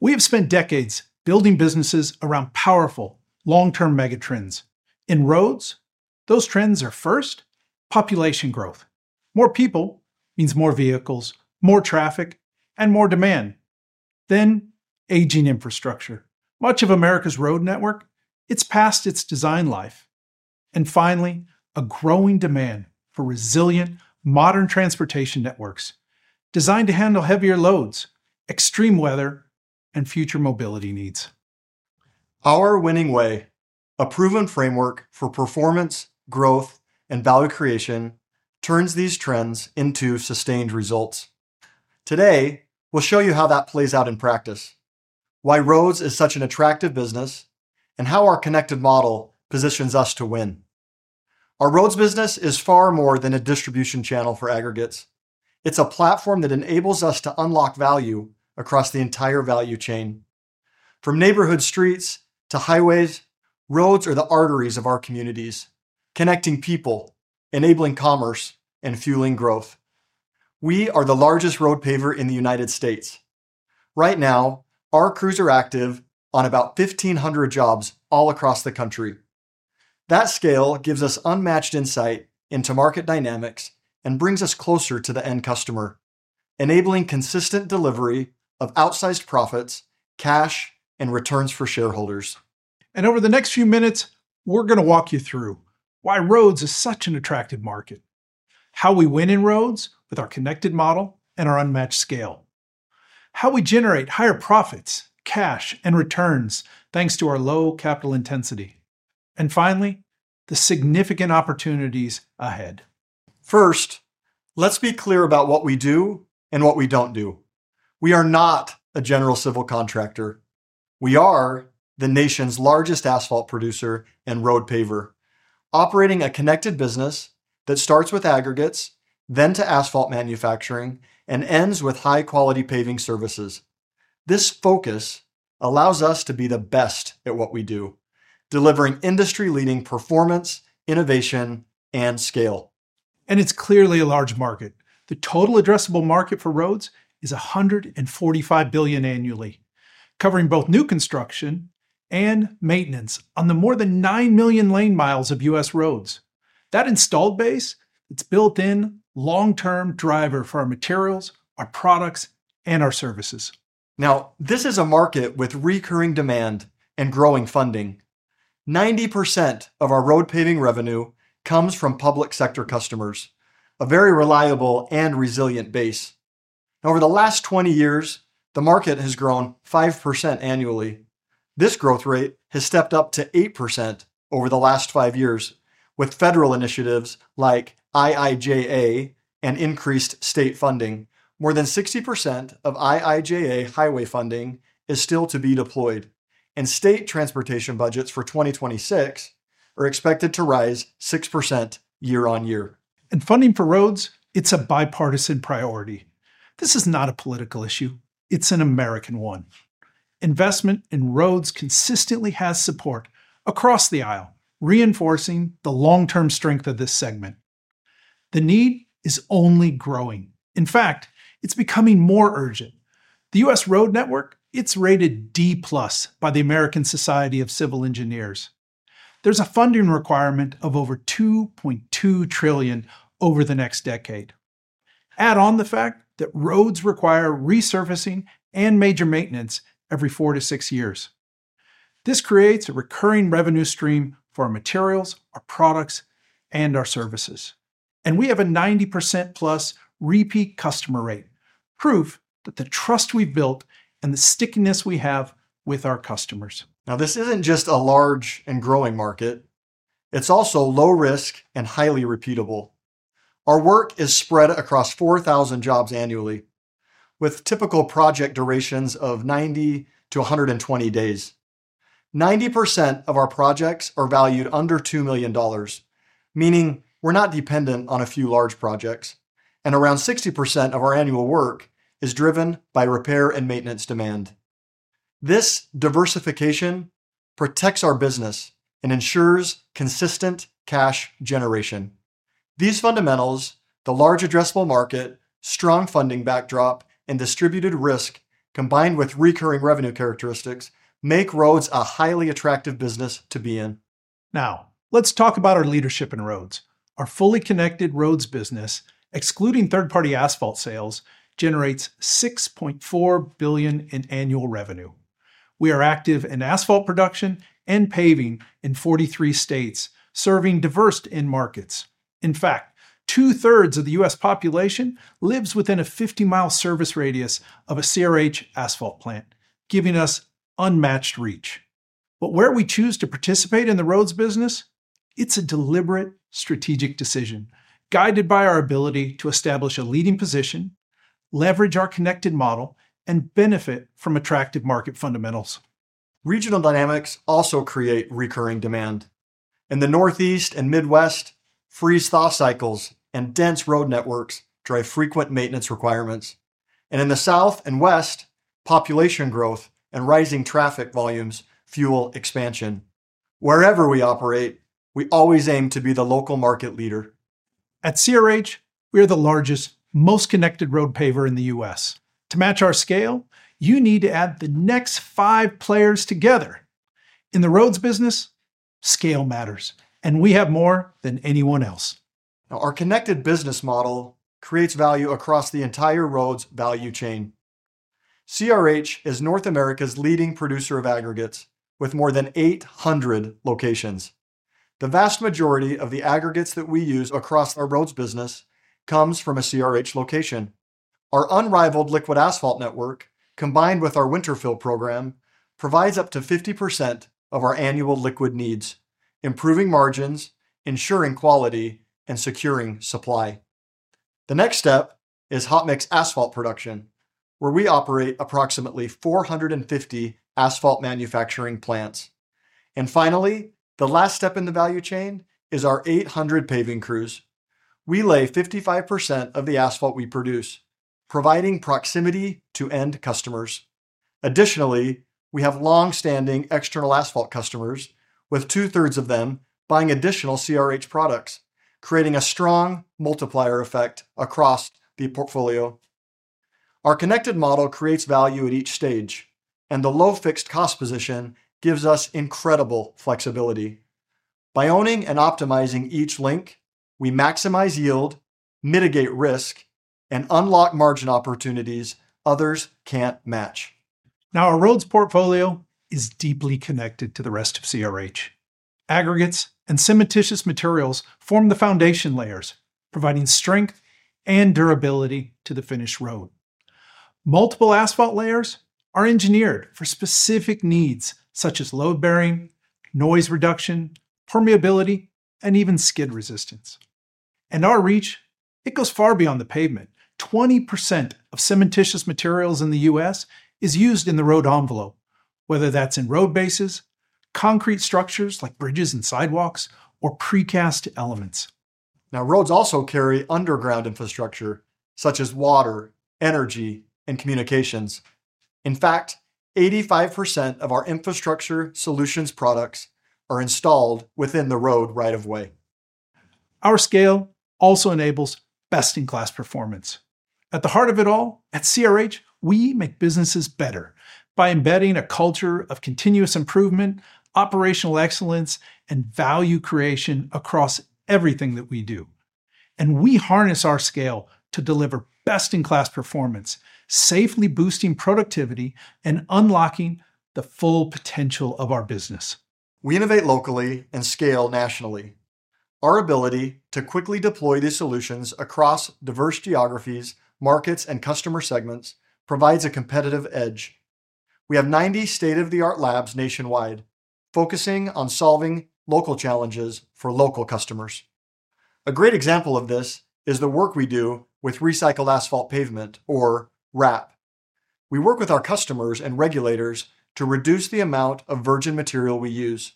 We have spent decades building businesses around powerful long term megatrends in roads. Those trends are, first, population growth. More people means more vehicles, more traffic, and more demand. Aging infrastructure is another trend. Much of America's road network is past its design life. Finally, there is a growing demand for resilient, modern transportation networks designed to handle heavier loads, extreme weather, and future mobility needs. Our Winning Way, a proven framework for performance, growth, and value creation, turns these trends into sustained results. Today we'll show you how that plays out in practice. Why roads are such an attractive business and how our connected model positions us to win. Our roads business is far more than a distribution channel for aggregates. It's a platform that enables us to unlock value across the entire value chain. From neighborhood streets to highways, roads are the arteries of our communities, connecting people, enabling commerce, and fueling growth. We are the largest road paver in the U.S. Right now our crews are active on about 1,500 jobs all across the country. That scale gives us unmatched insight into market dynamics and brings us closer to the end customer, enabling consistent delivery of outsized profits, cash, and returns for shareholders. Over the next few minutes, we're going to walk you through why roads is such an attractive market, how we win in roads with our connected model and our unmatched scale, how we generate higher profits, cash and returns thanks to our low capital intensity, and finally, the significant opportunities ahead. First, let's be clear about what we do and what we don't do. We are not a general civil contractor. We are the nation's largest asphalt producer and road paver, operating a connected business that starts with aggregates, then to asphalt manufacturing and ends with high-quality paving services. This focus allows us to be the best at what we do, delivering industry leading performance, innovation, and scale. It is clearly a large market. The total addressable market for roads is $145 billion annually, covering both new construction and maintenance on the more than 9 million lane miles of U.S. roads. That installed base is a built-in long term driver for our materials, our products, and ourservices. Now this is a market with recurring demand and growing funding. 90% of our road paving revenue comes from public sector customers, a very reliable and resilient base. Over the last 20 years, the market has grown 5% annually. This growth rate has stepped up to 8% over the last five years with federal initiatives like IIJA and increased state funding. More than 60% of IIJA highway funding is still to be deployed, and state transportation budgets for 2026 are expected to rise 6% year-on-year. Funding for roads is a bipartisan priority. This is not a political issue, it's an American one. Investment in roads consistently has support across the aisle, reinforcing the long-term strength of this segment. The need is only growing. In fact, it's becoming more urgent. The U.S. road network is rated D+ by the American Society of Civil Engineers. There's a funding requirement of over $2.2 trillion over the next decade. Add on the fact that roads require resurfacing and major maintenance every four to six years. This creates a recurring revenue stream for our materials, our products, and our services, and we have a 90%+ repeat customer rate, proof that the trust we've built and the stickiness we have with our customers now. This isn't just a large and growing market. It's also low risk and highly repeatable. Our work is spread across 4,000 jobs annually with typical project durations of 90 to 120 days. 90% of our projects are valued under $2 million, meaning we're not dependent on a few large projects. Around 60% of our annual work is driven by repair and maintenance demand. This diversification protects our business and ensures consistent cash generation. These fundamentals, the large addressable market, strong funding backdrop, and distributed risk, combined with recurring revenue characteristics, make roads a highly attractive business to be in. Now, let's talk about our leadership in roads. Our fully connected roads business, excluding third party asphalt sales, generates $6.4 billion in annual revenue. We are active in asphalt production and paving in 43 states, serving diverse end markets. In fact, 66% of the U.S. population lives within a 50 mile service radius of a CRH asphalt plant, giving us unmatched reach. Where we choose to participate in the roads business, it's a deliberate strategic decision guided by our ability to establish a leading position, leverage our connected model, and benefit from attractive market fundamentals. Regional dynamics also create recurring demand. In the Northeast and Midwest, freeze-thaw cycles and dense road networks drive frequent maintenance requirements. In the South and West, population growth and rising traffic volumes fuel expansion. Wherever we operate, we always aim to be the local market leader. At CRH, we are the largest, most connected road paver in the U.S. To match our scale, you need to add the next five players together. In the roads business, scale matters, and we have more than anyone else. Our connected business model creates value across the entire roads value chain. CRH is North America's leading producer of aggregates with more than 800 locations. The vast majority of the aggregates that we use across our roads business comes from a CRH location. Our unrivaled liquid asphalt network, combined with our winter fill program, provides up to 50% of our annual liquid needs, improving margins, ensuring quality, and securing supply. The next step is hot mix asphalt production, where we operate approximately 450 asphalt manufacturing plants. Finally, the last step in the value chain is our 800 paving crews. We lay 55% of the asphalt we produce, providing proximity to end customers. Additionally, we have long-standing external asphalt customers, with two thirds of them buying additional CRH products, creating a strong multiplier effect across the portfolio. Our connected model creates value at each stage, and the low fixed-cost position gives us incredible flexibility. By owning and optimizing each link, we maximize yield, mitigate risk, and unlock margin opportunities others can't match. Now, our roads portfolio is deeply connected to the rest of CRH. Aggregates and cementitious materials form the foundation layers, providing strength and durability to the finished road. Multiple asphalt layers are engineered for specific needs such as load bearing, noise reduction, permeability, and even skid resistance. Our reach goes far beyond the pavement. 20% of cementitious materials in the U.S. is used in the road envelope, whether that's in road bases, concrete structures like bridges and sidewalks, or precast elements. Now, roads also carry underground infrastructure such as water, energy, and communications. In fact, 85% of our infrastructure solutions products are installed within the road right of way. Our scale also enables best-in-class performance at the heart of it all. At CRH, we make businesses better by embedding a culture of continuous improvement, operational excellence, and value creation across everything that we do. We harness our scale to deliver best-in-class performance, safely boosting productivity and unlocking the full potential of our business. We innovate locally and scale nationally. Our ability to quickly deploy these solutions across diverse geographies, markets, and customer segments provides a competitive edge. We have 90 state-of-the-art labs nationwide focusing on solving local challenges for local customers. A great example of this is the work we do with recycled asphalt pavement, or RAP. We work with our customers and regulators to reduce the amount of virgin material we use.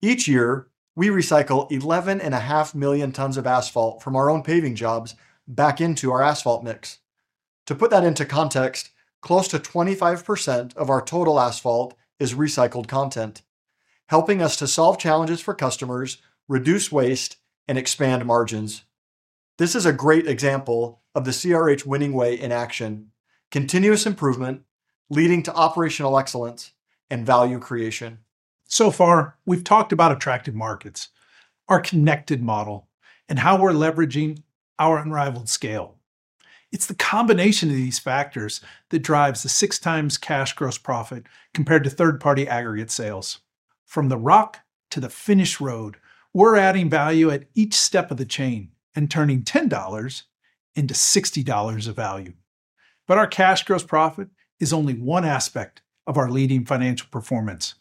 Each year, we recycle 11.5 million tons of asphalt from our own paving jobs back into our asphalt mix. To put that into context, close to 25% of our total asphalt is recycled content, helping us to solve challenges for customers, reduce waste, and expand margins. This is a great example of the CRH winning way in action. Continuous improvement leading to operational excellence and value creation. We've talked about attractive markets, our connected model, and how we're leveraging our unrivaled scale. It's the combination of these factors that drives a six times cash gross profit compared to third-party aggregate sales. From the rock to the finish road, we're adding value at each step of the chain and turning $10 into $60 of value. Our cash gross profit is only one aspect of our leading financial performance.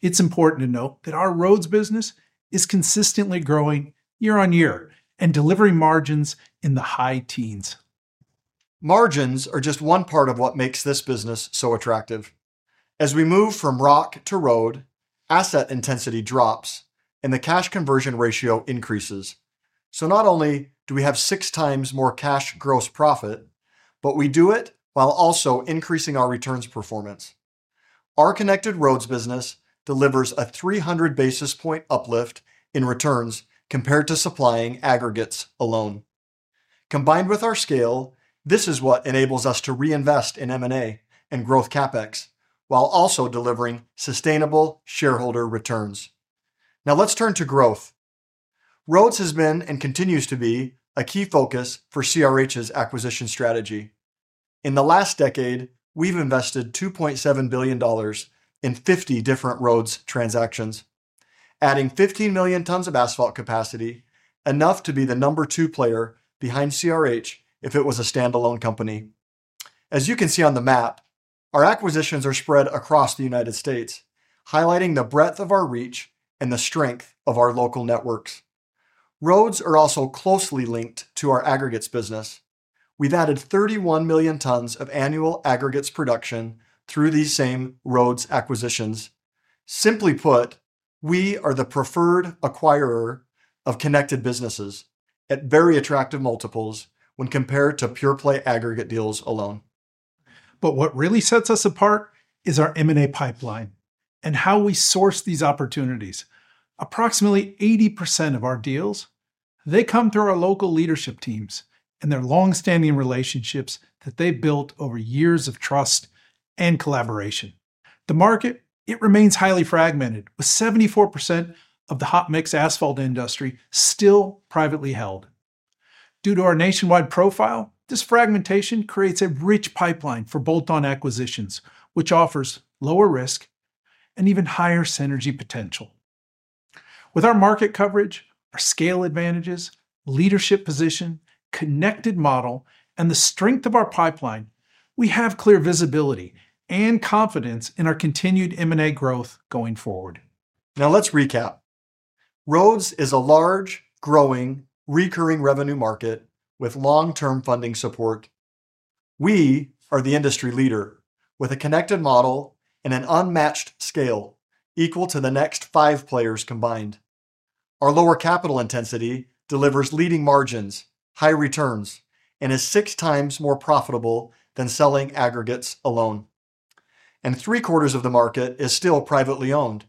It's important to note that our Roads business is consistently growing year-on-year and delivering margins in the high teens. Margins are just one part of what makes this business so attractive. As we move from rock to road, asset intensity drops and the cash conversion ratio increases. Not only do we have 6x more cash gross profit, but we do it while also increasing our returns performance. Our connected Roads business delivers a 300 basis point uplift in returns compared to supplying aggregates alone. Combined with our scale, this is what enables us to reinvest in M&A and growth CapEx while also delivering sustainable shareholder returns. Now let's turn to growth. Roads has been and continues to be a key focus for CRH's acquisition strategy. In the last decade, we've invested $2.7 billion in 50 different Roads transactions, adding 15 million tons of asphalt capacity, enough to be the number two player behind CRH if it was a standalone company. As you can see on the map, our acquisitions are spread across the U.S., highlighting the breadth of our reach and the strength of our local networks. Roads are also closely linked to our aggregates business. We've added 31 million tons of annual aggregates production through these same Roads acquisitions. Simply put, we are the preferred acquirer of connected businesses at very attractive multiples when compared to pure play aggregate deals alone. What really sets us apart is our M&A pipeline and how we source these opportunities. Approximately 80% of our deals come through our local leadership teams and their long-standing relationships that they've built over years of trust and collaboration. The market remains highly fragmented, with 74% of the hot mix asphalt industry still privately held. Due to our nationwide profile, this fragmentation creates a rich pipeline for bolt-on acquisitions, which offers lower risk and even higher synergy potential. With our market coverage, our scale advantages, leadership position, connected model, and the strength of our pipeline, we have clear visibility and confidence in our continued M&A growth going forward. Now let's recap. Roads is a large, growing, recurring revenue market with long-term funding support. We are the industry leader with a connected model and an unmatched scale equal to the next five players combined. Our lower capital intensity delivers leading margins, high returns, and is six times more profitable than selling aggregates alone. Three quarters of the market is still privately owned,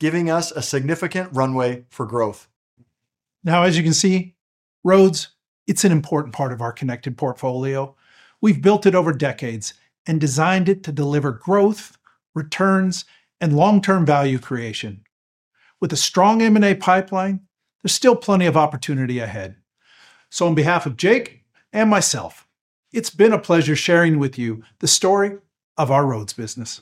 giving us a significant runway for growth. Now as you can see, roads, it's an important part of our connected portfolio. We've built it over decades and designed it to deliver growth returns and long-term value creation. With a strong M&A pipeline, there's still plenty of opportunity ahead. On behalf of Jake and myself, it's been a pleasure sharing with you the story of our roads business.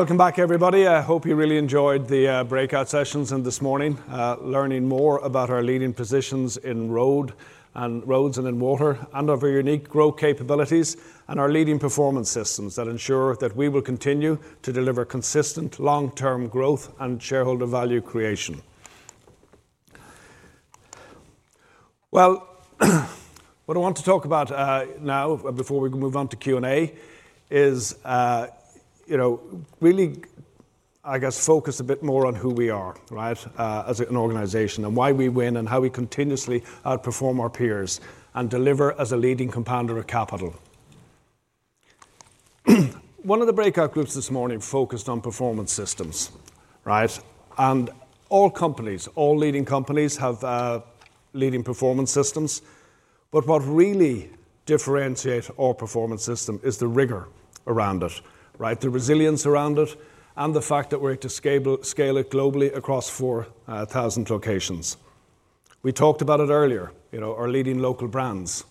Welcome back everybody. I hope you really enjoyed the breakout sessions and this morning learning more about our leading positions in roads and in water and of our unique growth capabilities and our leading performance systems that ensure that we will continue to deliver consistent long term growth and shareholder value creation. What I want to talk about now before we move on to Q&A is, you know, really, I guess, focus a bit more on who we are, right, as an organization and why we win and how we continuously outperform our peers and deliver as a leading compounder of capital. One of the breakout groups this morning focused on performance systems, right? All companies, all leading companies have leading performance systems. What really differentiates our performance system is the rigor around it, the resilience around it, and the fact that we're able to scale it globally across 4,000 locations. We talked about it earlier, you know, our leading local brands,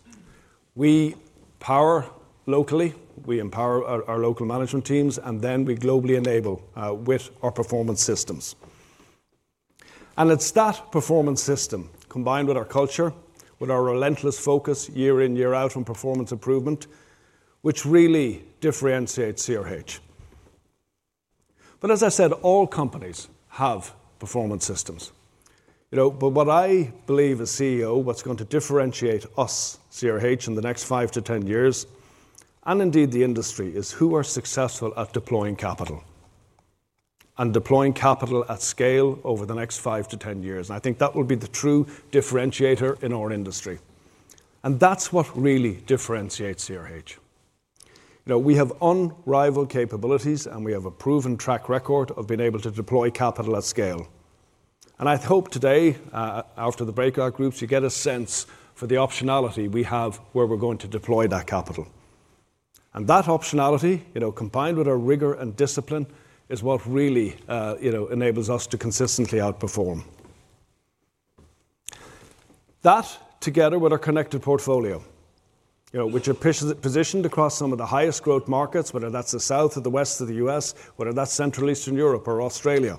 we power locally, we empower our local management teams, and then we globally enable with our performance systems. It's that performance system combined with our culture, with our relentless focus year in, year out on performance improvement, which really differentiates CRH. As I said, all companies have performance systems, you know, but what I believe as CEO, what's going to differentiate us, CRH, in the next five to 10 years, and indeed the industry, is who are successful at deploying capital and deploying capital at scale over the next five to 10 years. I think that will be the true differentiator in our industry. That's what really differentiates CRH. Now we have unrivaled capabilities and we have a proven track record of being able to deploy capital at scale. I hope today after the breakout groups, you get a sense for the optionality we have where we're going to deploy that capital. That optionality combined with our rigor and discipline is what really enables us to consistently outperform. That, together with our connected portfolio, which are positioned across some of the highest growth markets, whether that's the south or the west of the U.S., whether that's Central, Eastern Europe or Australia,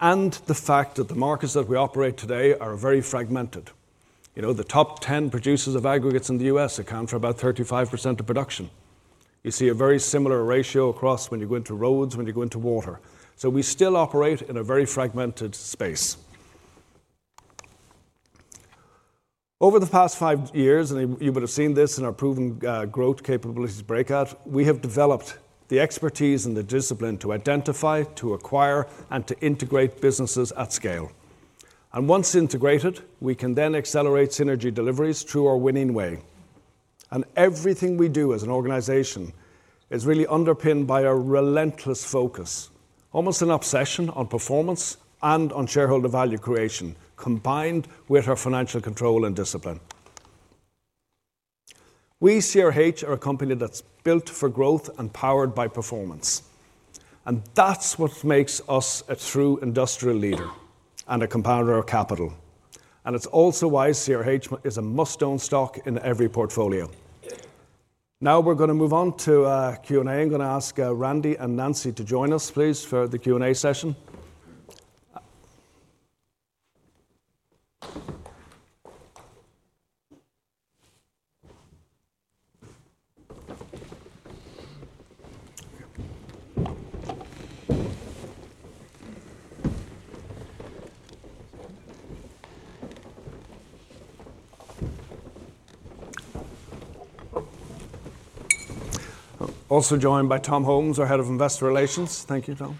and the fact that the markets that we operate today are very fragmented, you know, the top 10 producers of aggregates in the U.S. account for about 35% of production. You see a very similar ratio across when you go into roads, when you go into water. We still operate in a very fragmented space over the past five years. You would have seen this in our proven growth capabilities breakout. We have developed the expertise and the discipline to identify, to acquire, and to integrate businesses at scale. Once integrated, we can then accelerate synergy deliveries through our winning way. Everything we do as an organization is really underpinned by a relentless focus, almost an obsession, on performance and on shareholder value creation combined with our financial control and discipline. We at CRH are a company that's built for growth and powered by performance. That's what makes us a true industrial leader and a compounder of capital. It's also why CRH is a must own stock in every portfolio. Now we're going to move on to Q&A. I'm going to ask Randy and Nancy to join us please for the Q&A session. Also joined by Tom Holmes, our Head of Investor Relations. Thank you, Tom.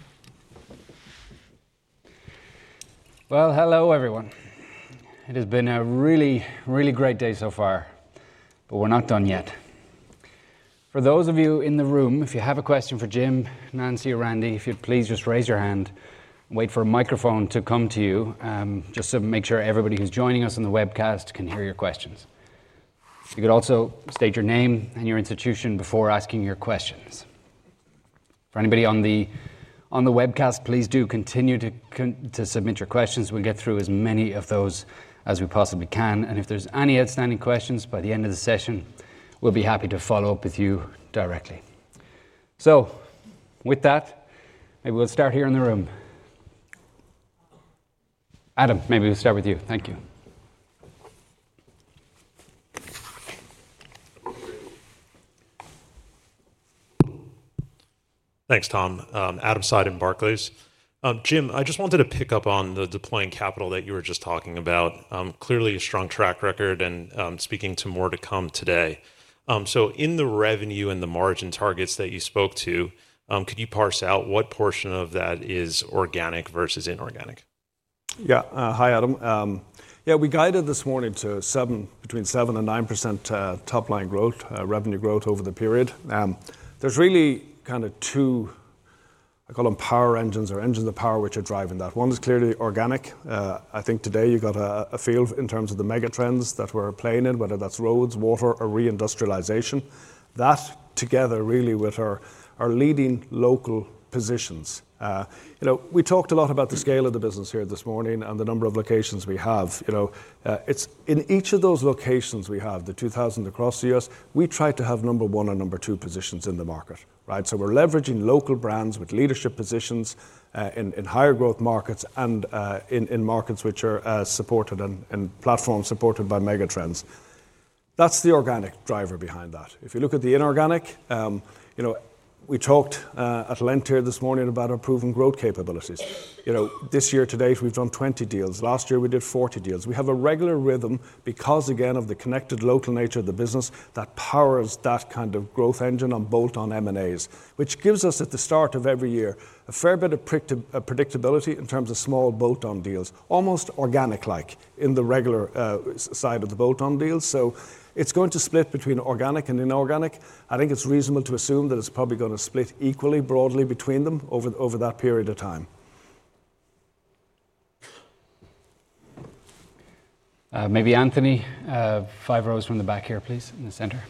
Hello everyone. It has been really, really great. Day so far, we're not done yet. For those of you in the room, if you have a question for Jim. Nancy or Randy, if you'd please just. Raise your hand, wait for a microphone. To come to you just to make. Sure, everybody who's joining us on the. webcast can hear your questions. You could also state your name and your institution before asking your questions. For anybody on the webcast, please do continue to submit your questions. We'll get through as many of those as we possibly can. any outstanding questions, please let us know. the end of the session, we'll be happy to follow up with you directly. With that, maybe we'll start here in the room. Adam, maybe we'll start with you. Thank you. Thanks, Tom. Adam Seiden, Barclays. Jim, I just wanted to pick up on the deploying capital that you were just talking about. Clearly a strong track record and speaking to more to come today. In the revenue and the margin. Targets that you spoke to, could you? Parse out what portion of that is organic versus inorganic? Yeah. Hi Adam. Yeah, we guided this morning to between 7% and 9% top-line growth, revenue growth over the period. There's really kind of two, I call them power engines or engines of power, which are driving. That one is clearly organic. I think today you got a feel in terms of the megatrends that we're playing in, whether that's roads, water or reindustrialization, that together really with our leading local positions. We talked a lot about the scale of the business here this morning and the number of locations we have. In each of those locations, we have the 2,000 across the U.S. We try to have number one and number two positions in the market. Right. We're leveraging local brands with leadership positions in higher growth markets and in markets which are supported and platforms supported by megatrends. That's the organic driver behind that. If you look at the inorganic, we talked at length here this morning about our proven growth capabilities. You know, this year to date we've done 20 deals. Last year we did 40 deals. We have a regular rhythm because again of the connected local nature of the business that powers that kind of growth engine on bolt-on M&A, which gives us at the start of every year a fair bit of predictability in terms of small bolt-on deals, almost organic-like in the regular side of the bolt-on deals. It's going to split between organic and inorganic. I think it's reasonable to assume that it's probably going to split equally broadly between them over that period of time. Maybe. Anthony, five rows from the back here, please, in the center.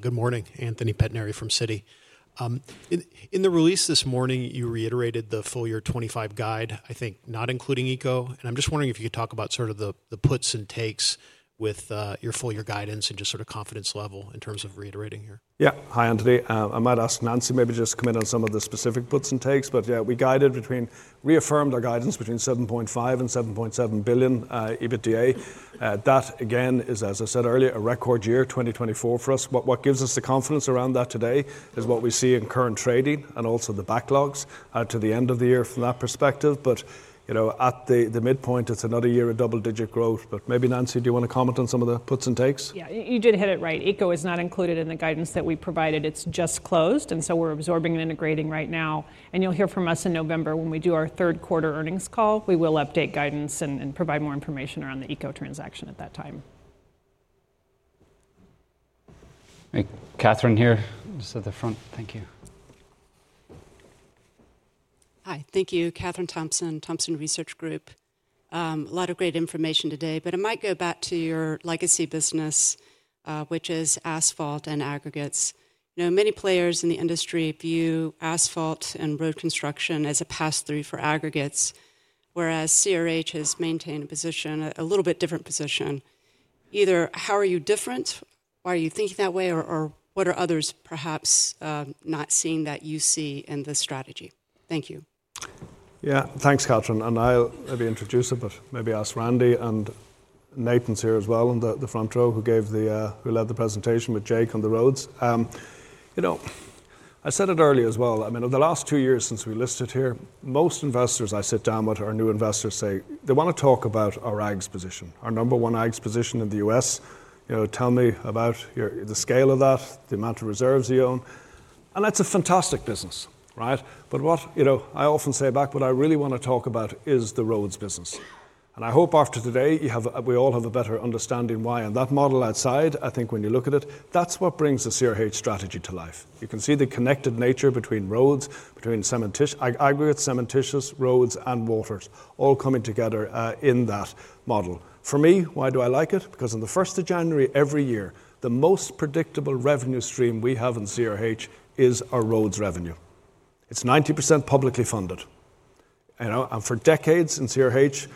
Good morning. Anthony Pettinari from Citi. In the release this morning, you reiterated the full year 2025 guide, I think, not including Eco. I'm just wondering if you could. Talk about the puts and. Takes with your full year guidance. Just sort of confidence level in terms of reiterating here. Yeah, hi Anthony. I might ask Nancy maybe just come in on some of the specific puts and takes. Yeah, we guided between, reaffirmed our guidance between $7.5 billion and $7.7 billion adjusted EBITDA. That again is, as I said earlier, a record year 2024 for us. What gives us the confidence around that today is what we see in current trading and also the backlogs to the end of the year from that perspective. At the midpoint it's another year of double-digit growth. Nancy, do you want to comment on some of the puts and takes? Yeah, you did hit it, right. Eco is not included in the guidance that we provided. It's just closed, and we're absorbing and integrating right now. You'll hear from us in November when we do our third quarter earnings call. We will update guidance and provide more information around the Eco transaction at that time. Katherine here just at the front, thank you. Hi, thank you. Katherine Thompson, Thompson Research Group. A lot of great information today, but I might go back to your legacy business, which is asphalt/bitumen and aggregates. Many players in the industry view asphalt. Road construction as a pass through. For aggregates, whereas CRH has maintained a. Position a little bit different position either. How are you different, why are you thinking that way, or what are others perhaps not seeing that you see in the strategy? Thank you. Yeah, thanks, Katherine. I'll maybe introduce it, but maybe ask Randy. Nathan's here as well on the front row. Who gave the, who led the presentation with Jake on the roads? I said it early as well. In the last two years since we listed here, most investors I sit down with, our new investors say they want to talk about our AGS position, our number one AGS position in the U.S. Tell me about the scale of that, the amount of reserves you own. That's a fantastic business, right. What I really want to talk about is the roads business. I hope after today we all have a better understanding why on that model outside. I think when you look at it, that's what brings the CRH strategy to life. You can see the connected nature between roads, between aggregate cementitious roads and waters all coming together in that model. For me, why do I like it? On the 1st of January every year, the most predictable revenue stream we have in CRH is our roads revenue. It's 90% publicly funded. For decades in CRH,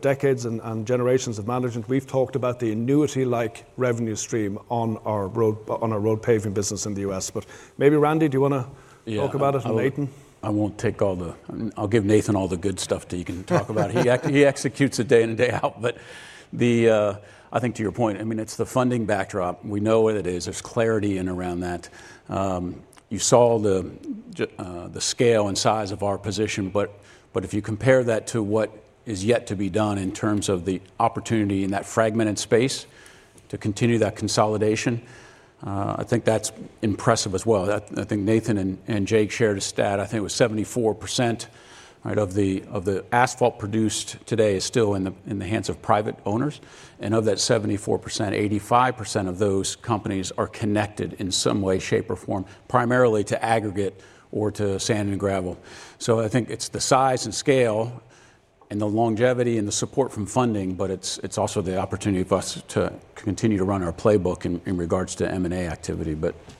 decades and generations of management, we've talked about the annuity-like revenue stream on our road paving business in the U.S. Randy, do you want to talk about it? Nathan? I won't take all the. I'll give Nathan all the good stuff that you can talk about. He executes it day in and day out. I think to your point, it's the funding backdrop. We know what it is. There's clarity in around that. You saw the scale and size of our position. If you compare that to what is yet to be done in terms of the opportunity in that fragmented space to continue that consolidation, I think that's impressive as well. I think Nathan and Jake shared a stat. I think it was 74% of the asphalt produced today is still in the hands of private owners. Of that 74%, 85% of those companies are connected in some way, shape or form primarily to aggregate or to sand and gravel. I think it's the size and scale and the longevity and the support from funding, but it's also the opportunity for us to continue to run our playbook in regards to M&A activity.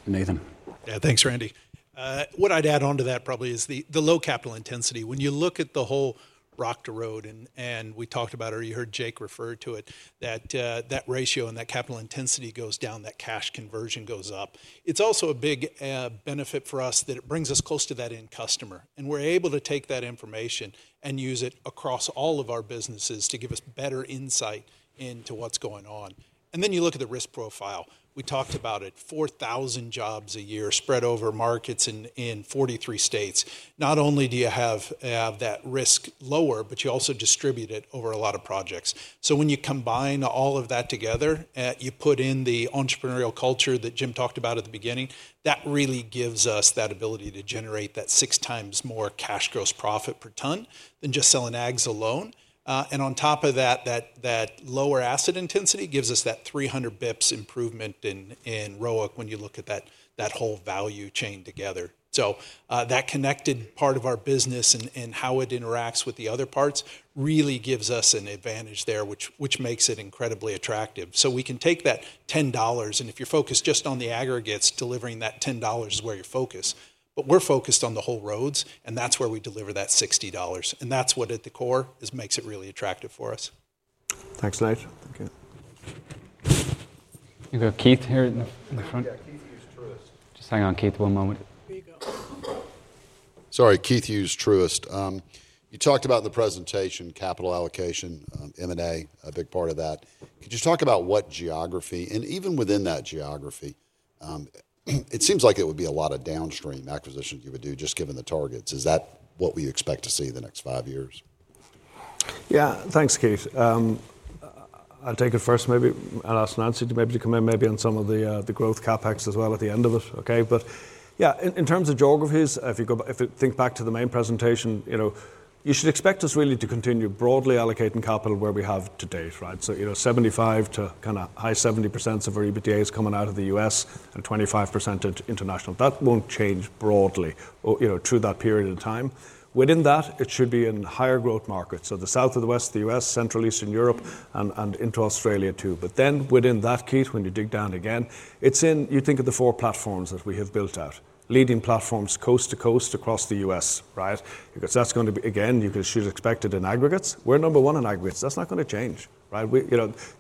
Nathan. Yeah, thanks, Randy. What I'd add onto that probably is the low capital intensity when you look at the whole rock to road and we talked about, or you heard Jake refer to it, that ratio and that capital intensity goes down, that cash conversion goes up. It's also a big benefit for us that it brings us close to that end customer, able to take that information and use it across all of our businesses to give us better insight into what's going on. You look at the risk profile, we talked about it. 4,000 jobs a year spread over markets in 43 states. Not only do you have that risk lower, but you also distribute it over a lot of projects. When you combine all of that together, you put in the entrepreneurial culture that Jim talked about at the beginning, that really gives us that ability to generate that 6x more cash gross profit per ton than just selling aggregates alone. On top of that, that lower asset intensity gives us that 300 bps improvement in ROIC. When you look at that whole value chain together, that connected part of our business and how it interacts with the other parts really gives us an advantage there, which makes it incredibly attractive. We can take that $10, and if you're focused just on the aggregates, delivering that $10 is where you focus. We're focused on the whole roads, and that's where we deliver that $60. That's what at the core is, makes it really attractive for us. Thanks, Naj. Thank you. You got Keith here in the front. Just hang on, Keith, one moment. Sorry, Keith Hughes, Truist. You talked about in the presentation, capital allocation, M&A. A big part of that. Could you talk about what geography, and even within that geography, it seems like it would be a lot of downstream. Acquisitions you would do just given the targets. Is that what we expect to see the next five years? Yeah, thanks Keith, I'll take it first, maybe I'll ask Nancy to come in on some of the growth CapEx as well at the end of it. Okay. In terms of geographies, if you think back to the main presentation, you should expect us really to continue broadly allocating capital where we have to date. Right. So 75% to kind of high 70% of our EBITDA is coming out of the U.S. and 25% at International. That won't change broadly through that period of time. Within that, it should be in higher growth markets of the South, of the West, the U.S. Central, Eastern Europe, and into Australia too. Within that, Keith, when you dig down again, it's in you think of the four platforms that we have built out, leading platforms coast to coast across the U.S. right. That's going to be again, you should expect it in aggregates. We're number one in aggregates. That's not going to change. We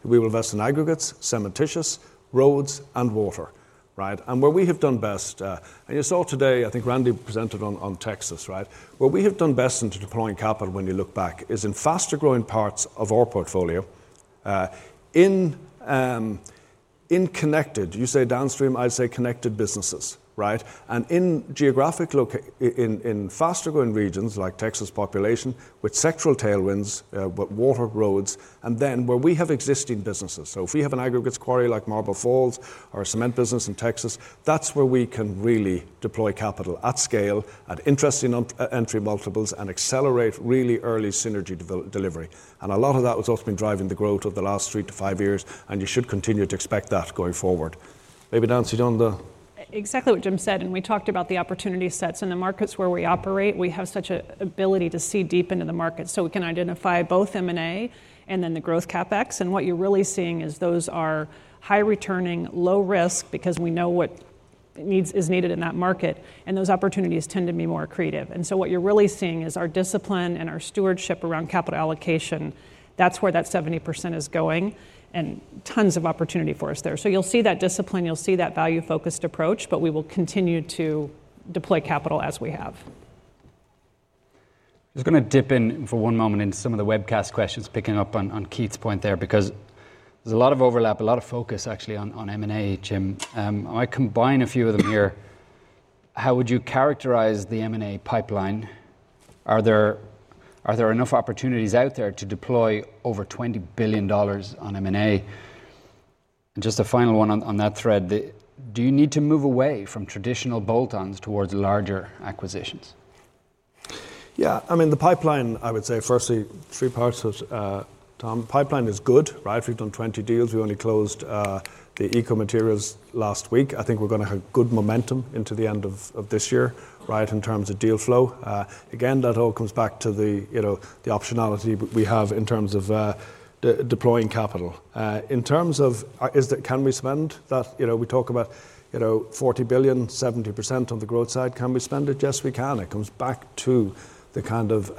will invest in aggregates, cementitious, roads, and water. Where we have done best, and you saw today, I think Randy presented on Texas, where we have done best in deploying capital when you look back is in faster growing parts of our portfolio in connected, you say downstream, I say connected businesses. In geographic, in faster growing regions like Texas, population with sectoral tailwinds, but water, roads, and then where we have existing businesses. If we have an aggregates quarry like Marble Falls or a cement business in Texas, that's where we can really deploy capital at scale, at interesting entry multiples, and accelerate really early synergy delivery. A lot of that has also been driving the growth of the last three to five years. You should continue to expect that going forward. Maybe Nancy on the. Exactly what Jim said. We talked about the opportunity sets in the markets where we operate. We have such an ability to see deep into the market, so we can identify both M&A and then the growth CapEx. What you're really seeing is those are high returning, low risk because we know what is needed in that market, and those opportunities tend to be more accretive. What you're really seeing is our discipline and our stewardship around capital allocation. That's where that 70% is going, and there is tons of opportunity for us there. You will see that discipline, you'll see that value-focused approach. We will continue to deploy capital as we have. I was going to dip in for one moment into some of the webcast. Questions picking up on Keith's point there because there's a lot of overlap. Lot of focus actually on M&A. Jim, I combine a few of them here. How would you characterize the M&A pipeline? Are there enough opportunities out there to deploy over $20 billion on M&A? Just a final one on that thread. Do you need to move away from traditional bolt-ons towards larger acquisitions? Yeah, I mean the pipeline I would say firstly three parts of the pipeline is good, right? We've done 20 deals. We only closed the Eco Materials last week. I think we're going to have good momentum into the end of this year. In terms of deal flow, again that all comes back to the optionality we have in terms of deploying capital, in terms of can we spend that? You know, we talk about $40 billion, 70% on the growth side. Can we spend it? Yes, we can. It comes back to the kind of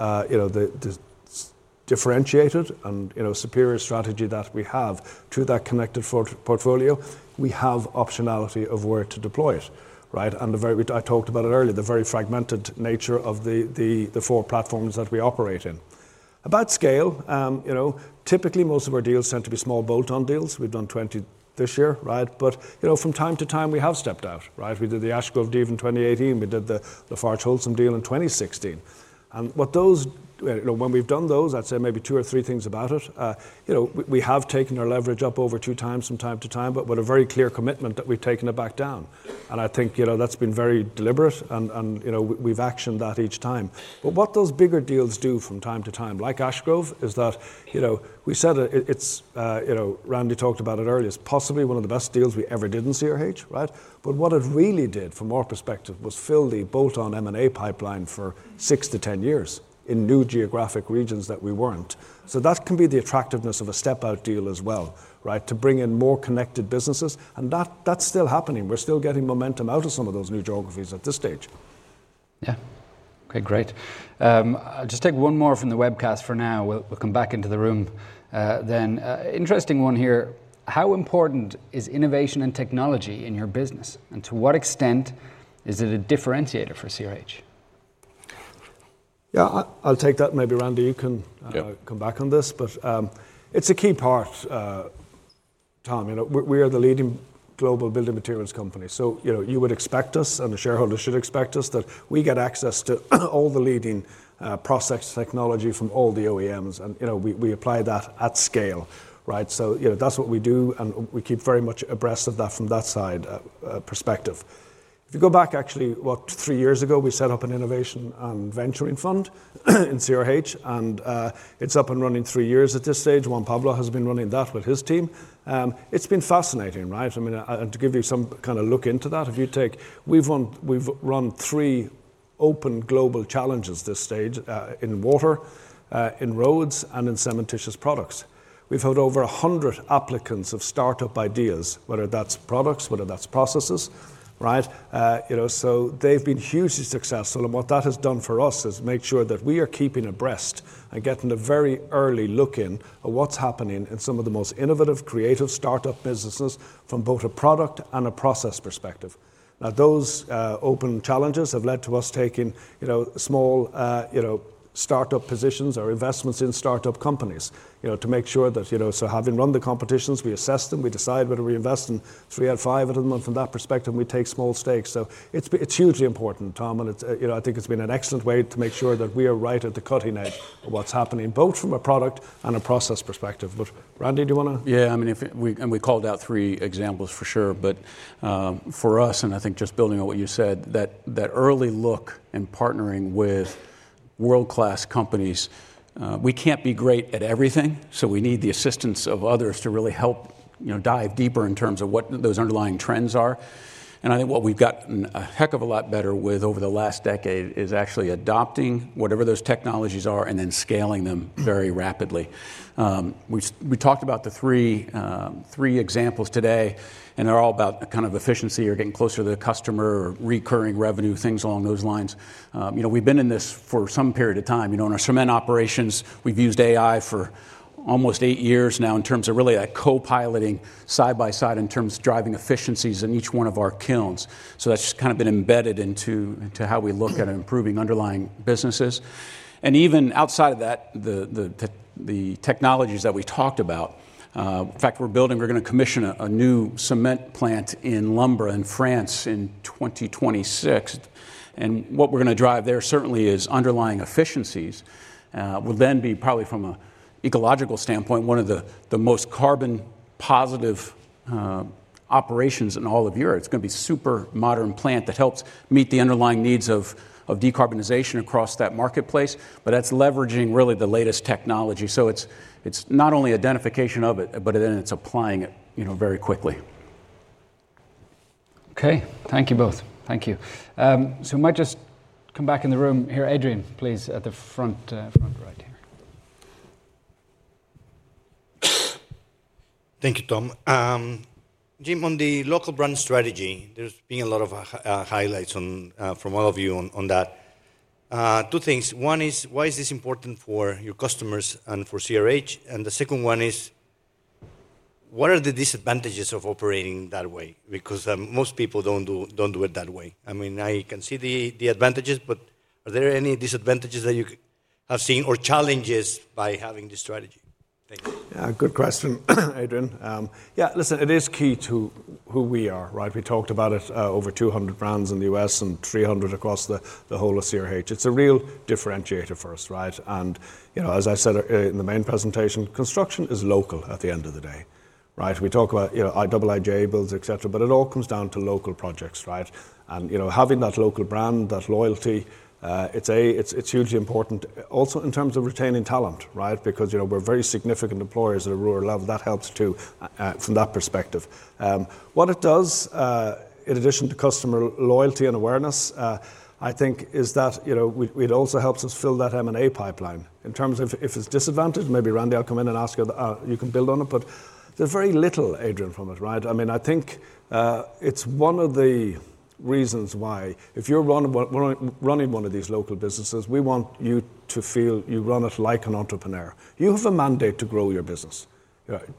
differentiated and superior strategy that we have to that connected portfolio. We have optionality of where to deploy it. I talked about it earlier, the very fragmented nature of the four platforms that we operate in about scale. Typically, most of our deals tend to be small bolt-on deals. We've done 20 this year, but from time to time we have stepped out. We did the Ash Grove deal in 2018, we did the Fels acquisition in 2016. When we've done those, I'd say maybe two or three things about it. We have taken our leverage up over two times from time to time, but with a very clear commitment that we've taken it back down. I think that's been very deliberate and we've actioned that each time. What those bigger deals do from time to time, like Ash Grove, is that, you know, we said it's, Randy talked about it earlier, it's possibly one of the best deals we ever did in CRH. What it really did from our perspective was fill the bolt-on M&A pipeline for six to 10 years in new geographic regions that we weren't. That can be the attractiveness of a step-out deal as well, to bring in more connected businesses. That's still happening. We're still getting momentum out of some of those new geographies at this stage. Okay, great. I'll just take one more from the webcast for now. We'll come back into the room then. Interesting one here. How important is innovation and technology in your business and to what extent you. Is it a differentiator for CRH? Yeah, I'll take that. Maybe Randy, you can come back on this. It's a key part, Tom. You know, we are the leading global building materials company. You would expect us and the shareholders should expect us that we get access to all the leading process technology from all the OEMs, and we apply that at scale. That's what we do, and we keep very much abreast of that from that side perspective. If you go back actually, what, three years ago, we set up an innovation and venturing fund in CRH, and it's up and running three years at this stage. JP San Agustin has been running that with his team. It's been fascinating. To give you some kind of look into that, if you take, we've run three open global challenges at this stage in water, in roads, and in cementitious products. We've had over 100 applicants of startup ideas, whether that's products, whether that's processes. They've been hugely successful. What that has done for us is make sure that we are keeping abreast and getting a very early look in at what's happening in some of the most innovative, creative start-up businesses from both a product and a process perspective. Now, those open challenges have led to us taking small startup positions or investments in start-up companies to make sure that, having run the competitions, we assess them, we decide whether we invest in three out of five of them. From that perspective, we take small stakes. It's hugely important, Tom, and I think it's been an excellent way to make sure that we are right at the cutting edge of what's happening both from a product and a process perspective. Randy, do you want to. Yeah, I mean, we called out three examples for sure, but for us, and I think just building on what you said, that early look and partnering with world-class companies, we can't be great at everything. We need the assistance of others to really help, you know, dive deeper in terms of what those underlying trends are. I think what we've gotten a heck of a lot better with over the last decade is actually adopting whatever those technologies are and then scaling them very rapidly. We talked about the three examples today and they're all about kind of efficiency or getting closer to the customer or recurring revenue, things along those lines. We've been in this for some period of time. In our cement operations, we've used AI for almost eight years now in terms of really a co-piloting side by side in terms of driving efficiencies in each one of our kilns. That's just kind of been embedded into how we look at improving underlying businesses. Even outside of that, the technologies that we talked about, in fact we're building, we're going to commission a new cement plant in Lumbres in France in 2026. What we're going to drive there certainly is underlying efficiencies, which will then be probably from an ecological standpoint, one of the most carbon positive operations in all of Europe. It's going to be a super modern plant that helps meet the underlying needs of decarbonization across that marketplace. That's leveraging really the latest technology. It's not only identification of it, but then it's applying it very quickly. Okay, thank you both. Thank you so much. Just come back in the room here, Adrian, please, at the front, right here. Thank you, Tom. Jim, on the local brand strategy, there's been a lot of highlights from all of you on that. Two things. One is, why is this important for? Your customers and for CRH? The second one is, what are. The disadvantages of operating that way? Because most people don't do it that way. I mean, I can see the advantages, but are there any disadvantages that you see? Have you seen any challenges by having this strategy? Thanks. Good question, Adrian. Yeah, listen, it is key to who we are, right? We talked about it, over 200 brands in the U.S. and 300 across the whole of CRH. It's a real differentiator for us, right. You know, as I said in the main presentation, construction is local. At the end of the day, we talk about IIJ builds, et cetera, but it all comes down to local projects, right? Having that local brand, that loyalty, it's hugely important also in terms of retaining talent. Right. Because we're very significant employers. At a rural level, that helps too, from that perspective. What it does, in addition to customer loyalty and awareness, I think, is that it also helps us fill that M&A pipeline in terms of if it's disadvantaged, maybe. Randy, I'll come in and ask you. You can build on it, but there's very little, Adrian, from it. Right. I mean, I think it's one of the reasons why if you're running one of these local businesses, we want you to feel you run it like an entrepreneur. You have a mandate to grow your business,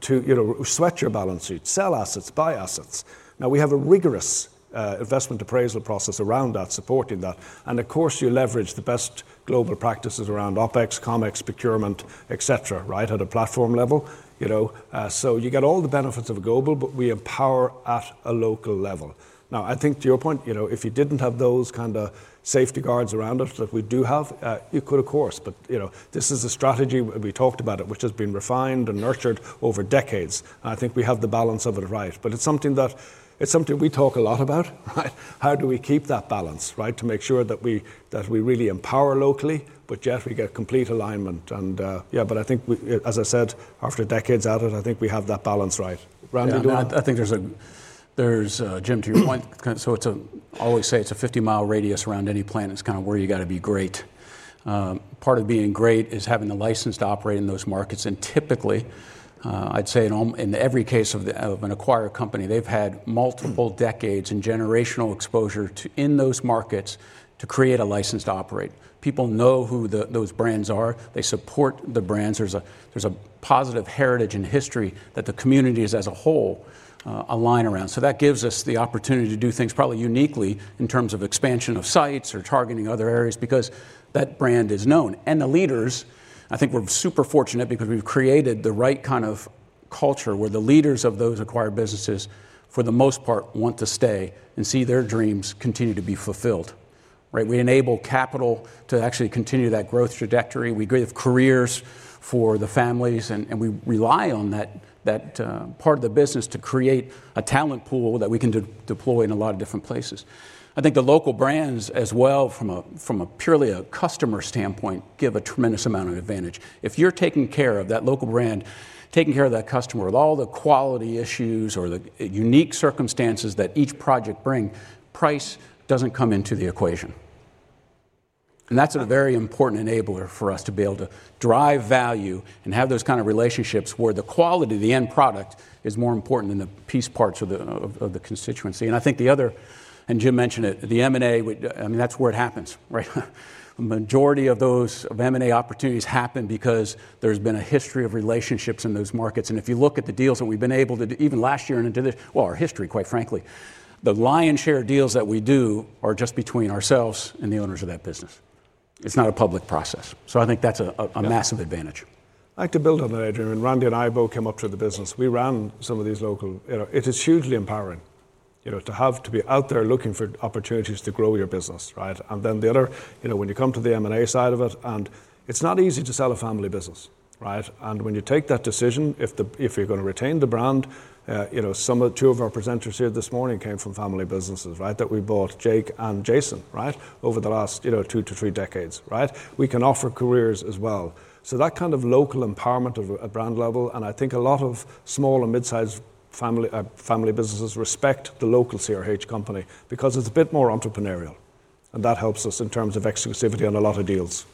to, you know, sweat your balance sheet, sell assets, buy assets. Now, we have a rigorous investment appraisal process around that, supporting that. Of course, you leverage the best global practices around OpEx, CapEx, procurement, et cetera. Right. At a platform level, you know, so you get all the benefits of global, but we empower at a local level. Now, I think, to your point, if you didn't have those kind of safety guards around us that we do have, you could, of course, but, you know, this is a strategy. We talked about it, which has been refined and nurtured over decades. I think we have the balance of it. Right. It's something we talk a lot about, right. How do we keep that balance? Right. To make sure that we really empower locally, we get complete alignment. I think, as I said, after decades at it, I think we have that balance right. Randy, I think there's Jim, to your point. I always say it's a 50-mile radius around any plant. It's kind of where you got to be great. Part of being great is having the license to operate in those markets. Typically, I'd say in every case of an acquired company, they've had multiple decades in generational exposure in those markets to create a license to operate. People know who those brands are, they support the brands. There's a positive heritage and history that the communities as a whole align around. That gives us the opportunity to do things probably uniquely in terms of expansion of sites or targeting other areas because that brand is known and the leaders. I think we're super fortunate because we've created the right kind of culture where the leaders of those acquired businesses for the most part want to stay and see their dreams continue to be fulfilled. Right. We enable capital to actually continue that growth trajectory. We give careers for the families, and we rely on that part of the business to create a talent pool that we can deploy in a lot of different places. I think the local brands as well, from a purely a customer standpoint, give a tremendous amount of advantage. If you're taking care of that local brand, taking care of that customer, with all the quality issues or the unique circumstances that each project brings, price doesn't come into the equation. That's a very important enabler for us to be able to drive value and have those kind of relationships where the quality of the end product is more important than the piece parts of the constituency. I think the other, and Jim mentioned it, the M&A, that's where it happens, right? Majority of those M&A opportunities happen because there's been a history of relationships in those markets. If you look at the deals that we've been able to do even last year, in addition, our history, quite frankly, the lion's share of deals that we do are just between ourselves and the owners of that business. It's not a public process. I think that's a massive advantage. I like to build on that. Adrian, Randy and I both came up through the business. We ran some of these local, you know, it is hugely empowering to have to be out there looking for opportunities to grow your business. Right. The other, you know, when you come to the M&A side of it, it's not easy to sell a family business. Right. When you take that decision, if you're going to retain the brand, you know, some of the two of our presenters here this morning came from family businesses. Right. That we bought, Jake and Jason. Right. Over the last two to three decades. Right. We can offer careers as well. So that kind of local empowerment at a brand level. I think a lot of small and mid-sized family businesses respect the local CRH company because it's a bit more entrepreneurial, and that helps us in terms of exclusivity on a lot of deals.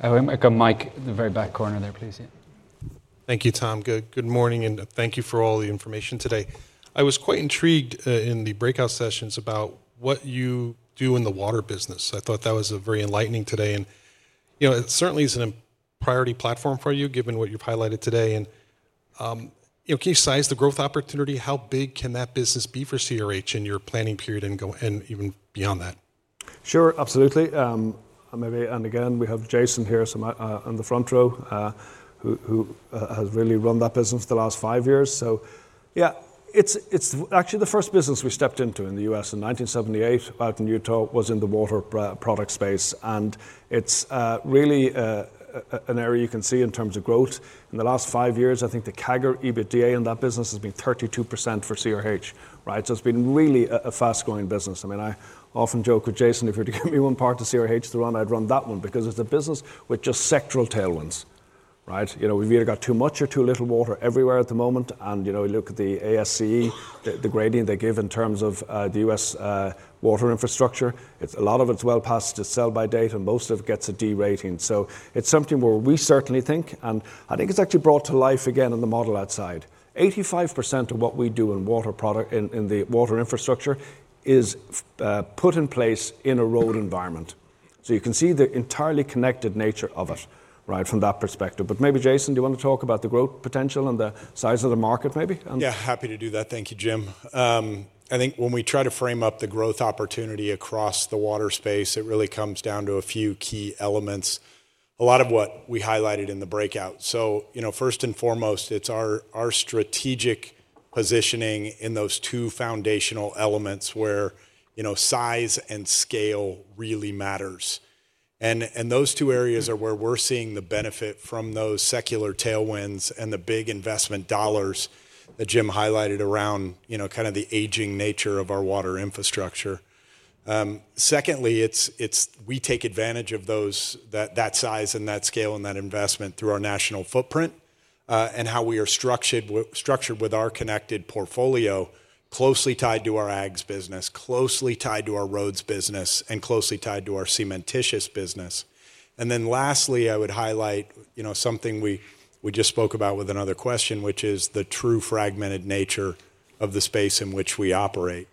I can mic in the very back corner there, please. Thank you. Tom. Good morning and thank you for. All the information today. I was quite intrigued in the breakout sessions about what you do in the water business. I thought that was very enlightening today. You know, it certainly is an. Priority platform for you given what you've highlighted today. Can you size the. Growth opportunity, how big can that business be. Be for CRH in your planning period and go even beyond that? Sure, absolutely. We have Jason here on the front row who has really run that business the last five years. It's actually the first business we stepped into in the U.S. in 1978 out in Utah, in the water product space. It's really an area you can see in terms of growth in the last five years. I think the CAGR EBITDA in that business has been 32% for CRH. It's been really a fast-growing business. I often joke with Jason, if you were to give me one part of CRH to run, I'd run that one because it's a business with just sectoral tailwinds. We've either got too much or too little water everywhere at the moment. We look at the ASCE, the grading they give in terms of the U.S. water infrastructure. A lot of it's well past the sell by date and most of it gets a D rating. It's something where we certainly think, and I think it's actually brought to life again on the model outside. 85% of what we do in water product, in the water infrastructure, is put in place in a road environment. You can see the entirely connected nature of us from that perspective. Maybe Jason, do you want to talk about the growth potential and the size of the market maybe? Yeah, happy to do that. Thank you, Jim. I think when we try to frame up the growth opportunity across the water space, it really comes down to a few key elements, a lot of what we highlighted in the breakout. First and foremost, it's our strategic positioning in those two foundational elements where size and scale really matter. Those two areas are where we're seeing the benefit from those secular tailwinds and the big investment dollars that Jim highlighted around the aging nature of our water infrastructure. Secondly, we take advantage of that size and that scale and that investment through our national footprint and how we are structured with our connected portfolio closely tied to our aggregates business, closely tied to our roads business, and closely tied to our cementitious business. Lastly, I would highlight something we just spoke about with another question, which is the true fragmented nature of the space in which we operate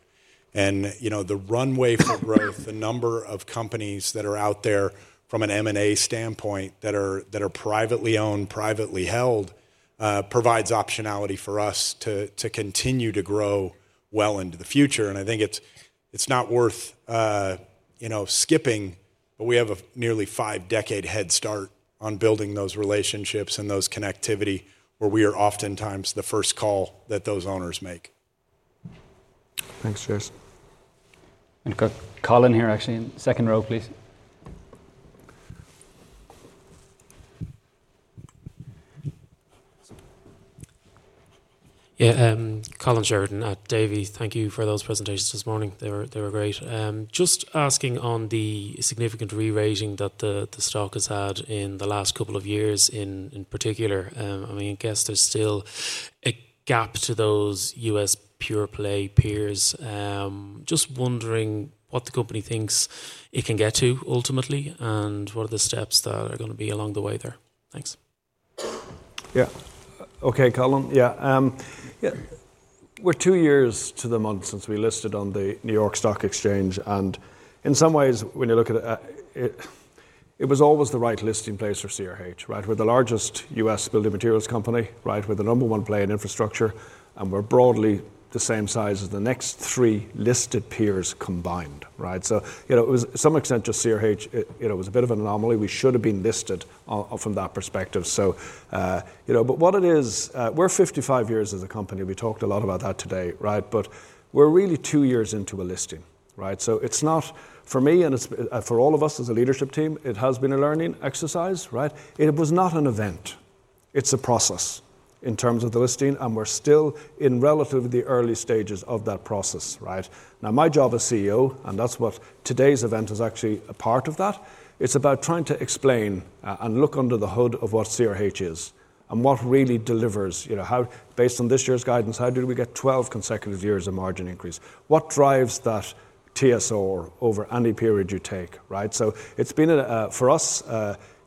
and the runway for growth. The number of companies that are out there from an M&A standpoint that are privately owned, privately held provides optionality for us to continue to grow well into the future. I think it's not worth skipping, but we have a nearly five decade head start on building those relationships and that connectivity where we are oftentimes the first call at those owners make. Thanks, Jason. Colin here actually in second row, please. Yeah. Colin Sheridan at Davy. Thank you for those presentations this morning. They were great. Just asking on the significant re-rating that the stock has had in. The last couple of years in particular. I guess there's still a. Gap to those U.S. pure play peers. Just wondering what the company thinks. Can get to ultimately, and what are the steps that are going to be along the way there. Thanks. Yeah. Okay. Colin. Yeah. We're two years to the month since we listed on the New York Stock Exchange and in some ways when you look at it, it was always the right listing place for CRH. Right. We're the largest U.S. building materials company. Right. We're the number one play in infrastructure and we're broadly the same size as the next three listed peers combined. Right. To some extent, just CRH, it was a bit of an anomaly. We should have been listed from that perspective. You know, but what it is, we're 55 years as a company. We talked a lot about that today. Right. We're really two years into a listing. Right. For me and for all of us as a leadership team, it has been a learning exercise. It was not an event. It's a process in terms of the listing. We're still in relatively early stages of that process. Right now, my job as CEO, and that's what today's event is actually a part of, it's about trying to explain and look under the hood of what CRH is and what really delivers. You know, how based on this year's guidance, how did we get 12 consecutive years of margin increase? What drives that TSO over any period you take, right? For us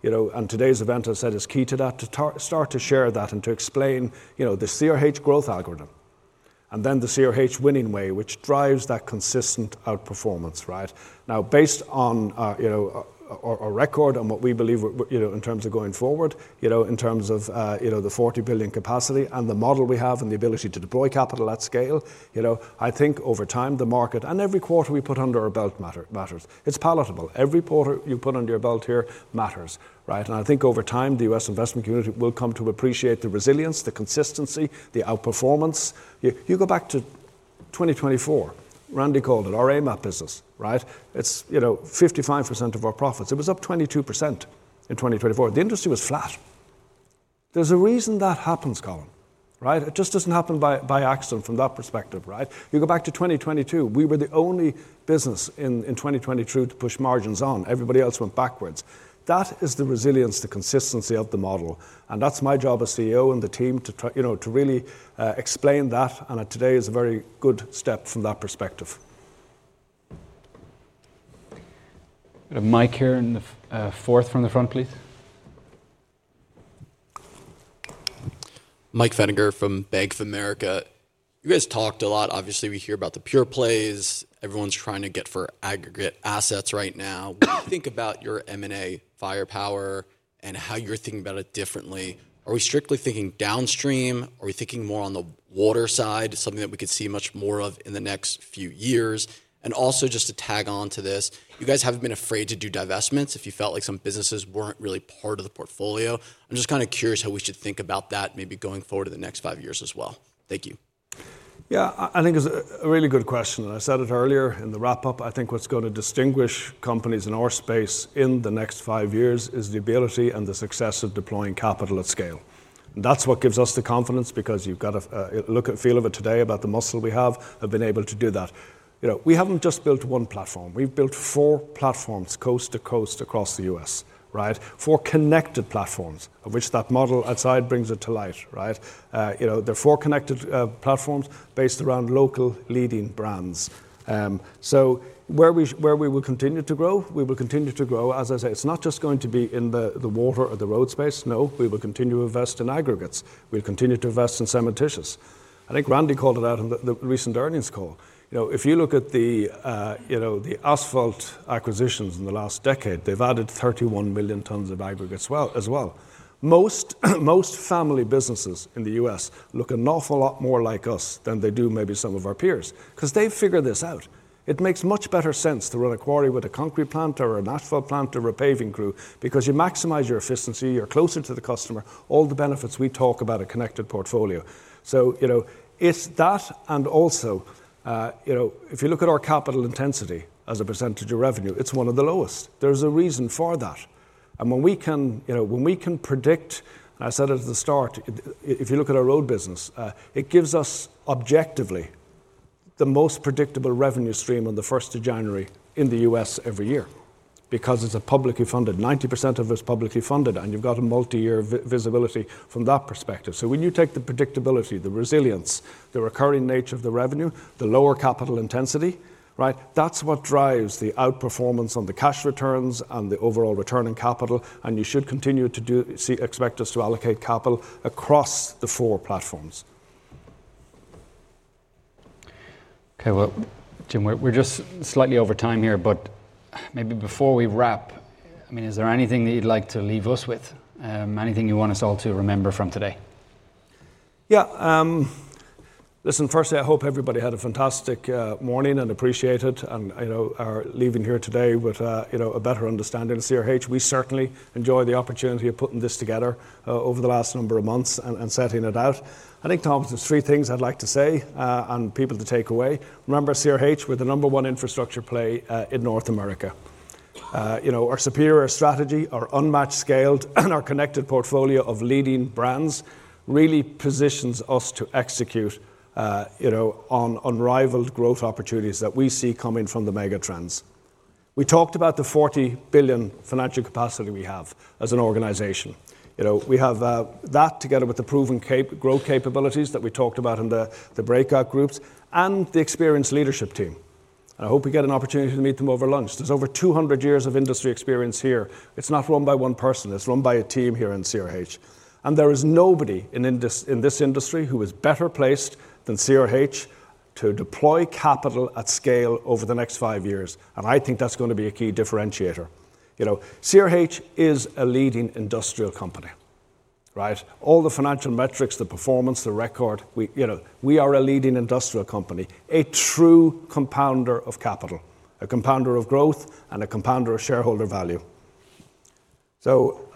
and today's event, as I said, is key to that, to start to share that and to explain the CRH growth algorithm and then the CRH winning way which drives that consistent outperformance. Right now, based on our record and what we believe in terms of going forward, in terms of the $40 billion capacity and the model we have and the ability to deploy capital at scale, I think over time the market and every quarter we put under our belt matters, it's palatable. Every quarter you put under your belt here matters. Right? I think over time the U.S. investment community will come to appreciate the resilience, the consistency, the outperformance. You go back to 2024, Randy called it our AMAP business, right? It's, you know, 55% of our profits. It was up 22% in 2024. The industry was flat. There's a reason that happens, Colin, right. It just doesn't happen by accident. From that perspective, right? You go back to 2022, we were the only business in, in 2022 to push margins on, everybody else went backwards. That is the resilience, the consistency of the model. That's my job as CEO and the team to try, you know, to really explain that. Today is a very good step from that perspective. Mike here in the fourth from the front, please. Mike Feniger from Bank of America. You guys talked a lot. Obviously, we hear about the pure plays. Everyone's trying to get for aggregate assets right now. Think about your M&A firepower and how you're thinking about it differently. Are we strictly thinking downstream? Are we thinking more on the water? Side, something that we could see much more of in the next few years. Also, just to tag on to. You guys haven't been afraid to do divestments if you felt like some. Businesses weren't really part of the portfolio. I'm just curious how we should think about that maybe going forward. In the next five years as well. Thank you. Yeah, I think it's a really good question. I said it earlier in the wrap up. I think what's going to distinguish companies in our space in the next five years is the ability and the success of deploying capital at scale. That's what gives us the confidence because you've got to look at the feel of it today, about the muscle we have been able to do that. You know, we haven't just built one platform, we've built four platforms coast to coast across the U.S., right? Four connected platforms, of which that model outside brings it to light, right? You know, they're four connected platforms based around local leading brands. Where we will continue to grow, we will continue to grow. As I say, it's not just going to be in the water or the road space. No, we will continue to invest in aggregates, we'll continue to invest in cementitious. I think Randy called it out on the recent earnings call. If you look at the asphalt acquisitions in the last decade, they've added 31 million tons of aggregate as well. Most family businesses in the U.S. look an awful lot more like us than they do maybe some of our peers because they've figured this out. It makes much better sense to run a quarry with a concrete plant or a natural plant or a paving crew because you maximize your efficiency, you're closer to the customer, all the benefits. We talk about a connected portfolio, so it's that. Also, if you look at our capital intensity as a percentage of revenue, it's one of the lowest. There's a reason for that, and when we can predict, I said at the start, if you look at our old business, it gives us objectively the most predictable revenue stream on the 1st of January in the U.S. every year because it's publicly funded, 90% of it's publicly funded, and you've got multi-year visibility from that perspective. When you take the predictability, the resilience, the recurring nature of the revenue, the lower capital intensity, right, that's what drives the outperformance on the cash returns and the overall return on capital. You should continue to expect us to allocate capital across the four platforms. Okay, Jim, we're just slightly over time here, but maybe before we wrap. Is there anything that you'd. Like to leave us with? Anything you want us all to remember from today? Yeah, listen, firstly, I hope everybody had a fantastic morning and appreciate it and are leaving here today with a better understanding of CRH. We certainly enjoy the opportunity of putting this together over the last number of months and setting it out. I think, Thomas, there's three things I'd like to say and people to take away. Remember CRH, we're the number one infrastructure play in North America. Our superior strategy, our unmatched scale and our connected portfolio of leading brands really positions us to execute on unrivaled growth opportunities that we see coming from the megatrends. We talked about the $40 billion financial capacity we have as an organization. We have that together with the proven growth capabilities that we talked about in the breakout groups and the experienced leadership team. I hope we get an opportunity to meet them over lunch. There's over 200 years of industry experience here. It's not run by one person, it's run by a team here in CRH. There is nobody in this industry who is better placed than CRH to deploy capital at scale over the next five years. I think that's going to be a key differentiator. CRH is a leading industrial company. All the financial metrics, the performance, the record, we are a leading industrial company, a true compounder of capital, a compounder of growth and a compounder of shareholder value.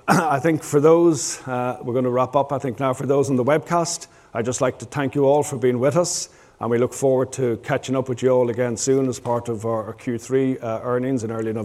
I think for those, we're going to wrap up, I think now for those on the webcast, I'd just like to thank you all for being with us and we look forward to catching up with you all again soon as part of our Q3 earnings in early November. I think they're going to sign off on the webcast now, but for everybody here in the room, we really hope that you can join us and stay with us and get a.